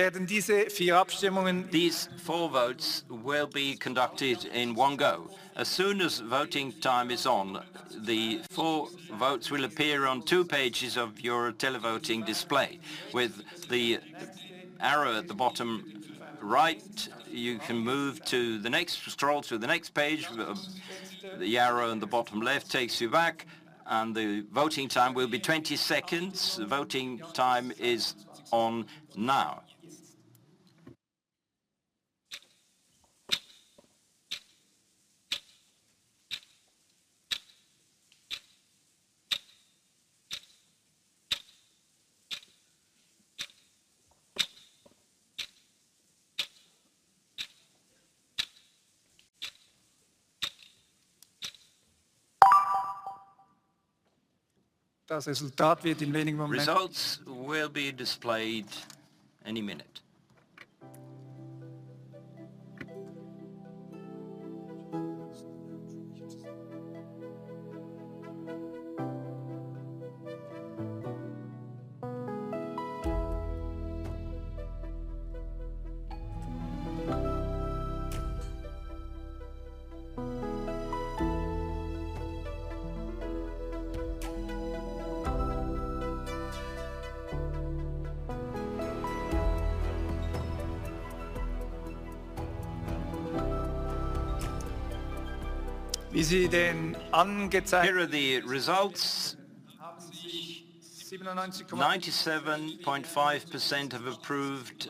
[SPEAKER 3] four votes will be conducted in one go. As soon as voting time is on, the four votes will appear on two pages of your televoting display. With the arrow at the bottom right, you can scroll to the next page. The arrow on the bottom left takes you back, and the voting time will be 20 seconds. Voting time is on now. Results will be displayed any minute. Here are the results. 97.5% have approved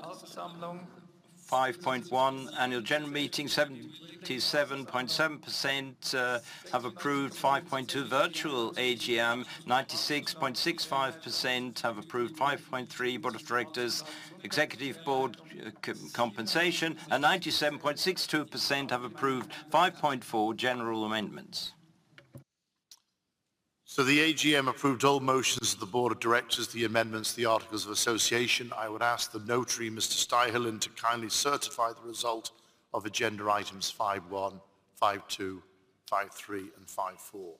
[SPEAKER 3] 5.1 annual general meeting. 77.7% have approved 5.2 virtual AGM. 96.65% have approved 5.3 Board of Directors Executive Board compensation. 97.62% have approved 5.4 general amendments.
[SPEAKER 1] The AGM approved all motions of the Board of Directors, the amendments to the Articles of Association. I would ask the notary, Mr. Staehelin, to kindly certify the result of agenda items 5.1, 5.2, 5.3 and 5.4.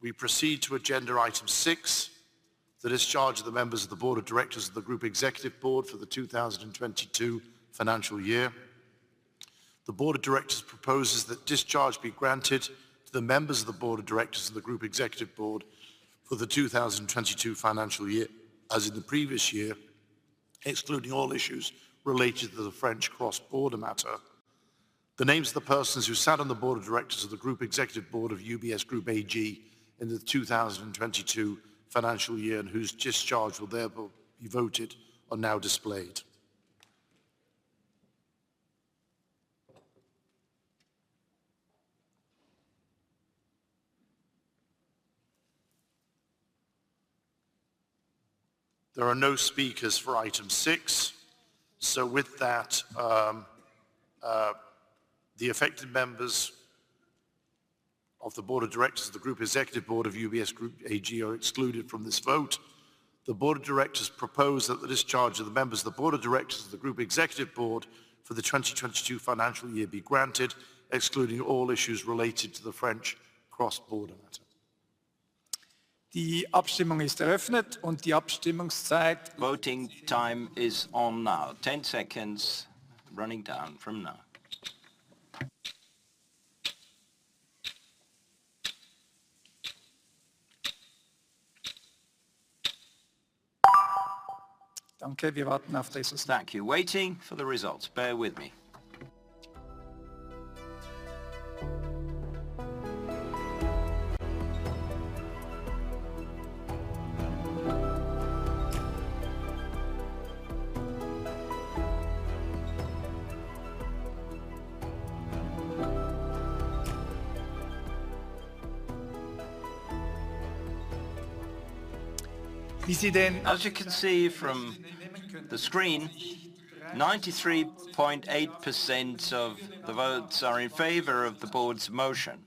[SPEAKER 1] We proceed to agenda item six, the discharge of the members of the Board of Directors of Group Executive Board for the 2022 financial year. The Board of Directors proposes that discharge be granted to the members of the Board of Directors of Group Executive Board for the 2022 financial year, as in the previous year, excluding all issues related to the French cross-border matter. The names of the persons who sat on the Board of Directors of Group Executive Board of UBS Group AG in the 2022 financial year and whose discharge will therefore be voted are now displayed. There are no speakers for item six. With that, the affected members of the Board of Directors of Group Executive Board of UBS Group AG are excluded from this vote. The Board of Directors propose that the discharge of the members of the Board of Directors of Group Executive Board for the 2022 financial year be granted, excluding all issues related to the French cross-border matter.
[SPEAKER 3] Voting time is on now. 10 seconds running down from now. Thank you. Waiting for the results. Bear with me. As you can see from the screen, 93.8% of the votes are in favor of the board's motion.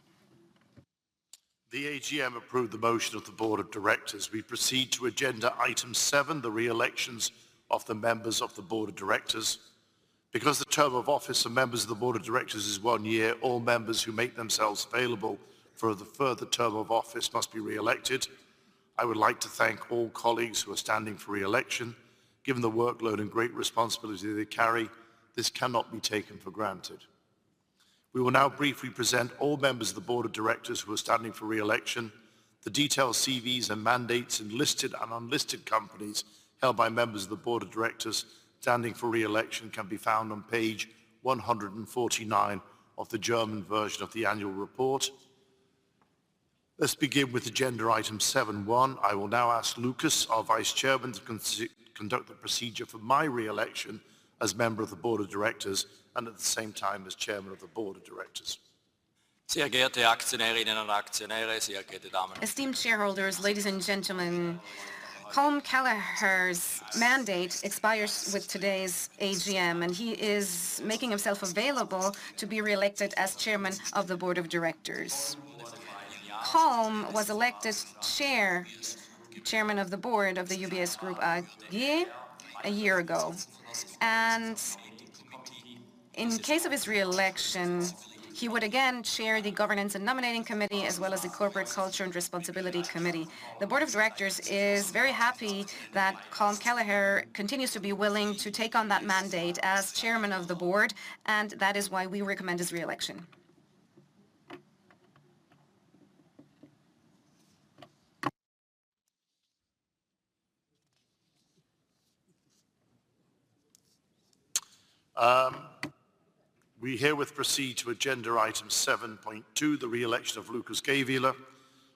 [SPEAKER 1] The AGM approved the motion of the Board of Directors. We proceed to agenda item seven, the reelections of the members of the Board of Directors. Because the term of office of members of the Board of Directors is one year, all members who make themselves available for the further term of office must be reelected. I would like to thank all colleagues who are standing for reelection. Given the workload and great responsibility they carry, this cannot be taken for granted. We will now briefly present all members of the Board of Directors who are standing for reelection. The detailed CVs and mandates and listed and unlisted companies held by members of the Board of Directors standing for re-election can be found on page 149 of the German version of the annual report. Let's begin with agenda item 7.1. I will now ask Lukas, Vice Chairman, to conduct the procedure for my re-election as member of the Board of Directors, and the same time, as chairman of the Board of Directors.
[SPEAKER 4] Esteemed shareholders, ladies and gentlemen, Colm Kelleher's mandate expires with today's chairman of the Board of Directors. Colm was elected chairman of the board of ubs group ag a year ago. In case of his re-election, he would again chair the Governance and Nominating Committee, as well as the Corporate Culture and Responsibility Committee. The Board of Directors is very happy that Colm Kelleher continues to be willing to take on Chairman of the Board. that is why we recommend his re-election.
[SPEAKER 1] We herewith proceed to agenda item 7.2, the re-election of Lukas Gähwiler.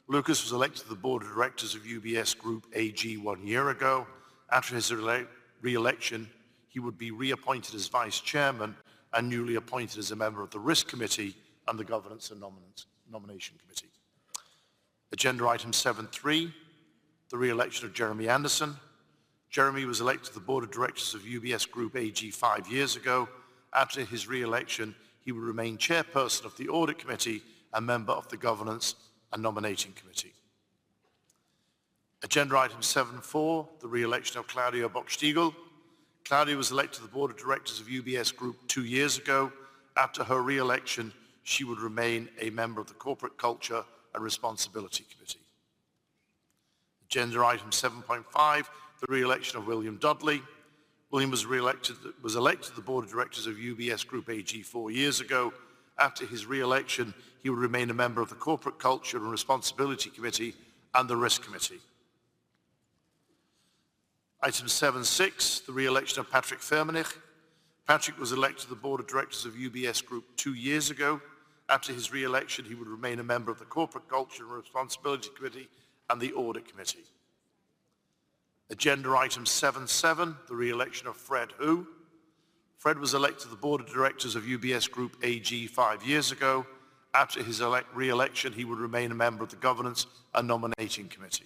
[SPEAKER 1] Lukas was elected to the Board of Directors of UBS Group AG one year ago. After his re-election, he would be reappointed Vice Chairman and newly appointed as a member of the Risk Committee and the Governance and Nomination Committee. Agenda item 7.3, the re-election of Jeremy Anderson. Jeremy was elected to the Board of Directors of UBS Group AG five years ago. After his Chairperson of the Audit Committee and member of the Governance and Nominating Committee. Agenda item 7.4, the re-election of Claudia Böckstiegel. Claudia was elected to the Board of Directors of UBS Group AG two years ago. After her re-election, she would remain a member of the Corporate Culture and Responsibility Committee. Agenda item 7.5, the re-election of William Dudley. William was elected to the Board of Directors of UBS Group AG four years ago. After his re-election, he will remain a member of the Corporate Culture and Responsibility Committee and the Risk Committee. Item 7.6, the re-election of Patrick Firmenich. Patrick was elected to the Board of Directors of UBS Group ag two years ago. After his re-election, he would remain a member of the Corporate Culture and Responsibility Committee and the Audit Committee. Agenda item 7.7, the re-election of Fred Hu. Fred was elected to the Board of Directors of UBS Group AG five years ago. After his re-election, he would remain a member of the Governance and Nominating Committee.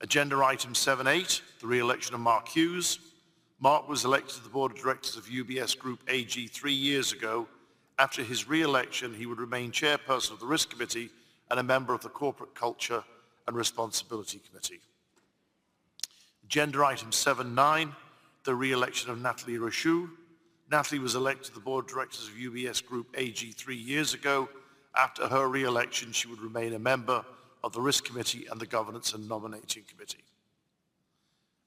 [SPEAKER 1] Agenda item 7.8, the re-election of Mark Hughes. Mark was elected to the Board of Directors of UBS Group AG three years ago. After his re-election, he would remain chairperson of the Risk Committee and a member of the Corporate Culture and Responsibility Committee. Agenda item 7.9, the re-election of Nathalie Rachou. Nathalie was elected to the Board of Directors of UBS Group AG three years ago. After her re-election, she would remain a member of the Risk Committee and the Governance and Nominating Committee.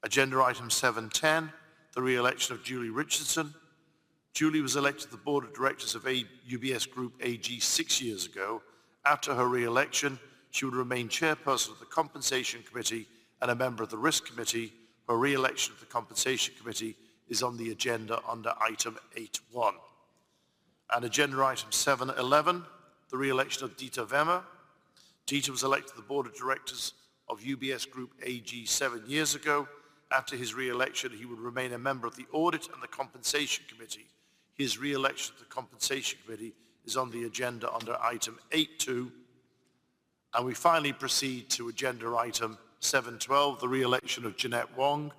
[SPEAKER 1] Agenda item 7.10, the re-election of Julie Richardson. Julie was elected to the Board of Directors of UBS Group AG six years ago. After her re-election, she would remain chairperson of the Compensation Committee and a member of the Risk Committee. Her re-election to the Compensation Committee is on the agenda under item 8.1. Agenda item 7.11, the re-election of Dieter Wemmer. Dieter was elected to the Board of Directors of UBS Group AG seven years ago. After his re-election, he would remain a member of the Audit and the Compensation Committee. His re-election to the Compensation Committee is on the agenda under item 8.2. We finally proceed to agenda item 7.12, the re-election of Jeanette Wong.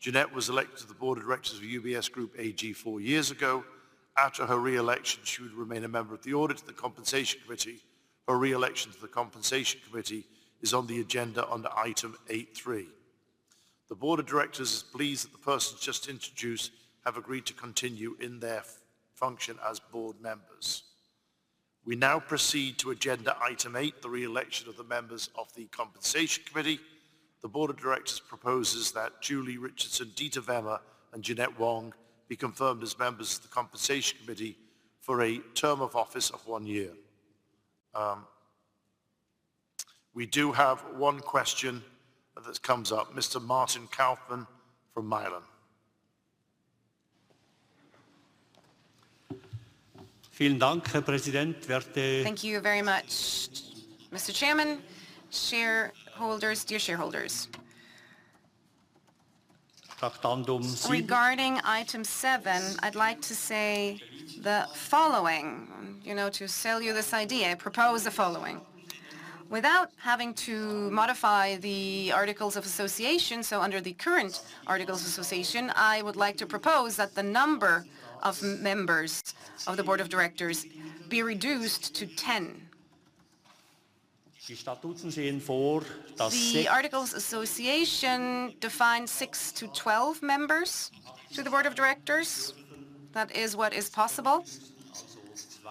[SPEAKER 1] Jeanette was elected to the Board of Directors of UBS Group AG four years ago. After her re-election, she would remain a member of the Audit and the Compensation Committee. Her re-election to the Compensation Committee is on the agenda under item 8.3. The Board of Directors is pleased that the persons just introduced have agreed to continue in their function as board members. We now proceed to agenda item eight, the re-election of the members of the Compensation Committee. The Board of Directors proposes that Julie Richardson, Dieter Wemmer, and Jeanette Wong be confirmed as members of the Compensation Committee for a term of office of one year. We do have one question that comes up. Mr. Martin Kaufmann from Milan.
[SPEAKER 7] Thank you very much, Mr. Chairman. Shareholders, dear shareholders. Regarding item seven, I'd like to say the following, you know, to sell you this idea, I propose the following. Without having to modify the articles of association, so under the current articles of association, I would like to propose that the number of members of the Board of Directors be reduced to 10. The articles of association define six to 12 members to the Board of Directors. That is what is possible,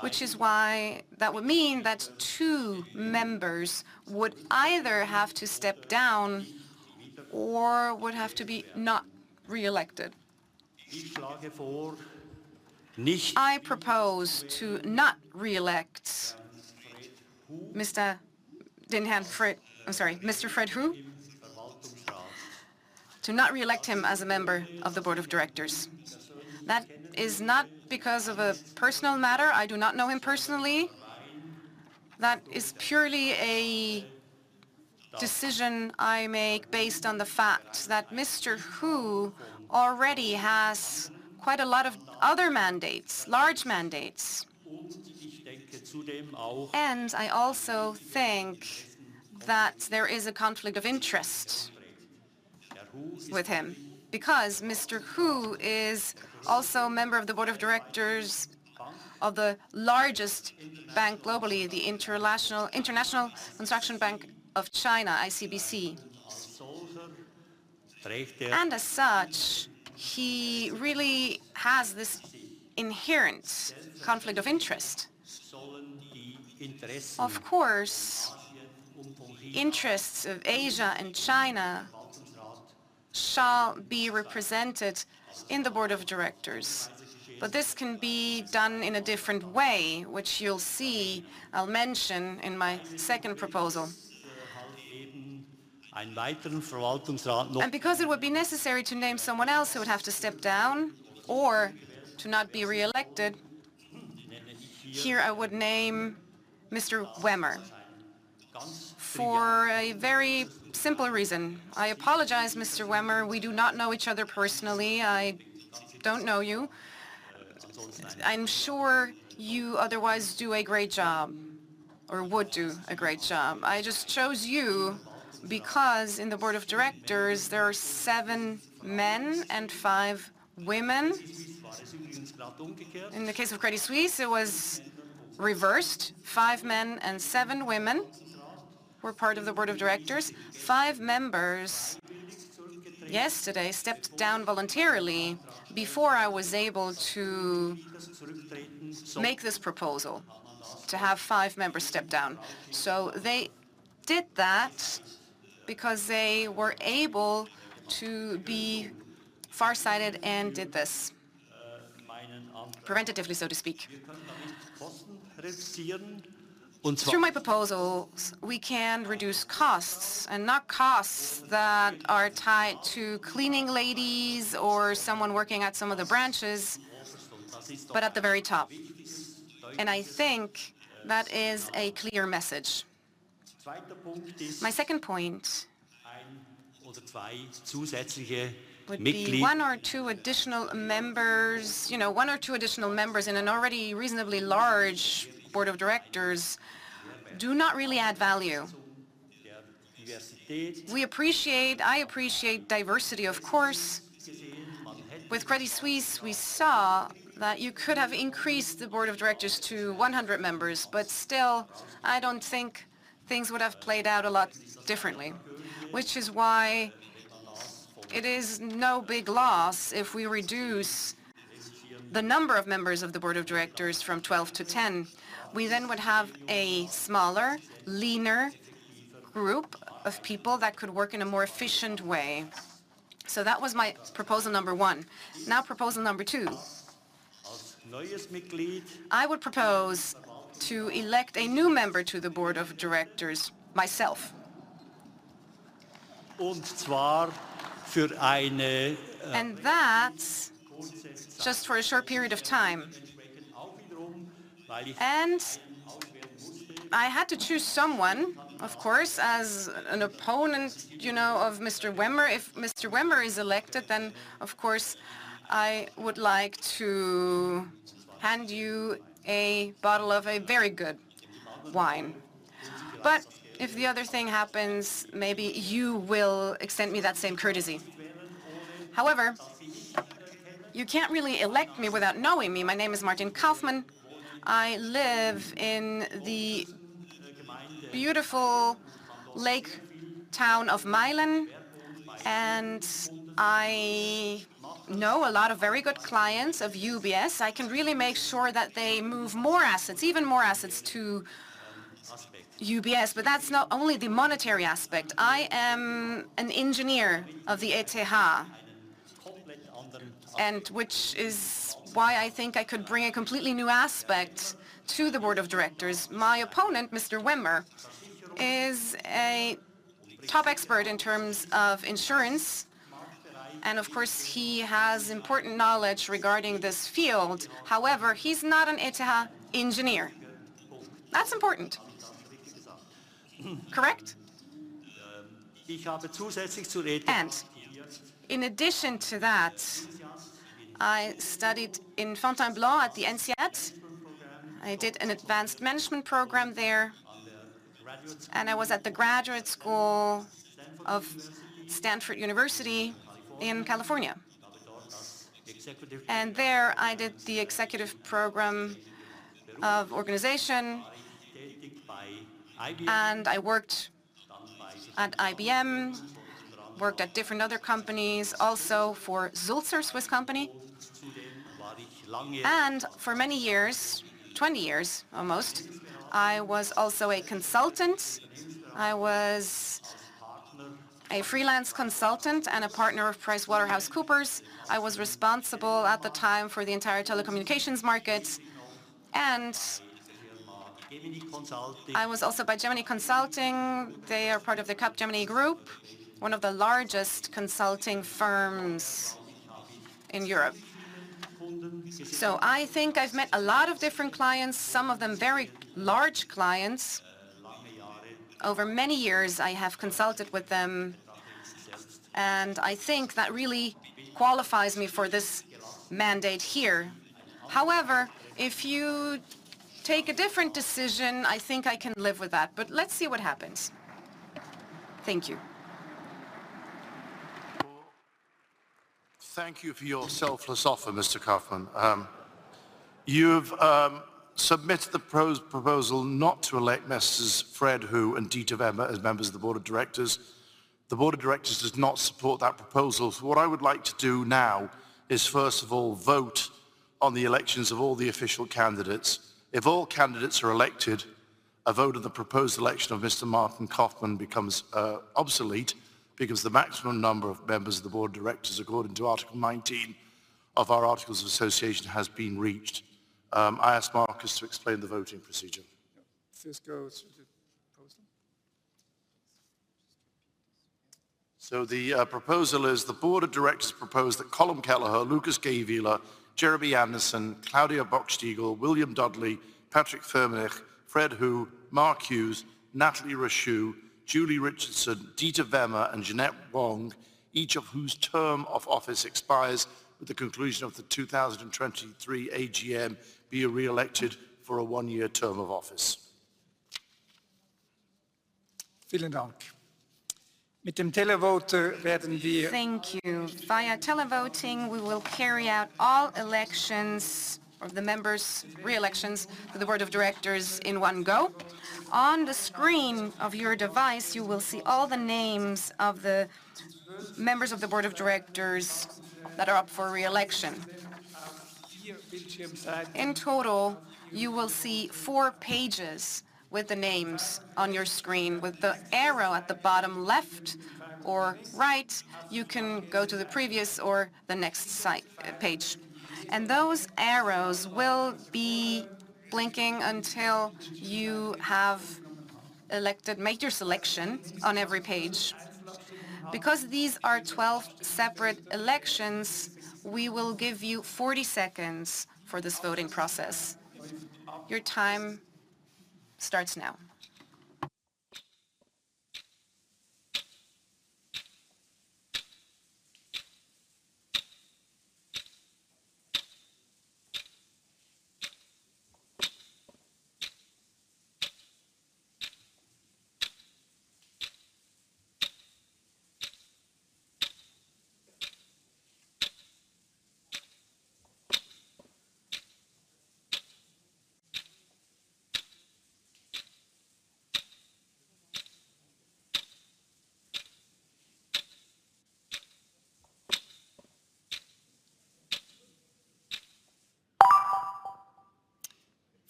[SPEAKER 7] which is why that would mean that two members would either have to step down or would have to be not re-elected. I propose to not re-elect Mr. Fred Hu, to not re-elect him as a member of the Board of Directors. That is not because of a personal matter. I do not know him personally. That is purely a decision I make based on the fact that Mr. Hu already has quite a lot of other mandates, large mandates. I also think that there is a conflict of interest with him because Mr. Hu is also a member of the Board of Directors of the largest bank globally, the Industrial and Commercial Bank of China, ICBC. As such, he really has this inherent conflict of interest. Of course, interests of Asia and China shall be represented in the Board of Directors, but this can be done in a different way, which you'll see I'll mention in my second proposal. Because it would be necessary to name someone else who would have to step down or to not be re-elected, here I would name Mr. Wemmer for a very simple reason. I apologize, Mr. Wemmer, we do not know each other personally. I don't know you. I'm sure you otherwise do a great job or would do a great job. I just chose you because in the Board of Directors, there are seven men and five women. In the case of Credit Suisse, it was reversed. Five men and seven women were part of the Board of Directors. Five members yesterday stepped down voluntarily before I was able to make this proposal to have five members step down. They did that because they were able to be farsighted and did this, preventatively, so to speak. Through my proposals, we can reduce costs, and not costs that are tied to cleaning ladies or someone working at some of the branches, but at the very top. I think that is a clear message. My second point would be one or two additional members, you know, one or two additional members in an already reasonably large Board of Directors do not really add value. I appreciate diversity, of course. With Credit Suisse, we saw that you could have increased the Board of Directors to 100 members, still, I don't think things would have played out a lot differently. It is no big loss if we reduce the number of members of the Board of Directors from 12 to 10. We then would have a smaller, leaner group of people that could work in a more efficient way. That was my proposal number one. Now, proposal number two. I would propose to elect a new member to the Board of Directors myself. That's just for a short period of time. I had to choose someone, of course, as an opponent, you know, of Mr. Wemmer. If Mr. Wemmer is elected, then of course, I would like to hand you a bottle of a very good wine. If the other thing happens, maybe you will extend me that same courtesy. However, you can't really elect me without knowing me. My name is Martin Kaufmann. I live in the beautiful lake town of Meilen, and I know a lot of very good clients of UBS. I can really make sure that they move more assets, even more assets to UBS. That's not only the monetary aspect. I am an engineer of the ETH. Which is why I think I could bring a completely new aspect to the Board of Directors. My opponent, Mr. Wemmer, is a top expert in terms of insurance, and of course, he has important knowledge regarding this field. However, he's not an ETH engineer. That's important. Correct? In addition to that, I studied in Fontainebleau at the INSEAD. I did an advanced management program there, and I was at the graduate school of Stanford University in California. There, I did the executive program of organization, and I worked at IBM, worked at different other companies, also for Sulzer Swiss company. For many years, 20 years almost, I was also a consultant. I was a freelance consultant and a partner of PwC. I was responsible at the time for the entire telecommunications markets. I was also by Capgemini Consulting. They are part of the Capgemini Group, one of the largest consulting firms in Europe. I think I've met a lot of different clients, some of them very large clients. Over many years, I have consulted with them, and I think that really qualifies me for this mandate here. However, if you take a different decision, I think I can live with that. Let's see what happens. Thank you.
[SPEAKER 1] Thank you for your selfless offer, Mr. Kaufmann. You've submitted the proposal not to elect Messrs. Fred Hu and Dieter Wemmer as members of the Board of Directors. The Board of Directors does not support that proposal. What I would like to do now is, first of all, vote on the elections of all the official candidates. If all candidates are elected, a vote of the proposed election of Mr. Martin Kaufmann becomes obsolete because the maximum number of members of the Board of Directors, according to Article 19 of our Articles of Association, has been reached. I ask Markus to explain the voting procedure.
[SPEAKER 3] First goes the proposal.
[SPEAKER 1] The proposal is the Board of Directors propose that Colm Kelleher, Lukas Gähwiler, Jeremy Anderson, Claudia Böckstiegel, William Dudley, Patrick Firmenich, Fred Hu, Mark Hughes, Nathalie Rachou, Julie Richardson, Dieter Wemmer, and Jeanette Wong, each of whose term of office expires with the conclusion of the 2023 AGM, be reelected for a one-year term of office.
[SPEAKER 3] Thank you. Via televoting, we will carry out all elections of the members, re-elections for the Board of Directors in one go. On the screen of your device, you will see all the names of the members of the Board of Directors that are up for re-election. In total, you will see four pages with the names on your screen. With the arrow at the bottom left or right, you can go to the previous or the next page. Those arrows will be blinking until you have made your selection on every page. Because these are 12 separate elections, we will give you 40 seconds for this voting process. Your time starts now.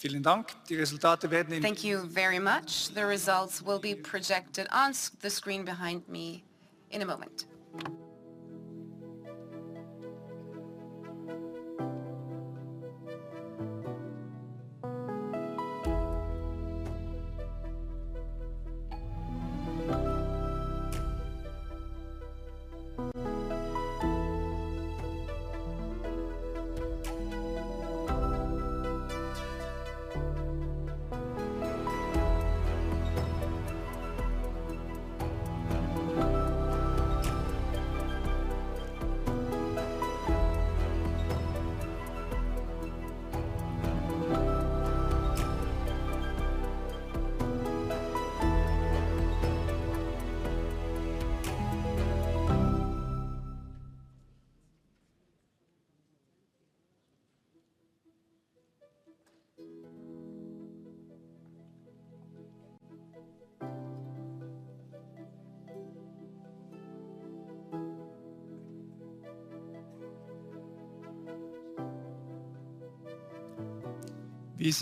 [SPEAKER 3] Thank you very much. The results will be projected on the screen behind me in a moment.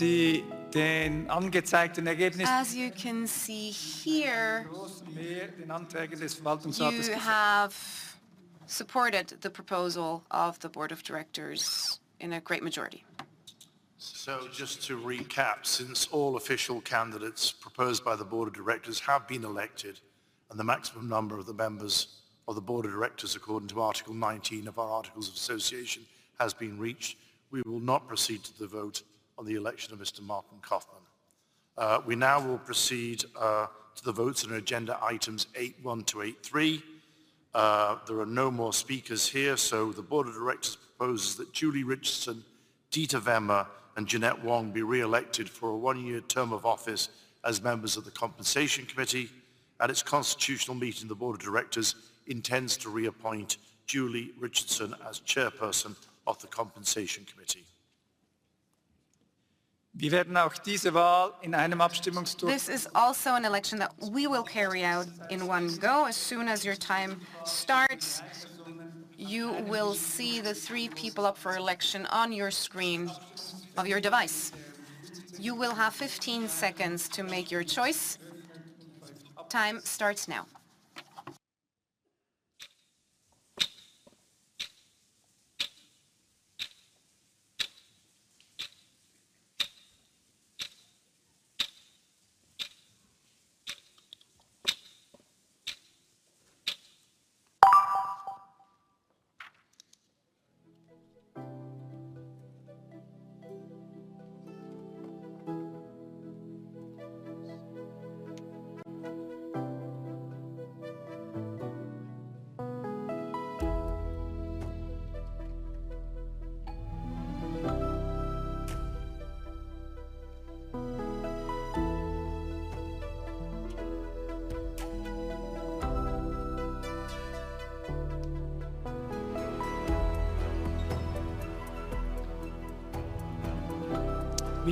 [SPEAKER 3] As you can see here, you have supported the proposal of the Board of Directors in a great majority.
[SPEAKER 1] Just to recap, since all official candidates proposed by the Board of Directors have been elected and the maximum number of the members of the Board of Directors according to Article 19 of our Articles of Association has been reached, we will not proceed to the vote on the election of Mr. Martin Kaufmann. We now will proceed to the votes on agenda items 8.1 to 8.3. There are no more speakers here, the Board of Directors proposes that Julie Richardson, Dieter Wemmer, and Jeanette Wong be reelected for a one-year term of office as members of the Compensation Committee. At its constitutional meeting, the Board of Directors intends to reappoint Julie Richardson as Chairperson of the Compensation Committee.
[SPEAKER 3] This is also an election that we will carry out in one go. As soon as your time starts, you will see the three people up for election on your screen of your device. You will have 15 seconds to make your choice. Time starts now.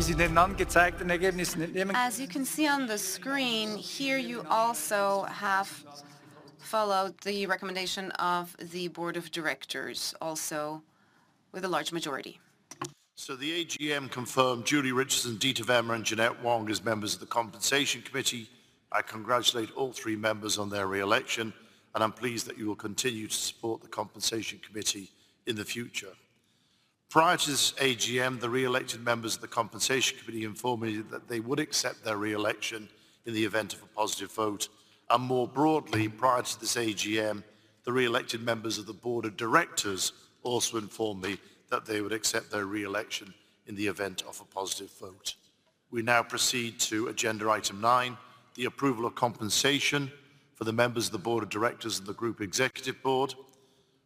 [SPEAKER 3] As you can see on the screen here, you also have followed the recommendation of the Board of Directors also with a large majority.
[SPEAKER 1] The AGM confirmed Julie Richardson, Dieter Wemmer, and Jeanette Wong as members of the Compensation Committee. I congratulate all three members on their re-election, and I'm pleased that you will continue to support the Compensation Committee in the future. Prior to this AGM, the re-elected members of the Compensation Committee informed me that they would accept their re-election in the event of a positive vote. More broadly, prior to this AGM, the re-elected members of the Board of Directors also informed me that they would accept their re-election in the event of a positive vote. We now proceed to agenda item nine, the approval of compensation for the members of the Board of Directors and the Group Executive Board.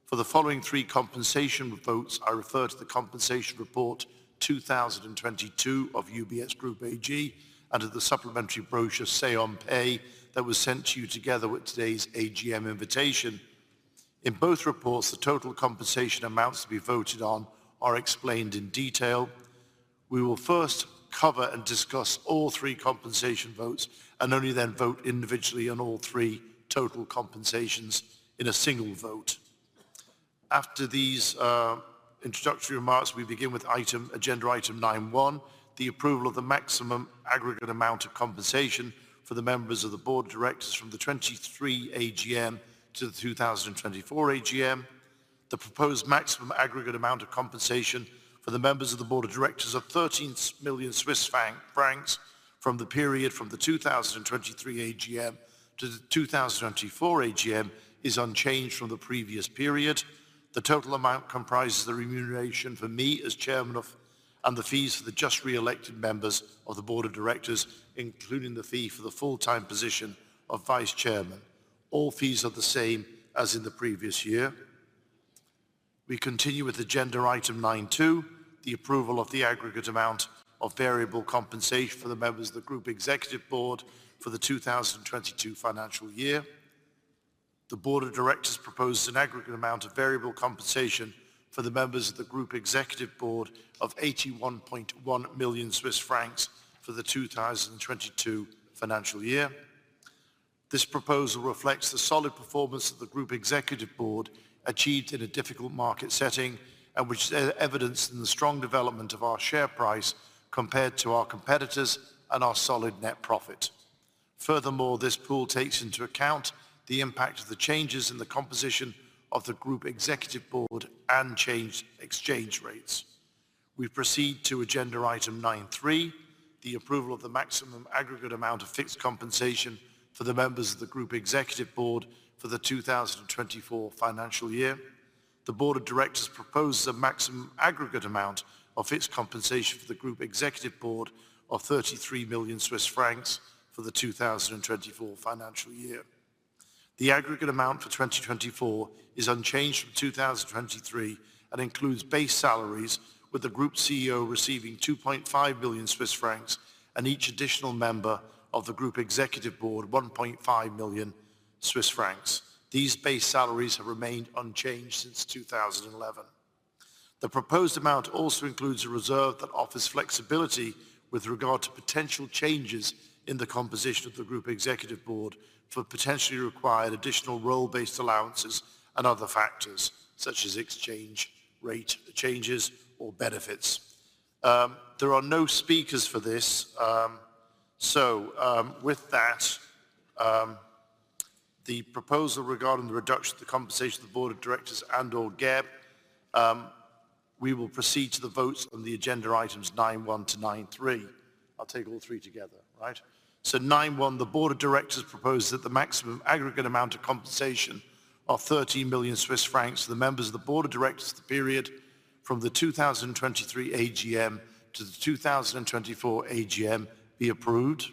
[SPEAKER 1] For the following three compensation votes, I refer to the compensation report 2022 of UBS Group AG under the supplementary brochure Say on Pay that was sent to you together with today's AGM invitation. In both reports, the total compensation amounts to be voted on are explained in detail. We will first cover and discuss all three compensation votes and only then vote individually on all three total compensations in a single vote. After these introductory remarks, we begin with agenda item 9.1, the approval of the maximum aggregate amount of compensation for the members of the Board of Directors from the 2023 AGM to the 2024 AGM. The proposed maximum aggregate amount of compensation for the members of the Board of Directors of 13 million Swiss francs from the period from the 2023 AGM to the 2024 AGM is unchanged from the previous period. The total amount comprises the remuneration for me as chairman of and the fees for the just re-elected members of the Board of Directors, including the fee for the full-time position Vice Chairman. All fees are the same as in the previous year. We continue with agenda item 9.2, the approval of the aggregate amount of variable compensation for the members of Group Executive Board for the 2022 financial year. The Board of Directors proposes an aggregate amount of variable compensation for the members of Group Executive Board of 81.1 million Swiss francs for the 2022 financial year. This proposal reflects the solid performance that Group Executive Board achieved in a difficult market setting and which is evidenced in the strong development of our share price compared to our competitors and our solid net profit. Furthermore, this pool takes into account the impact of the changes in the composition of Group Executive Board and changed exchange rates. We proceed to agenda item 9.3, the approval of the maximum aggregate amount of fixed compensation for the members of Group Executive Board for the 2024 financial year. The Board of Directors proposes a maximum aggregate amount of fixed compensation for Group Executive Board of 33 million Swiss francs for the 2024 financial year. The aggregate amount for 2024 is unchanged from 2023 and includes base salaries, with the Group CEO receiving 2.5 million Swiss francs and each additional member of Group Executive Board chf 1.5 million. These base salaries have remained unchanged since 2011. The proposed amount also includes a reserve that offers flexibility with regard to potential changes in the composition of Group Executive Board for potentially required additional role-based allowances and other factors, such as exchange rate changes or benefits. There are no speakers for this. With that, the proposal regarding the reduction of the compensation of the Board of Directors and/or GEB, we will proceed to the votes on the agenda items 9.1 to 9.3. I'll take all three together. Right. The Board of Directors propose that the maximum aggregate amount of compensation of 30 million Swiss francs to the members of the Board of Directors for the period from the 2023 AGM to the 2024 AGM be approved.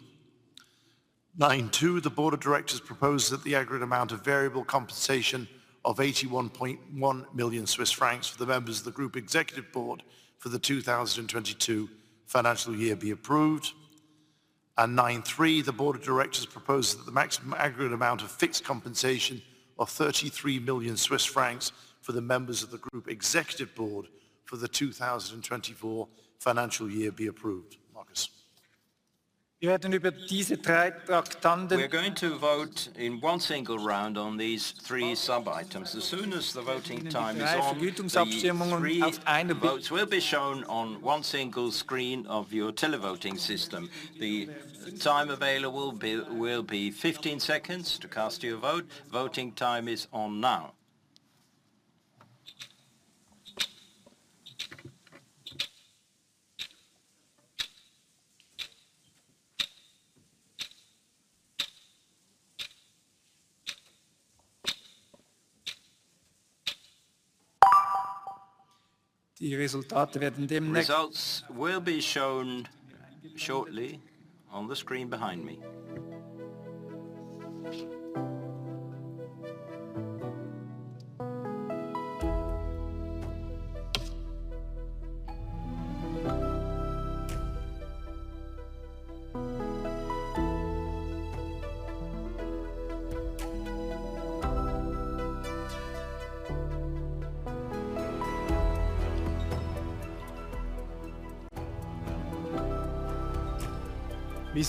[SPEAKER 1] 9.2, the Board of Directors propose that the aggregate amount of variable compensation of 81.1 million Swiss francs for the members of Group Executive Board for the 2022 financial year be approved. 9.3, the Board of Directors propose that the maximum aggregate amount of fixed compensation of 33 million Swiss francs for the members of Group Executive Board for the 2024 financial year be approved. Markus?
[SPEAKER 3] We are going to vote in one single round on these three sub-items. As soon as the voting time is on, the three votes will be shown on one single screen of your televoting system. The time available will be 15 seconds to cast your vote. Voting time is on now. The results will be shown shortly on the screen behind me.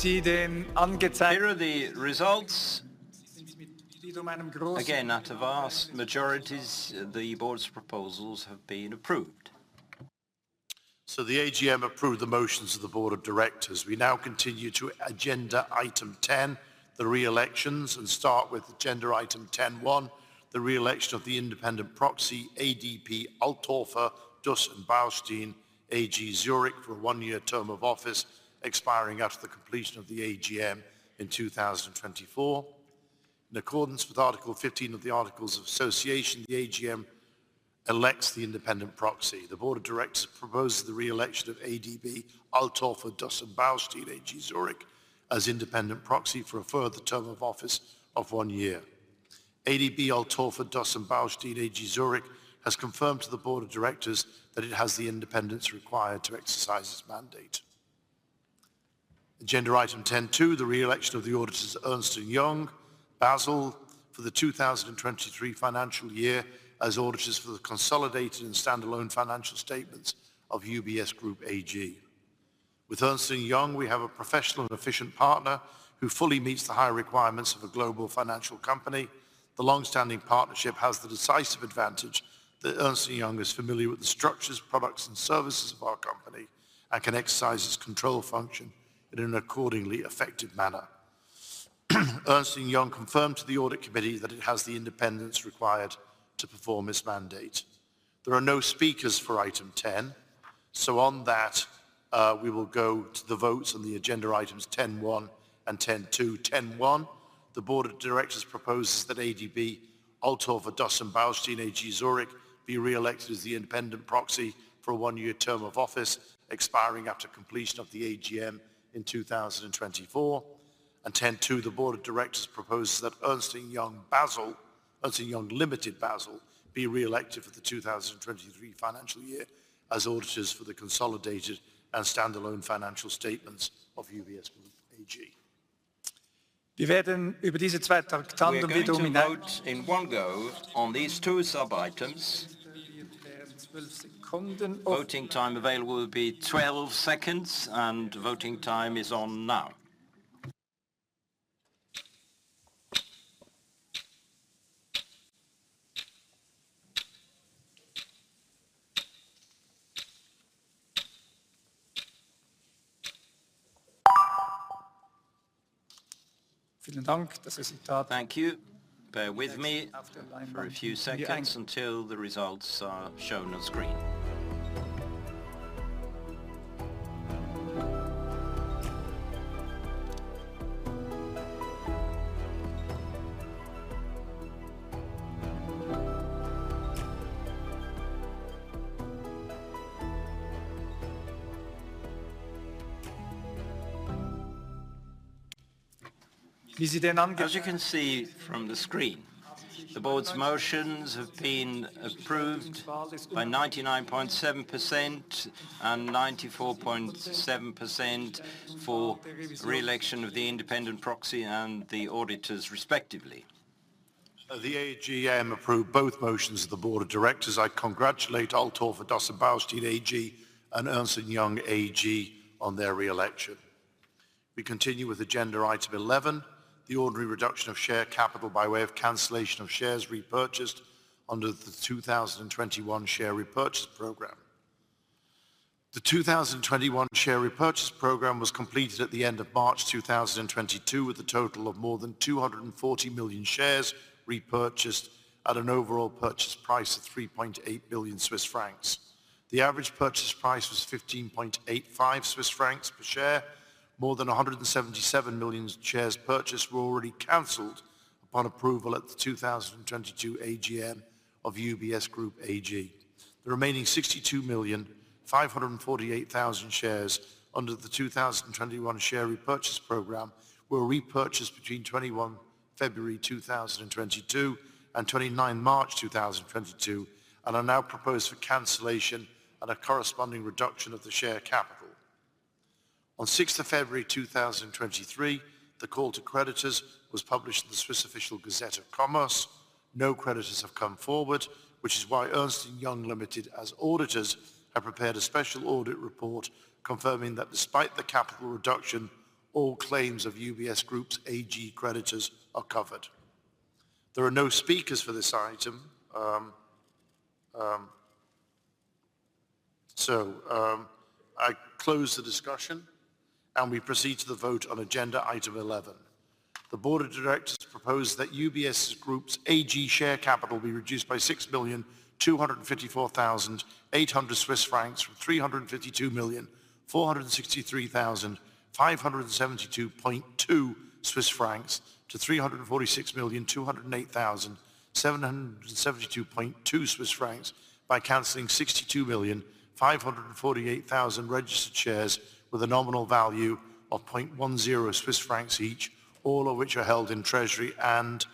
[SPEAKER 3] Here are the results. Again, out of vast majorities, the board's proposals have been approved.
[SPEAKER 1] The AGM approved the motions of the Board of Directors. We now continue to agenda item 10, the reelections, and start with agenda item 10.1, the reelection of the independent proxy, ADB Altorfer Duss & Beilstein AG, Zurich, for a one-year term of office expiring after the completion of the AGM in 2024. In accordance with Article 15 of the Articles of Association, the AGM elects the independent proxy. The Board of Directors proposes the reelection of ADB Altorfer Duss & Beilstein AG, Zurich, as independent proxy for a further term of office of one year. ADB Altorfer Duss & Beilstein AG, Zurich, has confirmed to the Board of Directors that it has the independence required to exercise its mandate. Agenda item 10.2, the reelection of the auditors Ernst & Young, Basel, for the 2023 financial year as auditors for the consolidated and standalone financial statements of UBS Group AG. With Ernst & Young, we have a professional and efficient partner who fully meets the high requirements of a global financial company. The long-standing partnership has the decisive advantage that Ernst & Young is familiar with the structures, products, and services of our company and can exercise its control function in an accordingly effective manner. Ernst & Young confirmed to the Audit Committee that it has the independence required to perform its mandate. There are no speakers for item 10. On that, we will go to the votes on the agenda items 10.1 and 10.2. 10.1, the Board of Directors proposes that ADB, Altorfer Duss & Beilstein AG, Zurich, be reelected as the independent proxy for a one-year term of office expiring after completion of the AGM in 2024. 10.2, the Board of Directors proposes that Ernst & Young, Basel, Ernst & Young Ltd, Basel, be reelected for the 2023 financial year as auditors for the consolidated and standalone financial statements of UBS Group AG.
[SPEAKER 3] We are going to vote in one go on these two sub-items. Voting time available will be 12 seconds. Voting time is on now. Thank you. Bear with me for a few seconds until the results are shown on screen. As you can see from the screen, the board's motions have been approved by 99.7% and 94.7% for reelection of the independent proxy and the auditors, respectively.
[SPEAKER 1] The AGM approved both motions of the Board of Directors. I congratulate Altorfer Duss & Beilstein AG and Ernst & Young AG on their reelection. We continue with agenda item 11, the ordinary reduction of share capital by way of cancellation of shares repurchased under the 2021 share repurchase program. The 2021 share repurchase program was completed at the end of March 2022, with a total of more than 240 million shares repurchased at an overall purchase price of 3.8 billion Swiss francs. The average purchase price was 15.85 Swiss francs per share. More than 177 million shares purchased were already canceled upon approval at the 2022 AGM of UBS Group AG. The remaining 62,548,000 shares under the 2021 share repurchase program were repurchased between February 21, 2022 and March 29, 2022, and are now proposed for cancellation and a corresponding reduction of the share capital. On February 6, 2023, the call to creditors was published in the Swiss Official Gazette of Commerce. No creditors have come forward, which is why Ernst & Young Ltd as auditors have prepared a special audit report confirming that despite the capital reduction, all claims of UBS Group AG creditors are covered. There are no speakers for this item, so I close the discussion, and we proceed to the vote on agenda item 11. The Board of Directors propose that UBS Group AG share capital be reduced by 6,254,800 Swiss francs from 352,463,572.2 Swiss francs to 346,208,772.2 Swiss francs by canceling 62,548,000 registered shares with a nominal value of 0.10 Swiss francs each, all of which are held in treasury and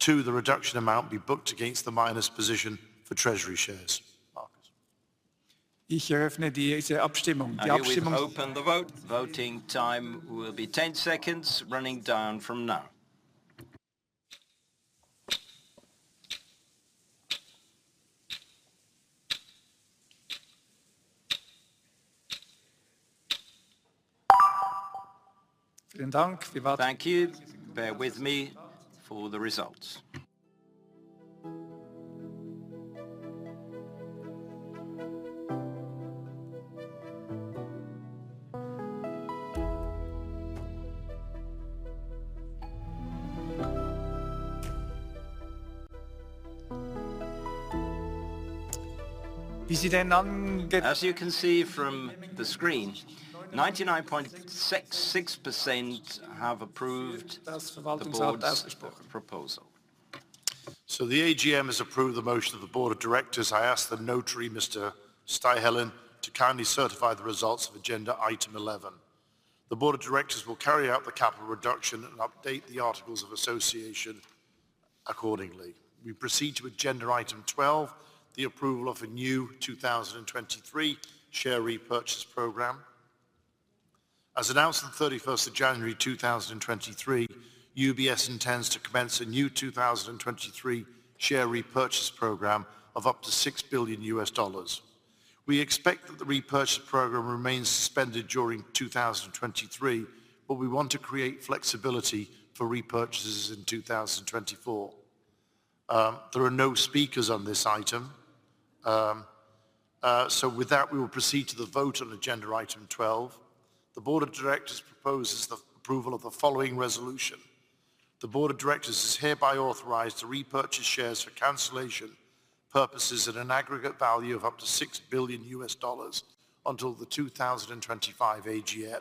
[SPEAKER 1] to the reduction amount be booked against the minus position for treasury shares. Markus? Here we've opened the vote. Voting time will be 10 seconds running down from now. Thank you. Bear with me for the results. As you can see from the screen, 99.66% have approved the board's proposal. The AGM has approved the motion of the Board of Directors. I ask the notary, Mr. Staehelin, to kindly certify the results of agenda item 11. The Board of Directors will carry out the capital reduction and update the articles of association accordingly. We proceed to agenda item 12, the approval of a new 2023 share repurchase program. As announced on the 31st of January 2023, UBS intends to commence a new 2023 share repurchase program of up to $6 billion. We expect that the repurchase program remains suspended during 2023, we want to create flexibility for repurchases in 2024. There are no speakers on this item. With that we will proceed to the vote on agenda item 12. The Board of Directors proposes the approval of the following resolution. The Board of Directors is hereby authorized to repurchase shares for cancellation purposes at an aggregate value of up to $6 billion until the 2025 AGM.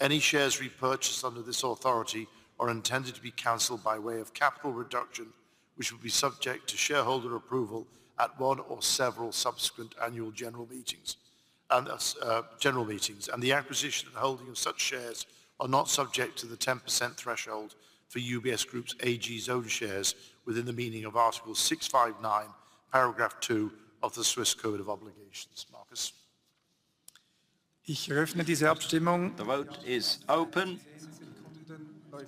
[SPEAKER 1] Any shares repurchased under this authority are intended to be canceled by way of capital reduction, which will be subject to shareholder approval at one or several subsequent annual general meetings. The acquisition and holding of such shares are not subject to the 10% threshold for UBS Group AG's own shares within the meaning of article 659, paragraph 2 of the Swiss Code of Obligations. Markus? The vote is open.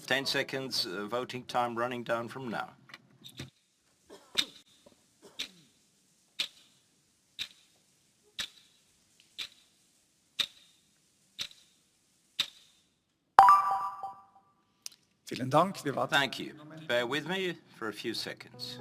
[SPEAKER 1] 10 seconds voting time running down from now. Thank you. Bear with me for a few seconds.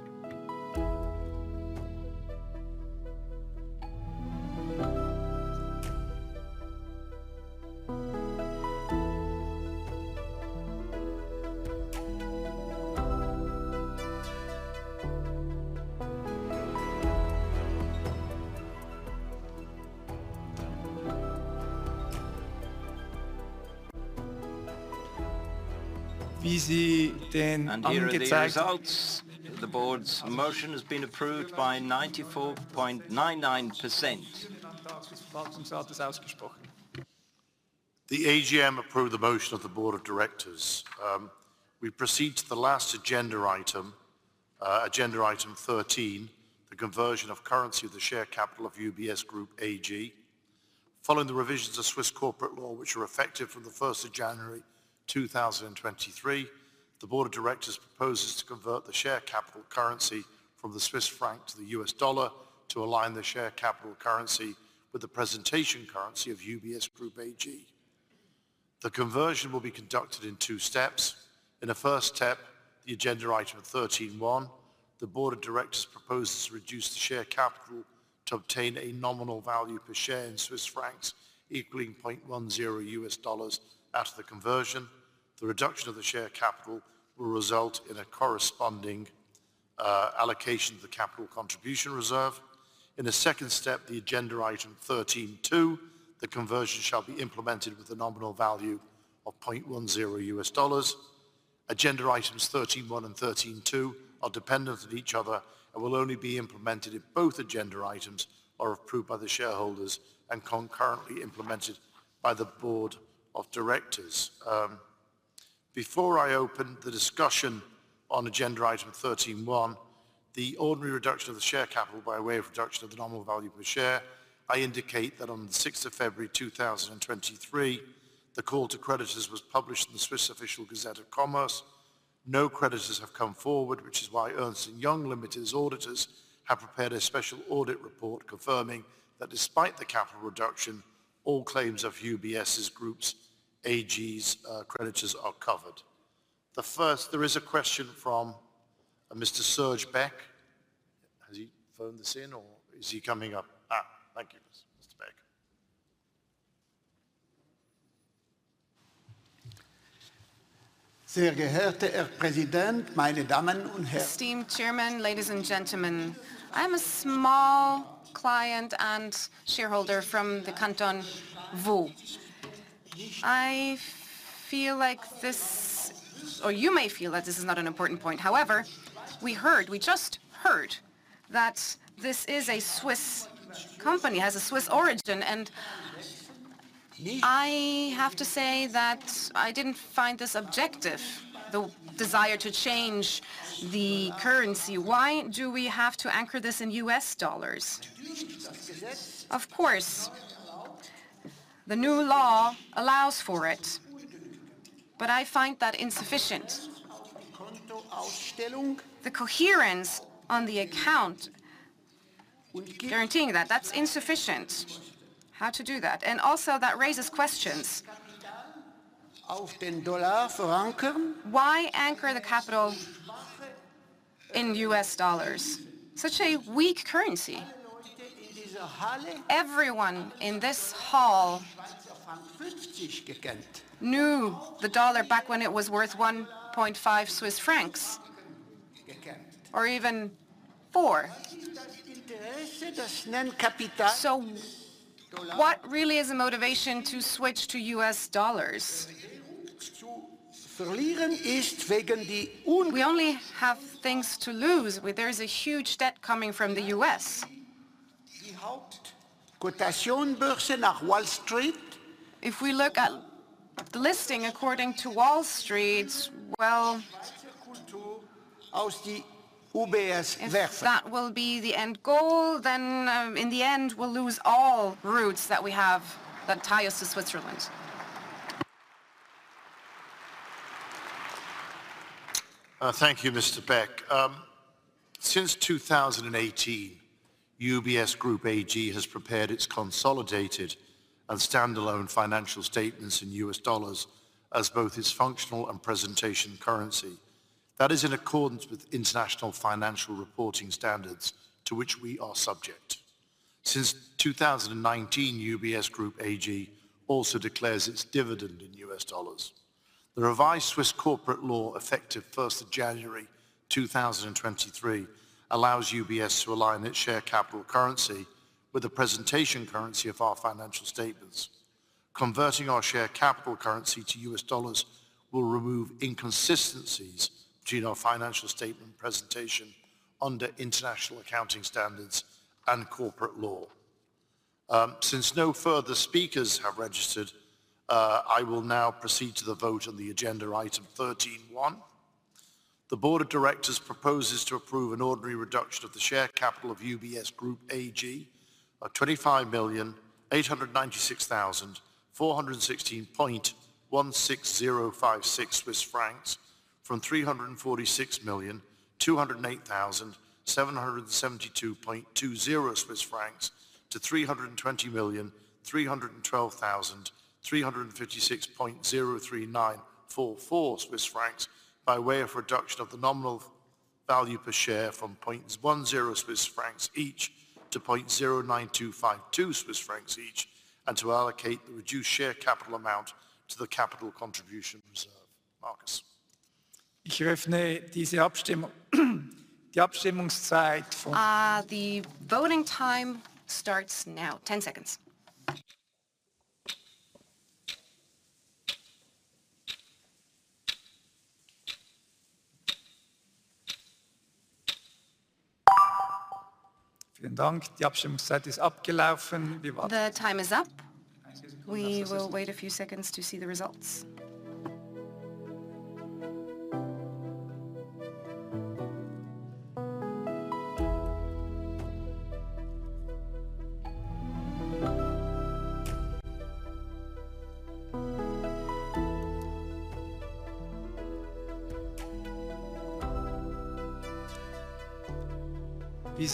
[SPEAKER 1] Here are the results. The board's motion has been approved by 94.99%. The AGM approved the motion of the Board of Directors. We proceed to the last agenda item, agenda item 13, the conversion of currency of the share capital of UBS Group AG. Following the revisions of Swiss corporate law which were effective from the 1st of January 2023, the Board of Directors proposes to convert the share capital currency from the Swiss franc to the US dollar to align the share capital currency with the presentation currency of UBS Group AG. The conversion will be conducted in two steps. In the first step, the agenda item 13.1, the Board of Directors proposes to reduce the share capital to obtain a nominal value per share in Swiss francs equaling $0.10 after the conversion. The reduction of the share capital will result in a corresponding allocation of the capital contribution reserve. In the second step, the agenda item 13.2, the conversion shall be implemented with a nominal value of $0.10. Agenda items 13.1 and 13.2 are dependent on each other and will only be implemented if both agenda items are approved by the shareholders and concurrently implemented by the Board of Directors. Before I open the discussion on agenda item 13.1. The ordinary reduction of the share capital by way of reduction of the nominal value per share, I indicate that on the 6th of February 2023, the call to creditors was published in the Swiss Official Gazette of Commerce. No creditors have come forward, which is why Ernst & Young Ltd's auditors have prepared a special audit report confirming that despite the capital reduction, all claims of UBS's groups, AGs, creditors are covered. The first, there is a question from a Mr. Serge Beck. Has he phoned this in or is he coming up? Thank you, Mr. Beck.
[SPEAKER 18] Sehr geehrter Herr Präsident, meine Damen und Herren. Esteemed Chairman, ladies and gentlemen, I am a small client and shareholder from the Canton Vaud. You may feel that this is not an important point. We heard, we just heard that this is a Swiss company, has a Swiss origin, and I have to say that I didn't find this objective, the desire to change the currency. Why do we have to anchor this in U.S. dollars? Of course, the new law allows for it, I find that insufficient. The coherence on the account guaranteeing that's insufficient. How to do that? Also that raises questions. Why anchor the capital in U.S. dollars? Such a weak currency. Everyone in this hall knew the U.S. dollar back when it was worth 1.5 Swiss francs, or even 4 CHF. What really is the motivation to switch to U.S. dollars? We only have things to lose. There is a huge debt coming from the U.S. If we look at the listing according to Wall Street, well, if that will be the end goal, then, in the end, we'll lose all routes that we have that tie us to Switzerland.
[SPEAKER 1] Thank you, Mr. Beck. Since 2018, UBS Group AG has prepared its consolidated and standalone financial statements in US dollars as both its functional and presentation currency. That is in accordance with international financial reporting standards to which we are subject. Since 2019, UBS Group AG also declares its dividend in US dollars. The revised Swiss corporate law effective first of January 2023 allows UBS to align its share capital currency with the presentation currency of our financial statements. Converting our share capital currency to US dollars will remove inconsistencies between our financial statement presentation under international accounting standards and corporate law. Since no further speakers have registered, I will now proceed to the vote on the agenda item 13.1. The Board of Directors proposes to approve an ordinary reduction of the share capital of UBS Group AG of 25,896,416.16056 Swiss francs from 346,208,772.20 Swiss francs to 320,312,356.03944 Swiss francs by way of reduction of the nominal value per share from 0.10 Swiss francs each to 0.09252 Swiss francs each, and to allocate the reduced share capital amount to the capital contribution reserve. Markus.
[SPEAKER 3] Ich eröffne diese Abstimmung. Die Abstimmungszeit. The voting time starts now. 10 seconds. Vielen Dank. Die Abstimmungszeit ist abgelaufen. The time is up. We will wait a few seconds to see the results.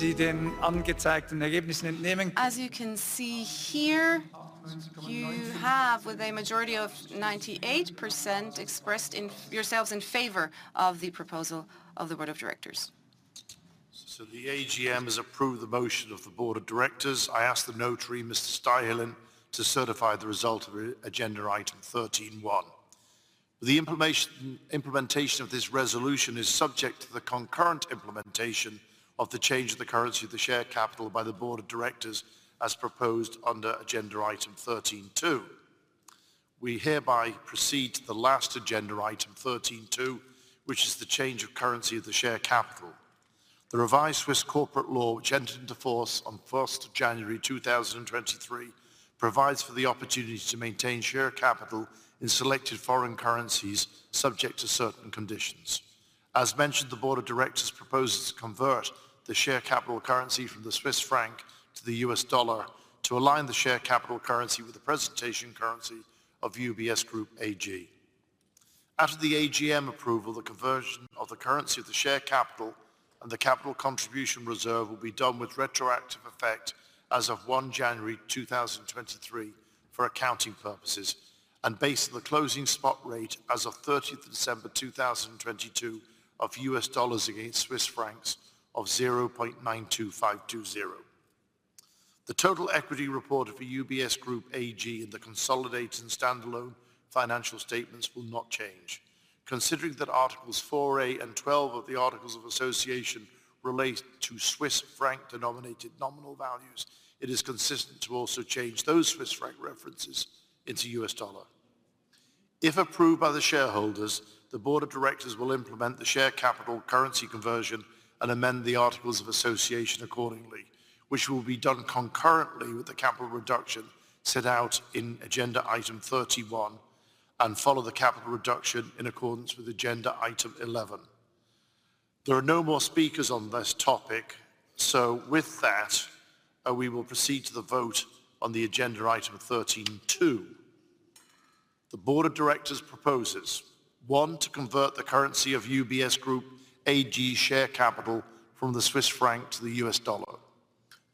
[SPEAKER 3] Wie Sie den angezeigten Ergebnissen entnehmen können As you can see here, you have, with a majority of 98%, yourselves in favor of the proposal of the Board of Directors.
[SPEAKER 1] The AGM has approved the motion of the Board of Directors. I ask the notary, Mr. Staehelin, to certify the result of agenda item 13.1. The implementation of this resolution is subject to the concurrent implementation of the change of the currency of the share capital by the Board of Directors as proposed under agenda item 13.2. We hereby proceed to the last agenda item, 13.2, which is the change of currency of the share capital. The revised Swiss corporate law, which entered into force on first of January 2023, provides for the opportunity to maintain share capital in selected foreign currencies subject to certain conditions. As mentioned, the Board of Directors proposes to convert the share capital currency from the Swiss franc to the US dollar to align the share capital currency with the presentation currency of UBS Group AG. After the AGM approval, the conversion of the currency of the share capital and the capital contribution reserve will be done with retroactive effect as of January 1, 2023 for accounting purposes and based on the closing spot rate as of December 30, 2022 of USD against CHF of 0.92520. The total equity reported for UBS Group AG in the consolidated and standalone financial statements will not change. Considering that articles 4A and 12 of the Articles of Association relate to Swiss franc denominated nominal values, it is consistent to also change those Swiss franc references into US dollar. If approved by the shareholders, the Board of Directors will implement the share capital currency conversion and amend the Articles of Association accordingly, which will be done concurrently with the capital reduction set out in agenda item 31 and follow the capital reduction in accordance with agenda item 11. There are no more speakers on this topic. With that, we will proceed to the vote on the agenda item 13.2. The Board of Directors proposes, one, to convert the currency of UBS Group AG share capital from the Swiss franc to the U.S. dollar.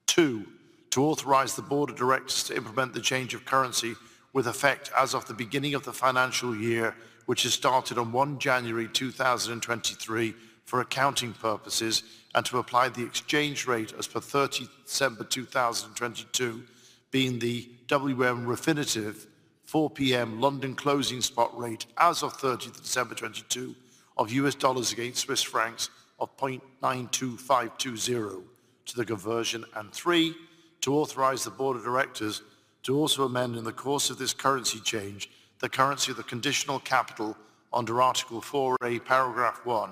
[SPEAKER 1] Two, to authorize the Board of Directors to implement the change of currency with effect as of the beginning of the financial year, which has started on 1 January 2023 for accounting purposes and to apply the exchange rate as per 30th December 2022, being the WM/Refinitiv 4:00 P.M. London closing spot rate as of 30th December 2022 of US dollars against Swiss francs of 0.92520 to the conversion. Three, to authorize the Board of Directors to also amend in the course of this currency change the currency of the conditional capital under Article 4 A, Paragraph 1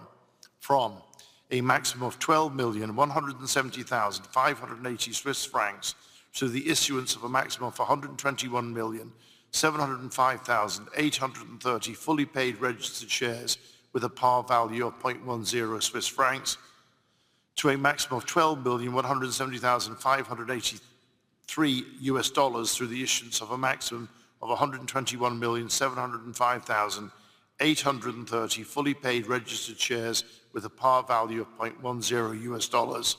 [SPEAKER 1] from a maximum of 12,170,580 Swiss francs to the issuance of a maximum of 121,705,830 fully paid registered shares with a par value of 0.10 Swiss francs to a maximum of $12,000,170,583 through the issuance of a maximum of 121,705,830 fully paid registered shares with a par value of $0.10.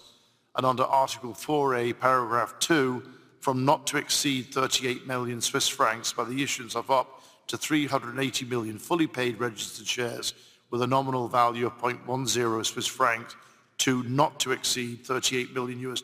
[SPEAKER 1] Under Article 4A, Paragraph 2 from not to exceed 38 million Swiss francs by the issuance of up to 380 million fully paid registered shares with a nominal value of 0.10 Swiss francs to not to exceed $38 million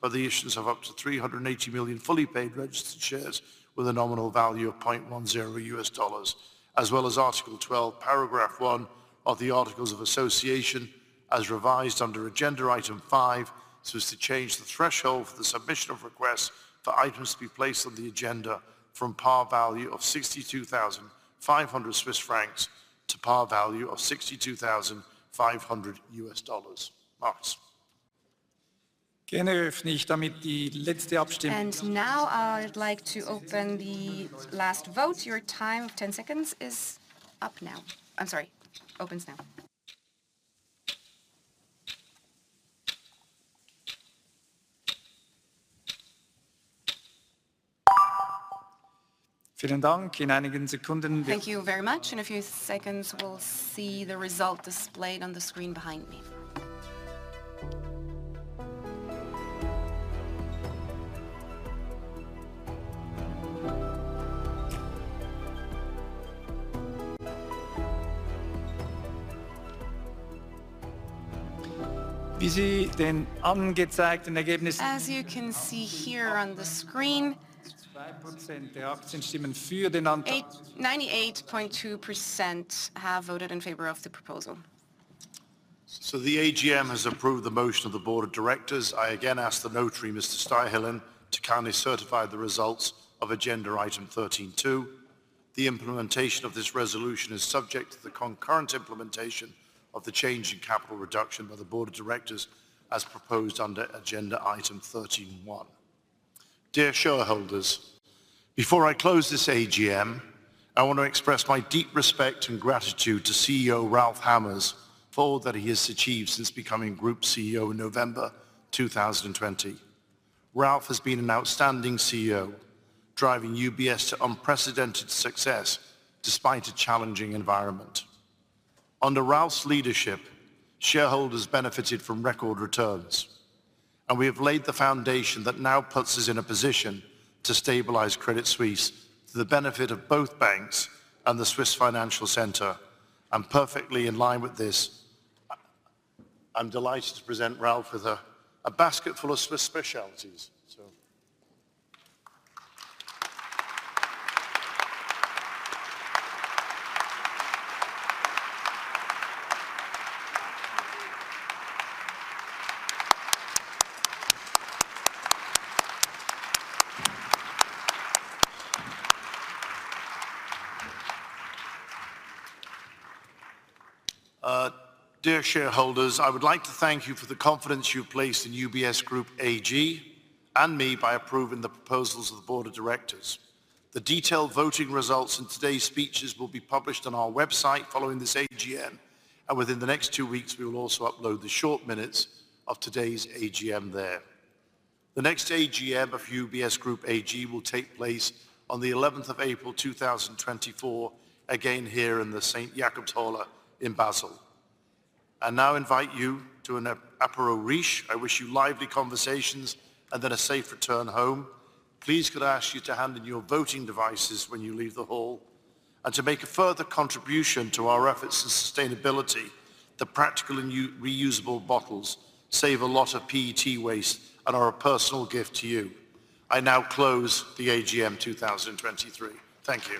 [SPEAKER 1] by the issuance of up to 380 million fully paid registered shares with a nominal value of $0.10. As well as Article 12, Paragraph 1 of the Articles of Association as revised under Agenda item five, so as to change the threshold for the submission of requests for items to be placed on the agenda from par value of 62,500 Swiss francs to par value of $62,500. Markus.
[SPEAKER 3] Now I'd like to open the last vote. Your time of 10 seconds is up now. I'm sorry, opens now. Thank you very much. In a few seconds, we'll see the result displayed on the screen behind me. As you can see here on the screen, 98.2% have voted in favor of the proposal.
[SPEAKER 1] The AGM has approved the motion of the Board of Directors. I again ask the notary, Mr. Staehelin, to kindly certify the results of agenda item 13.2. The implementation of this resolution is subject to the concurrent implementation of the change in capital reduction by the Board of Directors as proposed under agenda item 13.1. Dear shareholders, before I close this AGM, I want to express my deep respect and gratitude to CEO Ralph Hamers for all that he has achieved since becoming Group CEO in November 2020. Ralph has been an outstanding CEO, driving UBS to unprecedented success despite a challenging environment. Under Ralph's leadership, shareholders benefited from record returns, we have laid the foundation that now puts us in a position to stabilize Credit Suisse for the benefit of both banks and the Swiss Financial Center. Perfectly in line with this, I'm delighted to present Ralph with a basket full of Swiss specialties. Dear shareholders, I would like to thank you for the confidence you've placed in UBS Group AG and me by approving the proposals of the Board of Directors. The detailed voting results and today's speeches will be published on our website following this AGM. Within the next two weeks, we will also upload the short minutes of today's AGM there. The next AGM of UBS Group AG will take place on the 11th of April 2024, again here in the St. Jakobshalle in Basel. I now invite you to an aperitif. I wish you lively conversations and a safe return home. Please could I ask you to hand in your voting devices when you leave the hall and to make a further contribution to our efforts in sustainability, the practical and reusable bottles save a lot of PET waste and are a personal gift to you. I now close the AGM 2023. Thank you.